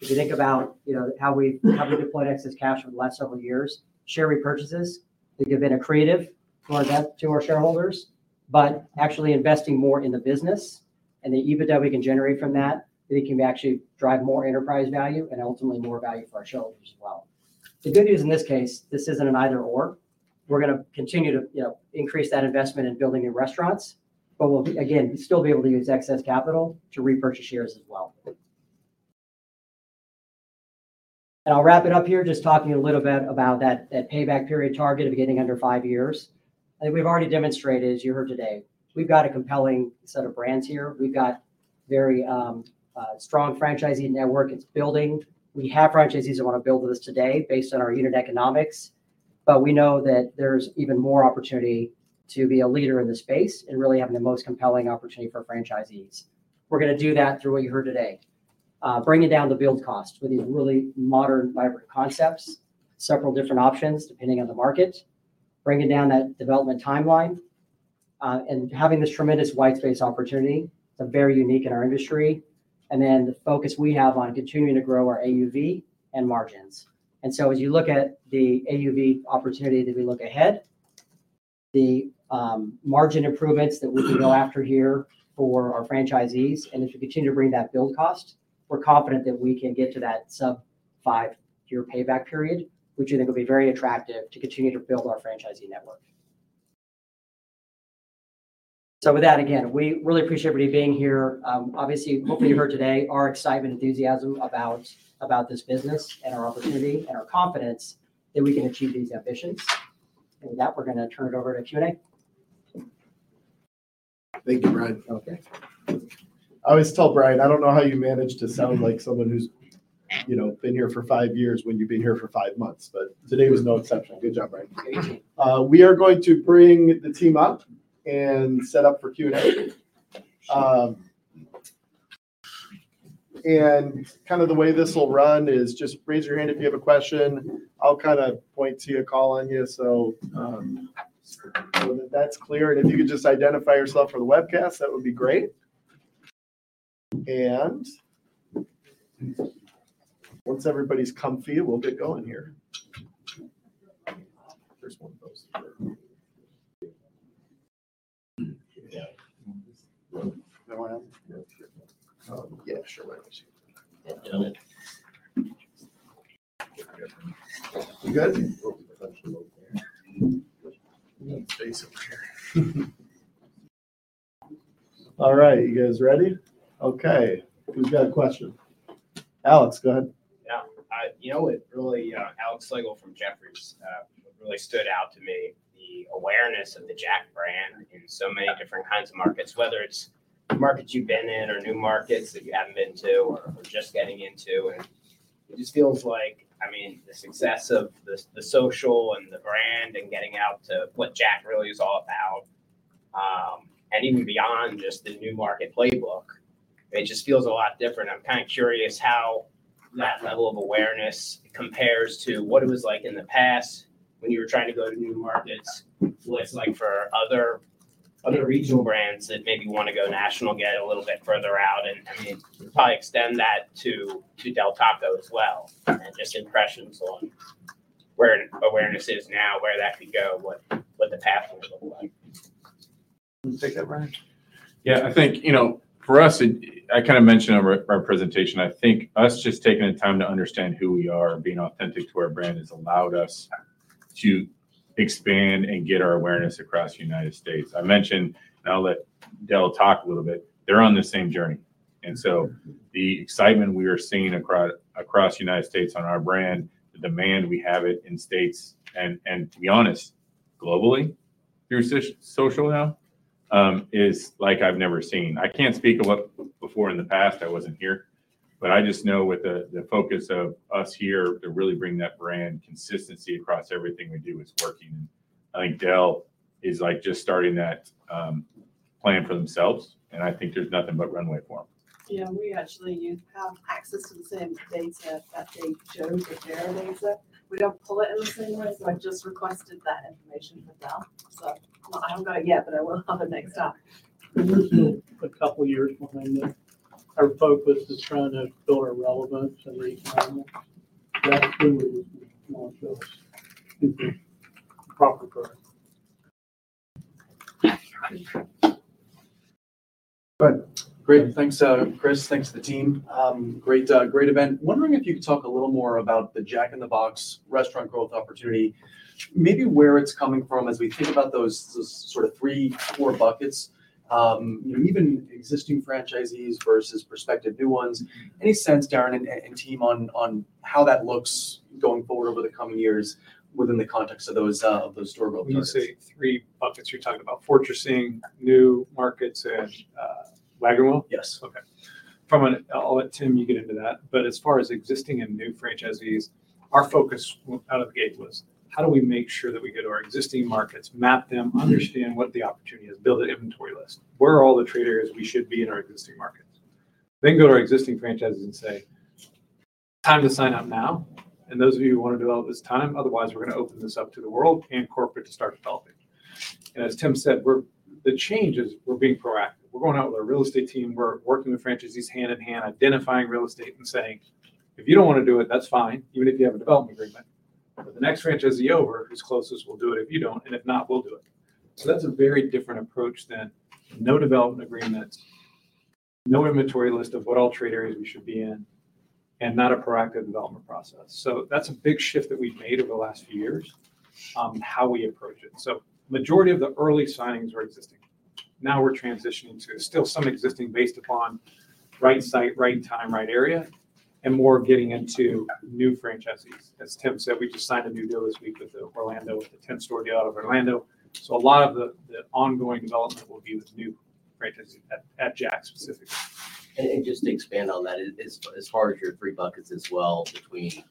If you think about, you know, how we deployed excess cash over the last several years, share repurchases, we've given credit to our shareholders, but actually investing more in the business and the EBITDA we can generate from that, I think can actually drive more enterprise value and ultimately more value for our shareholders as well. The good news in this case, this isn't an either/or. We're gonna continue to, you know, increase that investment in building new restaurants, but we'll be, again, still be able to use excess capital to repurchase shares as well. I'll wrap it up here, just talking a little bit about that payback period target of getting under five years. I think we've already demonstrated, as you heard today, we've got a compelling set of brands here. We've got very strong franchisee network. It's building. We have franchisees that want to build with us today based on our unit economics, but we know that there's even more opportunity to be a leader in this space and really having the most compelling opportunity for franchisees. We're gonna do that through what you heard today. Bringing down the build cost with these really modern, vibrant concepts, several different options, depending on the market, bringing down that development timeline, and having this tremendous white space opportunity, it's very unique in our industry, and then the focus we have on continuing to grow our AUV and margins. And so as you look at the AUV opportunity that we look ahead-... margin improvements that we can go after here for our franchisees, and if we continue to bring that build cost, we're confident that we can get to that sub five-year payback period, which we think will be very attractive to continue to build our franchisee network. So with that, again, we really appreciate everybody being here. Obviously, hopefully you've heard today our excitement, enthusiasm about this business and our opportunity and our confidence that we can achieve these ambitions. And with that, we're gonna turn it over to Q&A. Thank you, Brian. Okay. I always tell Brian, I don't know how you manage to sound like someone who's, you know, been here for five years when you've been here for five months, but today was no exception. Good job, Brian. Thank you. We are going to bring the team up and set up for Q&A. And kind of the way this will run is just raise your hand if you have a question. I'll kind of point to you and call on you, so, so that that's clear. And if you could just identify yourself for the webcast, that would be great. And once everybody's comfy, we'll get going here. There's one of those here. Yeah. Yeah, sure. You good? Space over here. All right, you guys ready? Okay, who's got a question? Alex, go ahead. Yeah, I, you know what really, Alex Slagle from Jefferies, what really stood out to me, the awareness of the Jack brand in so many different kinds of markets, whether it's markets you've been in or new markets that you haven't been to or are just getting into, and it just feels like... I mean, the success of the, the social and the brand and getting out to what Jack really is all about, and even beyond just the new market playbook, it just feels a lot different. I'm kind of curious how that level of awareness compares to what it was like in the past when you were trying to go to new markets. What it's like for other regional brands that maybe want to go national, get a little bit further out, and, I mean, probably extend that to Del Taco as well, and just impressions on where awareness is now, where that could go, what the path would look like. You want to take that, Ryan? Yeah, I think, you know, for us, I kind of mentioned in our, our presentation, I think us just taking the time to understand who we are and being authentic to our brand has allowed us to expand and get our awareness across the United States. I mentioned, and I'll let Del talk a little bit, they're on the same journey, and so the excitement we are seeing across, across the United States on our brand, the demand we have in states, and, and to be honest, globally, through social now, is like I've never seen. I can't speak of what before in the past, I wasn't here, but I just know with the, the focus of us here to really bring that brand consistency across everything we do is working. I think Del is, like, just starting that, plan for themselves, and I think there's nothing but runway for them. Yeah, we actually do have access to the same data that they chose to share their data. We don't pull it in the same way, so I've just requested that information from Del, so I don't got it yet, but I will have it next time. We're still a couple years behind them. Our focus is trying to build our relevance in the environment. That's really my choice. Proper current. Go ahead. Great. Thanks, Chris. Thanks to the team. Great, great event. Wondering if you could talk a little more about the Jack in the Box restaurant growth opportunity, maybe where it's coming from as we think about those three-four buckets. You know, even existing franchisees versus prospective new ones. Any sense, Darin and team, on how that looks going forward over the coming years within the context of those store growth targets? When you say three buckets, you're talking about fortressing new markets and larger-scale? Yes. Okay. From an... I'll let Tim, you get into that, but as far as existing and new franchisees, our focus out of the gate was: How do we make sure that we get our existing markets, map them, understand what the opportunity is, build an inventory list? Where are all the trade areas we should be in our existing markets? Then go to our existing franchisees and say, "Time to sign up now, and those of you who want to develop this, time. Otherwise, we're going to open this up to the world and corporate to start developing." And as Tim said, the change is we're being proactive. We're going out with our real estate team. We're working with franchisees hand-in-hand, identifying real estate and saying, "If you don't want to do it, that's fine, even if you have a development agreement. But the next franchisee over, who's closest, will do it if you don't, and if not, we'll do it." So that's a very different approach than no development agreements, no inventory list of what all trade areas we should be in, and not a proactive development process. So that's a big shift that we've made over the last few years, how we approach it. So majority of the early signings were existing. Now we're transitioning to still some existing based upon right site, right time, right area, and more getting into new franchisees. As Tim said, we just signed a new deal this week with the Orlando, with the tenth store deal out of Orlando. So a lot of the ongoing development will be with new franchisees at Jack's specifically. Just to expand on that, as far as your three buckets as well, between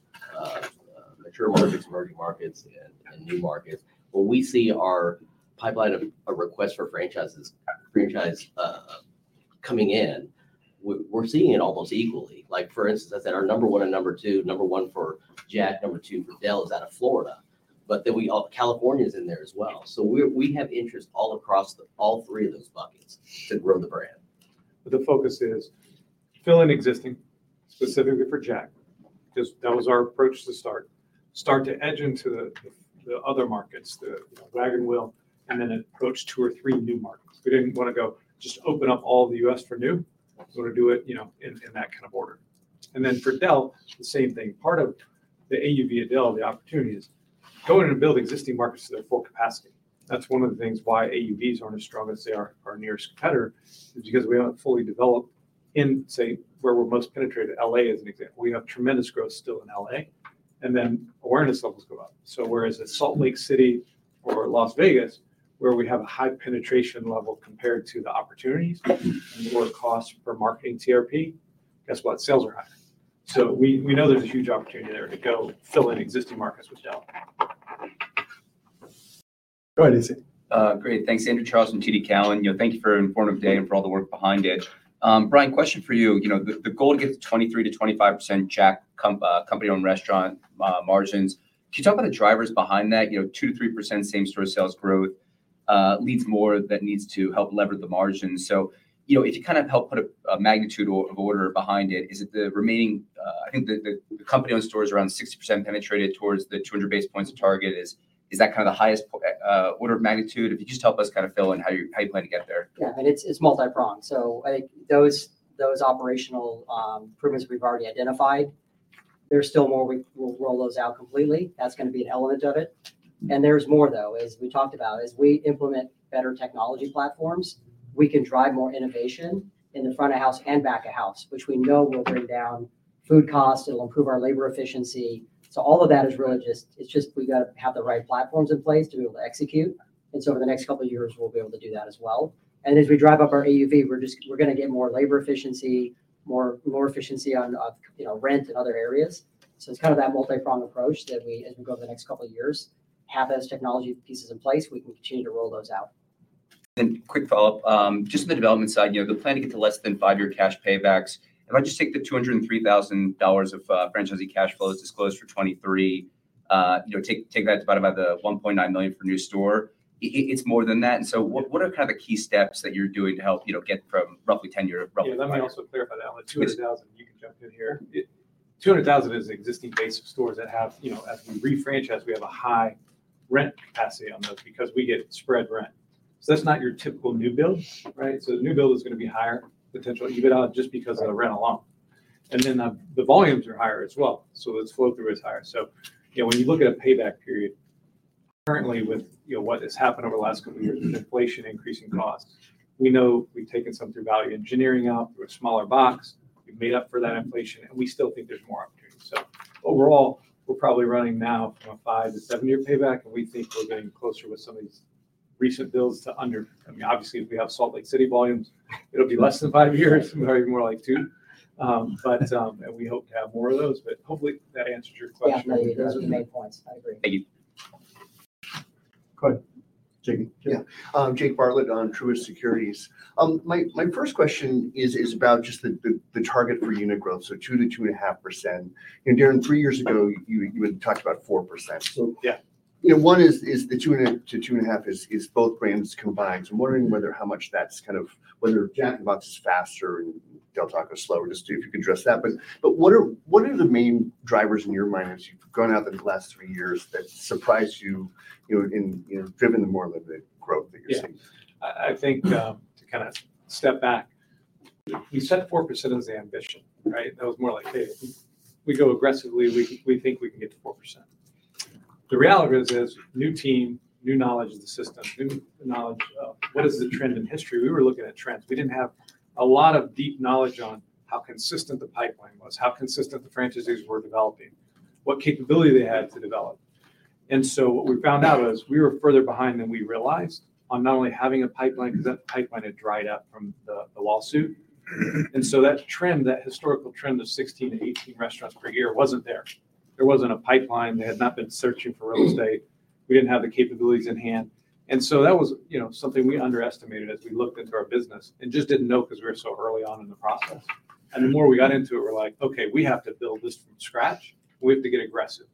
mature markets, emerging markets, and new markets, when we see our pipeline of requests for franchises coming in, we're seeing it almost equally. Like for instance, I said our number one and number two, number one for Jack, number two for Del, is out of Florida, but then we also—California's in there as well. So we have interest all across all three of those buckets to grow the brand.... But the focus is fill in existing, specifically for Jack, because that was our approach to start. Start to edge into the, the other markets, the wagon wheel, and then approach two or three new markets. We didn't wanna go just open up all the U.S. for new. We wanna do it, you know, in, in that kind of order. Then for Del, the same thing. Part of the AUV at Del, the opportunity, is go in and build existing markets to their full capacity. That's one of the things why AUVs aren't as strong as they are our nearest competitor, is because we haven't fully developed in, say, where we're most penetrated. L.A. is an example. We have tremendous growth still in L.A., and then awareness levels go up. So whereas at Salt Lake City or Las Vegas, where we have a high penetration level compared to the opportunities-... and lower cost per marketing TRP, guess what? Sales are high. So we know there's a huge opportunity there to go fill in existing markets with Del. Go ahead, Andrew. Great. Thanks. Andrew Charles from TD Cowen. You know, thank you for an informative day and for all the work behind it. Brian, question for you. You know, the goal to get to 23%-25% Jack comp company-owned restaurant margins, can you talk about the drivers behind that? You know, 2%-3% same-store sales growth leads more that needs to help lever the margins. So, you know, if you kind of help put a magnitude of order behind it, is it the remaining? I think the company-owned stores are around 60% penetrated towards the 200 basis points of target. Is that kind of the highest order of magnitude? If you could just help us kind of fill in how you're planning to get there. Yeah, and it's, it's multi-pronged. So, like, those, those operational improvements we've already identified, there's still more. We'll roll those out completely. That's gonna be an element of it, and there's more, though. As we talked about, as we implement better technology platforms, we can drive more innovation in the front of house and back of house, which we know will bring down food costs. It'll improve our labor efficiency. So all of that is really just... It's just we've got to have the right platforms in place to be able to execute, and so over the next couple of years, we'll be able to do that as well. And as we drive up our AUV, we're just- we're gonna get more labor efficiency, more, more efficiency on, you know, rent and other areas. It's kind of that multi-pronged approach that we, as we go over the next couple of years, have those technology pieces in place, we can continue to roll those out. Then quick follow-up. Just on the development side, you know, the plan to get to less than five-year cash paybacks. If I just take the $203,000 of franchisee cash flows disclosed for 2023, you know, take that divide by the $1.9 million for new store, it's more than that. And so what are kind of the key steps that you're doing to help, you know, get from roughly 10-year, roughly- Yeah, let me also clarify that. 200,000, you can jump in here. 200,000 is the existing base of stores that have... You know, as we refranchise, we have a high rent capacity on those because we get spread rent. So that's not your typical new build, right? So the new build is gonna be higher potential EBITDA just because- Right... of the rent alone, and then the volumes are higher as well, so its flow-through is higher. So, you know, when you look at a payback period, currently with, you know, what has happened over the last couple of years with inflation, increasing costs, we know we've taken some through value engineering out, through a smaller box. We've made up for that inflation, and we still think there's more opportunities. So overall, we're probably running now from a five- to seven-year payback, and we think we're getting closer with some of these recent builds to under... I mean, obviously, if we have Salt Lake City volumes, it'll be less than five years, or even more like two. But, and we hope to have more of those, but hopefully, that answers your question. Yeah, you made points. I agree. Thank you. Go ahead, Jake. Yeah, Jake Bartlett on Truist Securities. My first question is about just the target for unit growth, so 2%-2.5%. And Darin, three years ago, you had talked about 4%. Yeah. You know, one is the two to 2.5, both brands combined. So I'm wondering whether how much that's kind of... whether Jack in the Box is faster and Del Taco is slower. Just if you can address that. But what are the main drivers in your minds? You've gone out there the last three years that surprised you, you know, driven the more limited growth that you're seeing? Yeah. I think, to kind of step back, we set 4% as the ambition, right? That was more like, "Hey, if we go aggressively, we think we can get to 4%." The reality is, new team, new knowledge of the system, new knowledge of what is the trend in history. We were looking at trends. We didn't have a lot of deep knowledge on how consistent the pipeline was, how consistent the franchisees were developing, what capability they had to develop. And so what we found out was we were further behind than we realized on not only having a pipeline, because that pipeline had dried up from the lawsuit. And so that trend, that historical trend of 16-18 restaurants per year, wasn't there. There wasn't a pipeline. They had not been searching for real estate. We didn't have the capabilities in-hand. And so that was, you know, something we underestimated as we looked into our business, and just didn't know because we were so early on in the process. And the more we got into it, we're like: Okay, we have to build this from scratch. We have to get aggressive.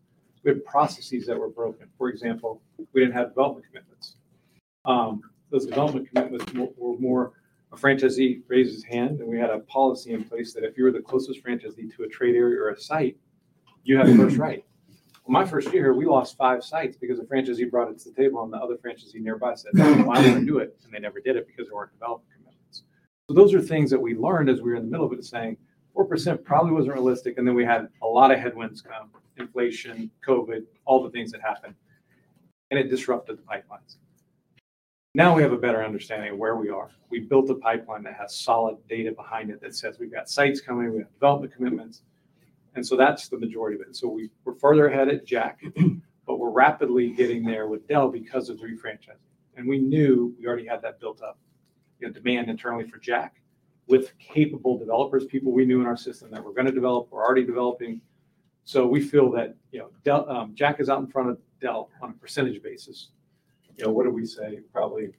We had processes that were broken. For example, we didn't have development commitments. Those development commitments were more a franchisee raised his hand, and we had a policy in place that if you were the closest franchisee to a trade area or a site, you had first right. Well, my first year, we lost five sites because a franchisee brought it to the table, and the other franchisee nearby said-... "Well, I want to do it," and they never did it because there weren't development commitments. So those are things that we learned as we were in the middle of it, saying 4% probably wasn't realistic, and then we had a lot of headwinds come, inflation, COVID, all the things that happened, and it disrupted the pipelines. Now we have a better understanding of where we are. We've built a pipeline that has solid data behind it, that says we've got sites coming, we've got development commitments, and so that's the majority of it. So we're further ahead at Jack but we're rapidly getting there with Del because of refranchising. And we knew we already had that built-up, you know, demand internally for Jack, with capable developers, people we knew in our system, that were gonna develop or are already developing. So we feel that, you know, Del, Jack is out in front of Del on a percentage basis. You know, what did we say? Probably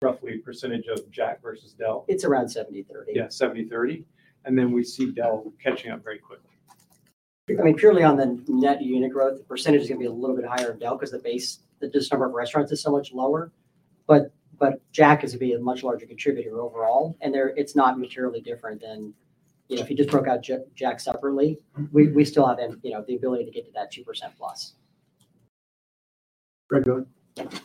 roughly percentage of Jack versus Del? It's around 70/30. Yeah, 70/30, and then we see Del catching up very quickly.... I mean, purely on the net unit growth, the percentage is gonna be a little bit higher in Del, 'cause the base, the just number of restaurants is so much lower. But, but Jack is gonna be a much larger contributor overall, and they're, it's not materially different than, you know, if you just broke out J- Jack separately. We, we still have, you know, the ability to get to that 2%+. Greg, go ahead.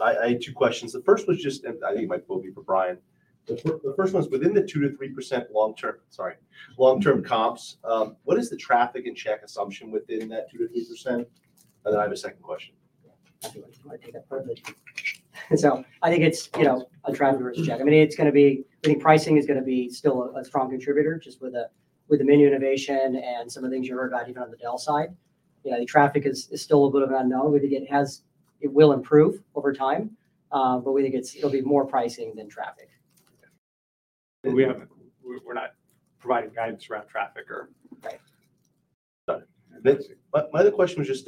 I had two questions. The first was just, and I think it might well be for Brian. The first one's within the 2%-3% long-term, sorry, long-term comps, what is the traffic and check assumption within that 2%-3%? And then I have a second question. Do you wanna take that first? So I think it's, you know, on traffic versus check. I mean, it's gonna be... I think pricing is gonna be still a strong contributor, just with the menu innovation and some of the things you heard about even on the Del side. You know, the traffic is still a bit of an unknown. We think it will improve over time, but we think it's, it'll be more pricing than traffic. We haven't, we're not providing guidance around traffic or- Right. Got it. But- My other question was just,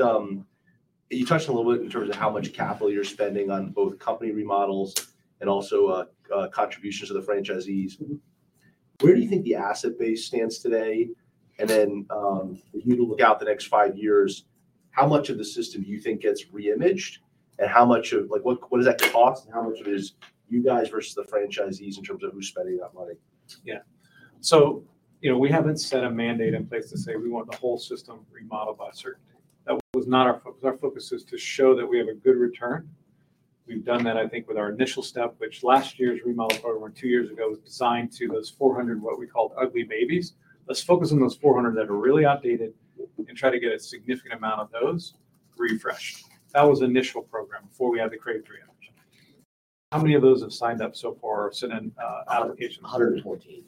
you touched a little bit in terms of how much capital you're spending on both company remodels and also, contributions to the franchisees. Mm-hmm. Where do you think the asset base stands today? And then, for you to look out the next five years, how much of the system do you think gets re-imaged, and how much of... Like, what, what does that cost, and how much of it is you guys versus the franchisees in terms of who's spending that money? Yeah. So, you know, we haven't set a mandate in place to say, "We want the whole system remodeled by a certain date." That was not our focus. Our focus is to show that we have a good return. We've done that, I think, with our initial step, which last year's remodel program, or two years ago, was designed to those 400, what we called ugly babies. Let's focus on those 400 that are really outdated and try to get a significant amount of those refreshed. That was the initial program before we had the Crave 3 option. How many of those have signed up so far or sent in applications? 114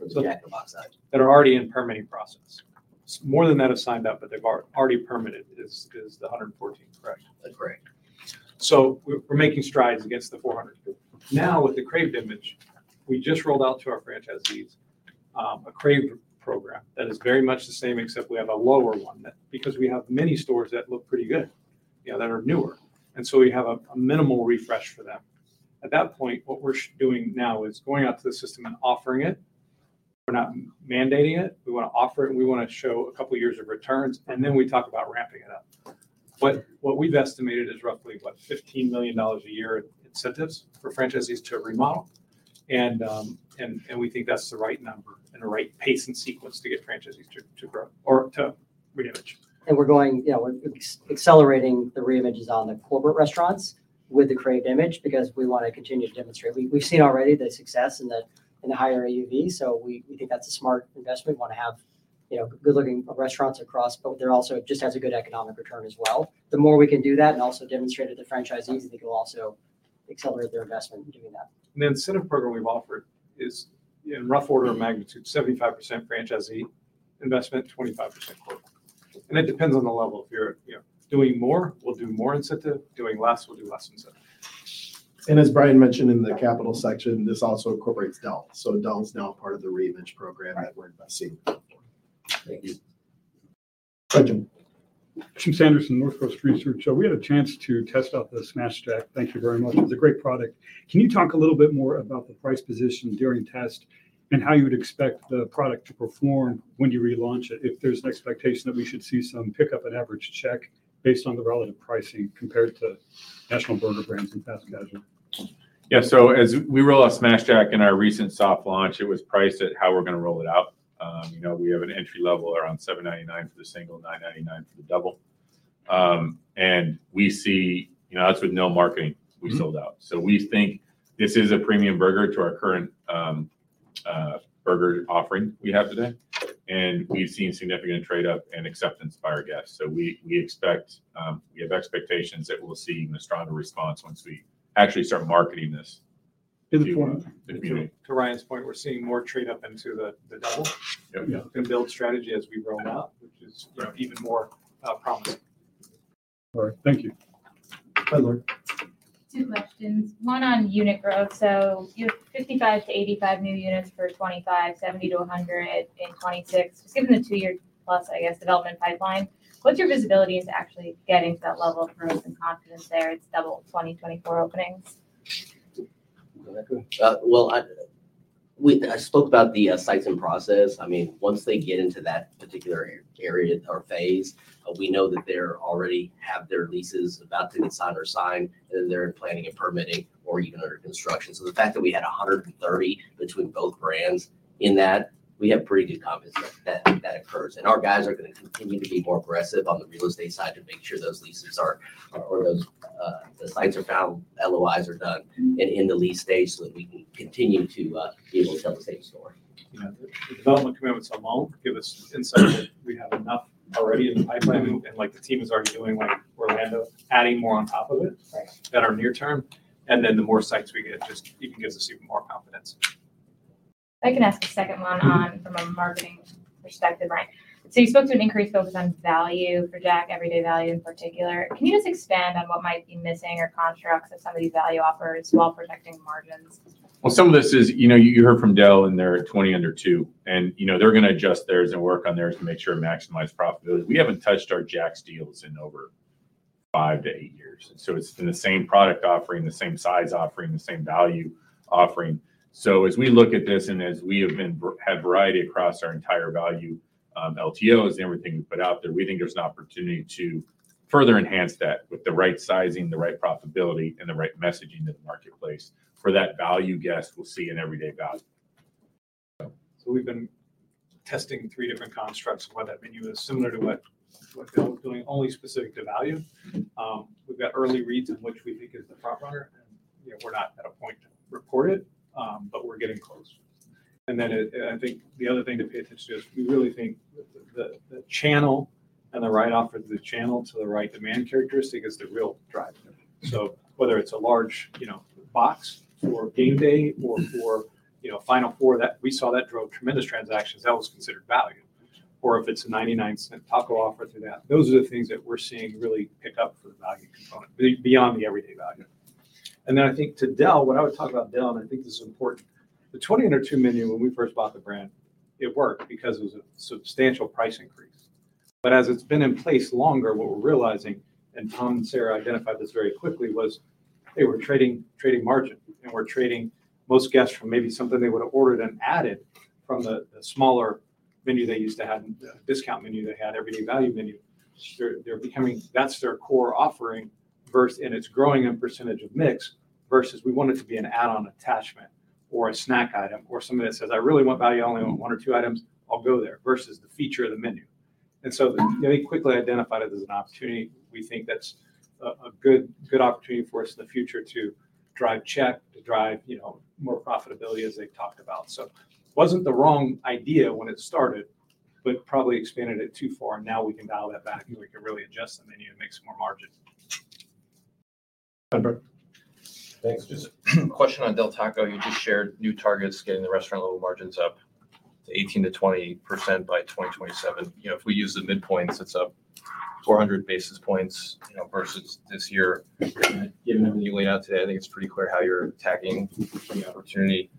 for Jack and Del Taco. That are already in permitting process. More than that have signed up, but they've already permitted is, is the 114, correct? That's correct. So we're making strides against the 400. Now, with the Crave image, we just rolled out to our franchisees a Crave program that is very much the same except we have a lower one, that because we have many stores that look pretty good, you know, that are newer, and so we have a minimal refresh for them. At that point, what we're doing now is going out to the system and offering it. We're not mandating it. We wanna offer it, and we wanna show a couple years of returns, and then we talk about ramping it up. But what we've estimated is roughly $15 million a year in incentives for franchisees to remodel, and we think that's the right number and the right pace and sequence to get franchisees to grow or to re-image. We're going, you know, we're accelerating the re-images on the corporate restaurants with the Crave image, because we wanna continue to demonstrate. We've seen already the success in the higher AUV, so we think that's a smart investment. We wanna have, you know, good-looking restaurants across, but they're also just has a good economic return as well. The more we can do that and also demonstrate to the franchisees, I think it'll also accelerate their investment in doing that. The incentive program we've offered is, in rough order of magnitude, 75% franchisee investment, 25% corporate. It depends on the level. If you're, you know, doing more, we'll do more incentive. Doing less, we'll do less incentive. As Brian mentioned in the capital section, this also incorporates Del. So Del's now a part of the re-image program that we're investing in. Thank you. Go ahead, Jim. Jim Sanderson, Northcoast Research. We had a chance to test out the Smashed Jack. Thank you very much. It's a great product. Can you talk a little bit more about the price position during test and how you would expect the product to perform when you relaunch it? If there's an expectation that we should see some pickup in average check based on the relative pricing compared to national burger brands and fast casual. Yeah. So as we roll out Smashed Jack in our recent soft launch, it was priced at how we're gonna roll it out. You know, we have an entry level around $7.99 for the single, $9.99 for the double. And we see... You know, that's with no marketing, we sold out. Mm-hmm. So we think this is a premium burger to our current burger offering we have today, and we've seen significant trade up and acceptance by our guests. So we expect we have expectations that we'll see an even stronger response once we actually start marketing this. In the form of- Mm-hmm. To Ryan's point, we're seeing more trade up into the double- Yep, yep. hook and build strategy as we roll out, which is- Right... even more promising. All right. Thank you. Hi, Lauren. Two questions, one on unit growth. So you have 55-85 new units for 2025, 70-100 in 2026. Just given the two-year-plus, I guess, development pipeline, what's your visibility into actually getting to that level of growth and confidence there? It's double 2024 openings. You wanna go? Well, I spoke about the sites and process. I mean, once they get into that particular area or phase, we know that they're already have their leases about to get signed or signed, and then they're in planning and permitting or even under construction. So the fact that we had 130 between both brands in that, we have pretty good confidence that that occurs. And our guys are gonna continue to be more aggressive on the real estate side to make sure those leases are or those sites are found, LOIs are done, and in the lease stage, so that we can continue to be able to tell the same story. You know, the development commitments alone give us insight that we have enough already in the pipeline, and, like, the team is already doing, like, Orlando, adding more on top of it. Right... that are near term, and then the more sites we get just even gives us even more confidence. If I can ask a second one on- Mm-hmm... from a marketing perspective, Ryan. So you spoke to an increased focus on value for Jack, everyday value in particular. Can you just expand on what might be missing or constructs of some of these value offers while protecting margins? Well, some of this is, you know, you heard from Del, and they're at 20 Under $2. And, you know, they're gonna adjust theirs and work on theirs to make sure to maximize profitability. We haven't touched our Jack's deals in over-... five-eight years. So it's been the same product offering, the same size offering, the same value offering. So as we look at this, and as we have been have variety across our entire value, LTOs and everything we've put out there, we think there's an opportunity to further enhance that with the right sizing, the right profitability, and the right messaging to the marketplace. For that value, guests will see an everyday value. So we've been testing three different constructs of what that menu is, similar to what Del's doing, only specific to value. We've got early reads in which we think is the front runner, and, you know, we're not at a point to report it, but we're getting close. I think the other thing to pay attention to is we really think the channel and the right offer to the channel, to the right demand characteristic is the real driver. So whether it's a large, you know, box for game day or for, you know, Final Four, that we saw that drove tremendous transactions. That was considered value. Or if it's a $0.99 taco offer through the app, those are the things that we're seeing really pick up for the value component, beyond the everyday value. And then I think to Del, when I would talk about Del, and I think this is important, the 20-under-$2 menu, when we first bought the brand, it worked because it was a substantial price increase. But as it's been in place longer, what we're realizing, and Tom and Sarah identified this very quickly, was they were trading, trading margin, and were trading most guests from maybe something they would've ordered and added from the, the smaller menu they used to have, and the discount menu they had, everyday value menu. They're, they're becoming... That's their core offering, versus and it's growing in percentage of mix, versus we want it to be an add-on attachment or a snack item or something that says, "I really want value. I only want one or two items, I'll go there," versus the feature of the menu. And so they quickly identified it as an opportunity. We think that's a, a good, good opportunity for us in the future to drive check, to drive, you know, more profitability, as they've talked about. So wasn't the wrong idea when it started, but probably expanded it too far, and now we can dial that back and we can really adjust the menu and make some more margin. Herbert? Thanks. Just a question on Del Taco. You just shared new targets, getting the restaurant level margins up to 18%-20% by 2027. You know, if we use the midpoints, it's up 400 basis points, you know, versus this year. Given what you laid out today, I think it's pretty clear how you're attacking the opportunity.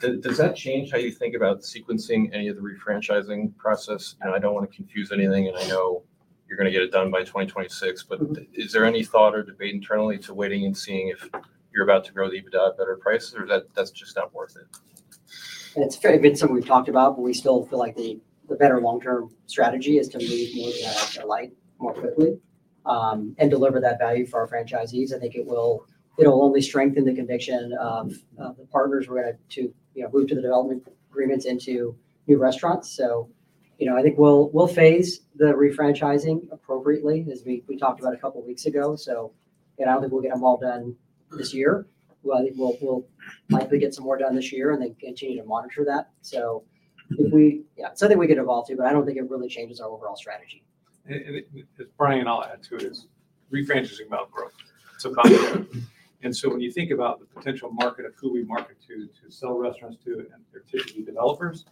Does that change how you think about sequencing any of the refranchising process? And I don't wanna confuse anything, and I know you're gonna get it done by 2026. But is there any thought or debate internally to waiting and seeing if you're about to grow the EBITDA at a better price, or that's just not worth it? It's very been something we've talked about, but we still feel like the better long-term strategy is to move more to that lighter more quickly, and deliver that value for our franchisees. I think it will, it'll only strengthen the conviction of the partners we're gonna to, you know, move to the development agreements into new restaurants. So, you know, I think we'll phase the refranchising appropriately, as we talked about a couple of weeks ago. So, you know, I don't think we'll get them all done this year. Well, I think we'll likely get some more done this year and then continue to monitor that. So if we... Yeah, it's something we could evolve to, but I don't think it really changes our overall strategy. And as Brian, and I'll add to it, refranchising is about growth. It's about growth. And so when you think about the potential market of who we market to to sell restaurants to, and they're typically developers,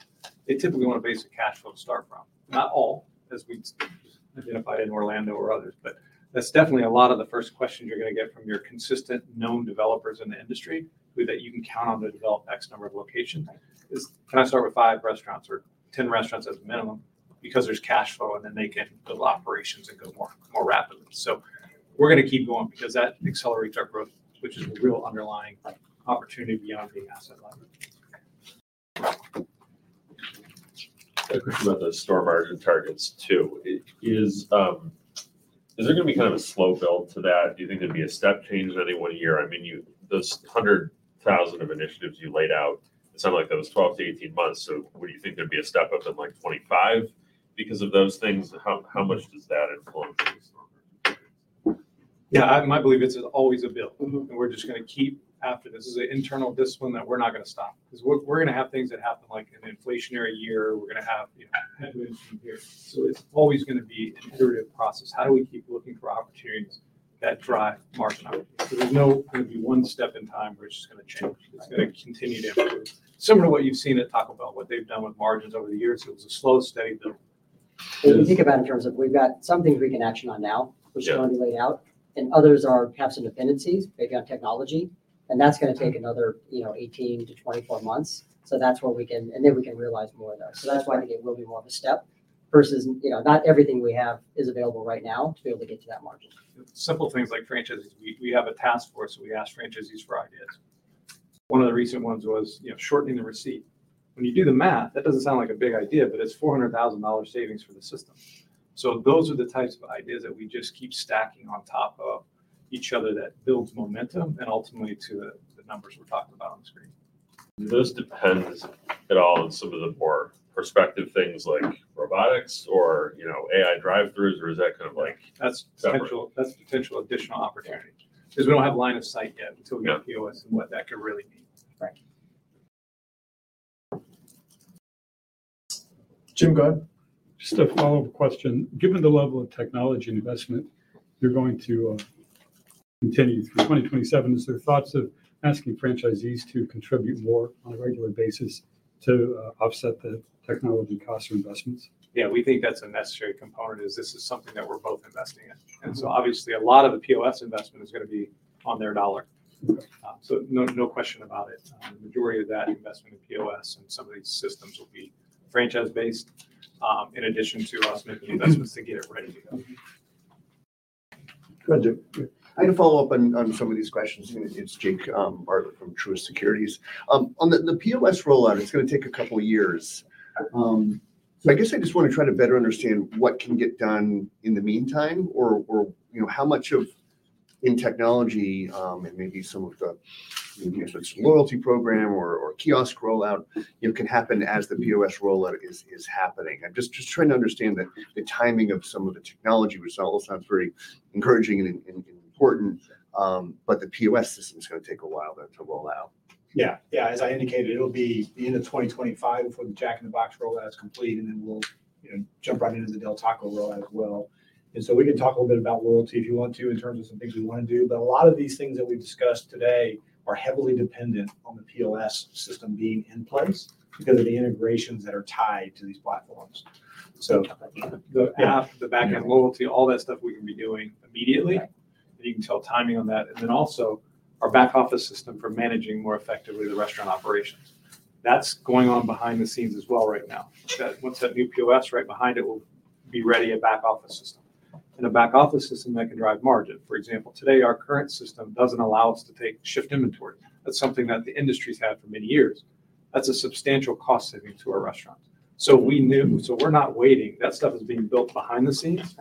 they typically want a basic cash flow to start from. Not all, as we identified in Orlando or others, but that's definitely a lot of the first questions you're gonna get from your consistent, known developers in the industry who you can count on to develop X number of locations: "Can I start with five restaurants or 10 restaurants as a minimum?" Because there's cash flow, and then they can build operations and go more rapidly. So we're gonna keep going because that accelerates our growth, which is a real underlying opportunity beyond the asset line. A question about the store margin targets, too. Is, is there gonna be kind of a slow build to that? Do you think there'd be a step change any one year? I mean, you, those 100,000 of initiatives you laid out, it sounded like that was 12-18 months. So would you think there'd be a step up in, like, 25 because of those things? How, how much does that influence these numbers? Yeah, my belief is it's always a build. Mm-hmm. We're just gonna keep after this. This is an internal discipline that we're not gonna stop. 'Cause we're, we're gonna have things that happen, like an inflationary year, we're gonna have, you know, headwinds from here. So it's always gonna be an iterative process. How do we keep looking for opportunities that drive margin opportunity? So there's not gonna be one step in time where it's just gonna change. Right. It's gonna continue to improve. Similar to what you've seen at Taco Bell, what they've done with margins over the years, it was a slow, steady build. And- If you think about it in terms of we've got some things we can action on now- Yeah... which are already laid out, and others are perhaps dependencies based on technology, and that's gonna take another, you know, 18-24 months. So that's where we can, and then we can realize more of those. Right. That's why I think it will be more of a step, versus, you know, not everything we have is available right now to be able to get to that margin. Simple things like franchises. We have a task force, we ask franchisees for ideas. One of the recent ones was, you know, shortening the receipt. When you do the math, that doesn't sound like a big idea, but it's $400,000 savings for the system. So those are the types of ideas that we just keep stacking on top of each other that builds momentum, and ultimately to the numbers we're talking about on the screen. Do those depend at all on some of the more prospective things like robotics or, you know, AI drive-throughs, or is that kind of like- That's potential- Separate?... That's potential additional opportunity. 'Cause we don't have line of sight yet until- Yeah... we have POS and what that could really mean. Right. Jim, go ahead. Just a follow-up question. Given the level of technology and investment you're going to continue through 2027, is there thoughts of asking franchisees to contribute more on a regular basis to offset the technology costs or investments? Yeah, we think that's a necessary component. This is something that we're both investing in. Mm-hmm. Obviously, a lot of the POS investment is gonna be on their dollar. Mm-hmm. So, no, no question about it, the majority of that investment in POS and some of these systems will be franchise-based, in addition to us making investments to get it ready to go. ... Go ahead, Jake. I'm gonna follow up on some of these questions. It's Jake Bartlett from Truist Securities. On the POS rollout, it's gonna take a couple of years. So I guess I just wanna try to better understand what can get done in the meantime, or, you know, how much of in technology, and maybe some of the, maybe it's loyalty program or, kiosk rollout, you know, can happen as the POS rollout is happening. I'm just trying to understand the timing of some of the technology, which all sounds very encouraging and important. But the POS system's gonna take a while though, to roll out. Yeah. Yeah, as I indicated, it'll be the end of 2025 before the Jack in the Box rollout is complete, and then we'll, you know, jump right into the Del Taco rollout as well. And so we can talk a little bit about loyalty if you want to, in terms of some things we wanna do. But a lot of these things that we've discussed today are heavily dependent on the POS system being in place because of the integrations that are tied to these platforms. So the app, yeah, the backend loyalty, all that stuff we can be doing immediately. Yeah. And you can tell timing on that, and then also our back office system for managing more effectively the restaurant operations. That's going on behind the scenes as well right now. That, once that new POS right behind it will be ready, a back office system, and a back office system that can drive margin. For example, today, our current system doesn't allow us to take shift inventory. That's something that the industry's had for many years. That's a substantial cost saving to our restaurants. So we knew, so we're not waiting. That stuff is being built behind the scenes,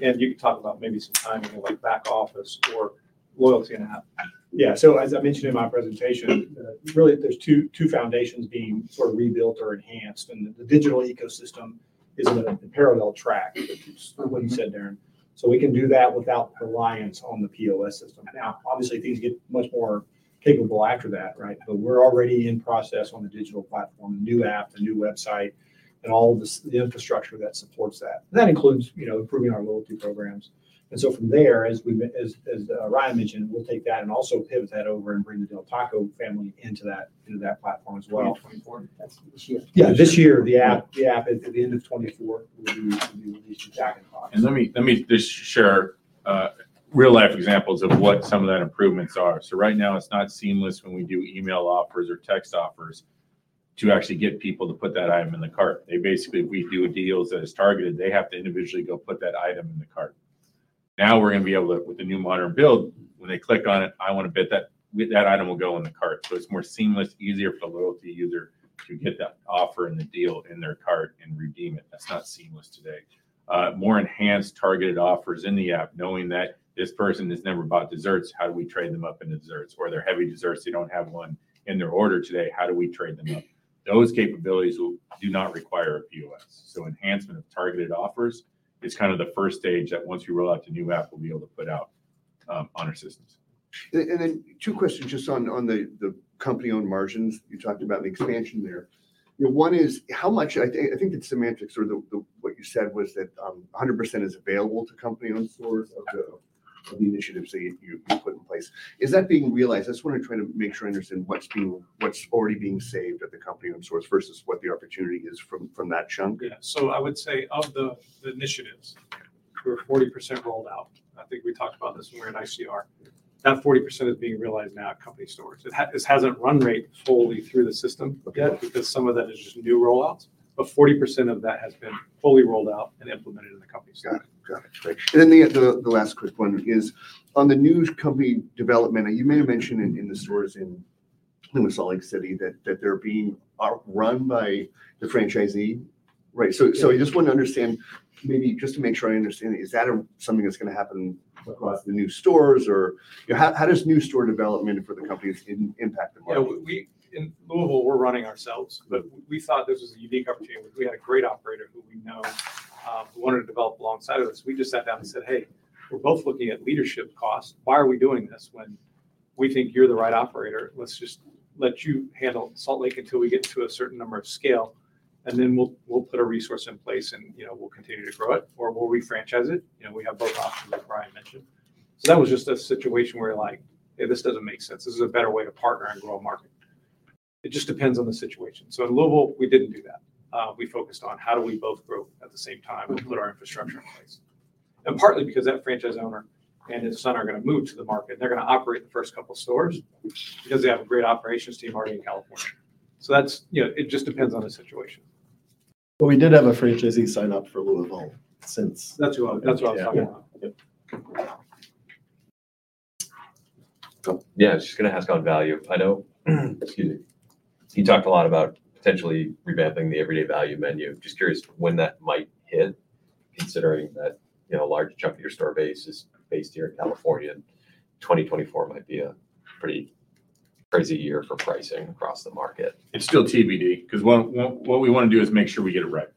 and you can talk about maybe some timing, like back office or loyalty and app. Yeah. So as I mentioned in my presentation, really there's two foundations being sort of rebuilt or enhanced, and the digital ecosystem is a parallel track, which is what you said, Darin. So we can do that without reliance on the POS system. Now, obviously, things get much more capable after that, right? But we're already in process on the digital platform, the new app, the new website, and all of the infrastructure that supports that. That includes, you know, improving our loyalty programs. And so from there, as we've, as Ryan mentioned, we'll take that and also pivot that over and bring the Del Taco family into that, into that platform as well. 2024? That's this year. Yeah, this year, the app. The app at the end of 2024 will be released to Jack in the Box. Let me, let me just share real-life examples of what some of that improvements are. So right now, it's not seamless when we do email offers or text offers to actually get people to put that item in the cart. They basically, we do a deal that is targeted, they have to individually go put that item in the cart. Now, we're gonna be able to, with the new modern build, when they click on it, I wanna bet that with that item will go in the cart. So it's more seamless, easier for the loyalty user to get that offer and the deal in their cart and redeem it. That's not seamless today. More enhanced, targeted offers in the app, knowing that this person has never bought desserts, how do we trade them up into desserts? Or they're heavy desserts, they don't have one in their order today, how do we trade them up? Those capabilities will not require a POS. So enhancement of targeted offers is kind of the first stage that once we roll out the new app, we'll be able to put out on our systems. Then two questions just on the company-owned margins. You talked about the expansion there. You know, one is, how much... I think it's semantics or the what you said was that 100% is available to company-owned stores of the initiatives that you put in place. Is that being realized? I just wanna try to make sure I understand what's already being saved at the company-owned stores versus what the opportunity is from that chunk. Yeah. So I would say, of the, the initiatives, we're 40% rolled out. I think we talked about this when we were in ICR. That 40% is being realized now at company stores. This hasn't run rate fully through the system yet- Okay... because some of that is just new rollouts, but 40% of that has been fully rolled out and implemented in the company stores. Got it. Got it. Great. And then the last quick one is, on the new company development, and you may have mentioned in the stores in Salt Lake City, that they're being run by the franchisee, right? Yeah. So, I just want to understand, maybe just to make sure I understand, is that something that's gonna happen across the new stores? Or, you know, how does new store development for the company impact the market? Yeah, we, in Louisville, we're running ourselves, but we thought this was a unique opportunity. We had a great operator who we know, who wanted to develop alongside of us. We just sat down and said, "Hey, we're both looking at leadership costs. Why are we doing this when we think you're the right operator? Let's just let you handle Salt Lake until we get to a certain number of scale, and then we'll, we'll put a resource in place, and, you know, we'll continue to grow it, or we'll refranchise it." You know, we have both options, like Ryan mentioned. So that was just a situation where we're like, "Hey, this doesn't make sense. This is a better way to partner and grow a market." It just depends on the situation. So in Louisville, we didn't do that. We focused on how do we both grow at the same time and put our infrastructure in place? Partly because that franchise owner and his son are gonna move to the market, and they're gonna operate the first couple stores because they have a great operations team already in California. So that's, you know, it just depends on the situation. But we did have a franchisee sign up for Louisville since - that's what I, that's what I was talking about. Yeah. Yep. Cool. Yeah, I was just gonna ask on value. I know, excuse me, you talked a lot about potentially revamping the Everyday Value menu. Just curious when that might hit, considering that, you know, a large chunk of your store base is based here in California, and 2024 might be a pretty crazy year for pricing across the market. It's still TBD, 'cause what we wanna do is make sure we get it right.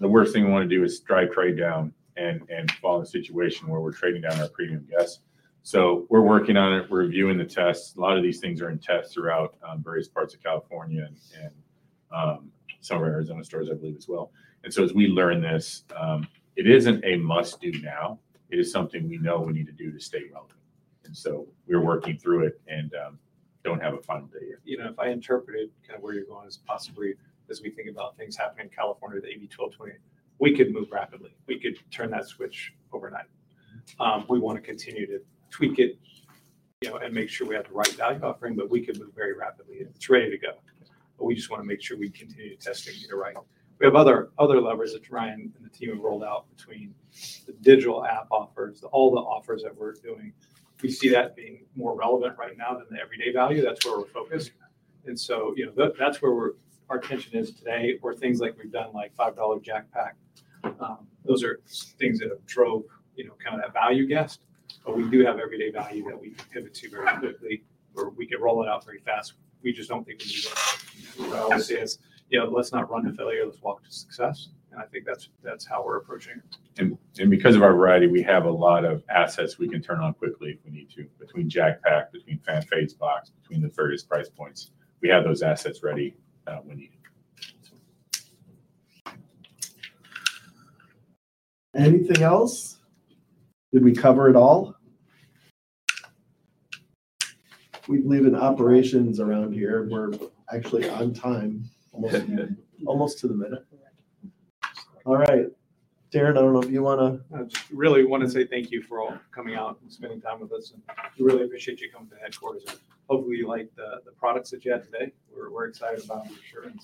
The worst thing we wanna do is drive trade down and fall in a situation where we're trading down our premium guests. So we're working on it. We're reviewing the tests. A lot of these things are in test throughout various parts of California and some of our Arizona stores, I believe, as well. And so as we learn this, it isn't a must-do now. It is something we know we need to do to stay relevant, and so we're working through it and don't have a final day yet. You know, if I interpreted kind of where you're going as possibly as we think about things happening in California, the AB 1228, we could move rapidly. We could turn that switch overnight. We wanna continue to tweak it, you know, and make sure we have the right value offering, but we could move very rapidly, and it's ready to go. But we just wanna make sure we continue testing to get it right. We have other levers that Ryan and the team have rolled out between the digital app offers, all the offers that we're doing. We see that being more relevant right now than the Everyday Value. That's where we're focused, and so, you know, that, that's where we're, our attention is today, or things like we've done, like $5 Jack Pack. Those are things that have drove, you know, kind of that value guest. But we do have Everyday Value that we can pivot to very quickly, or we can roll it out very fast. We just don't think we need to right now. Yes. Our stance, you know, let's not run to failure, let's walk to success, and I think that's, that's how we're approaching it. And because of our variety, we have a lot of assets we can turn on quickly if we need to, between Jack Pack, between Fan Favs Box, between the various price points. We have those assets ready when needed. Anything else? Did we cover it all? We believe in operations around here. We're actually on time... almost, almost to the minute. Correct. All right. Darin, I don't know if you wanna- I just really wanna say thank you for all coming out and spending time with us, and we really appreciate you coming to headquarters. Hopefully, you liked the, the products that you had today. We're, we're excited about them for sure, and-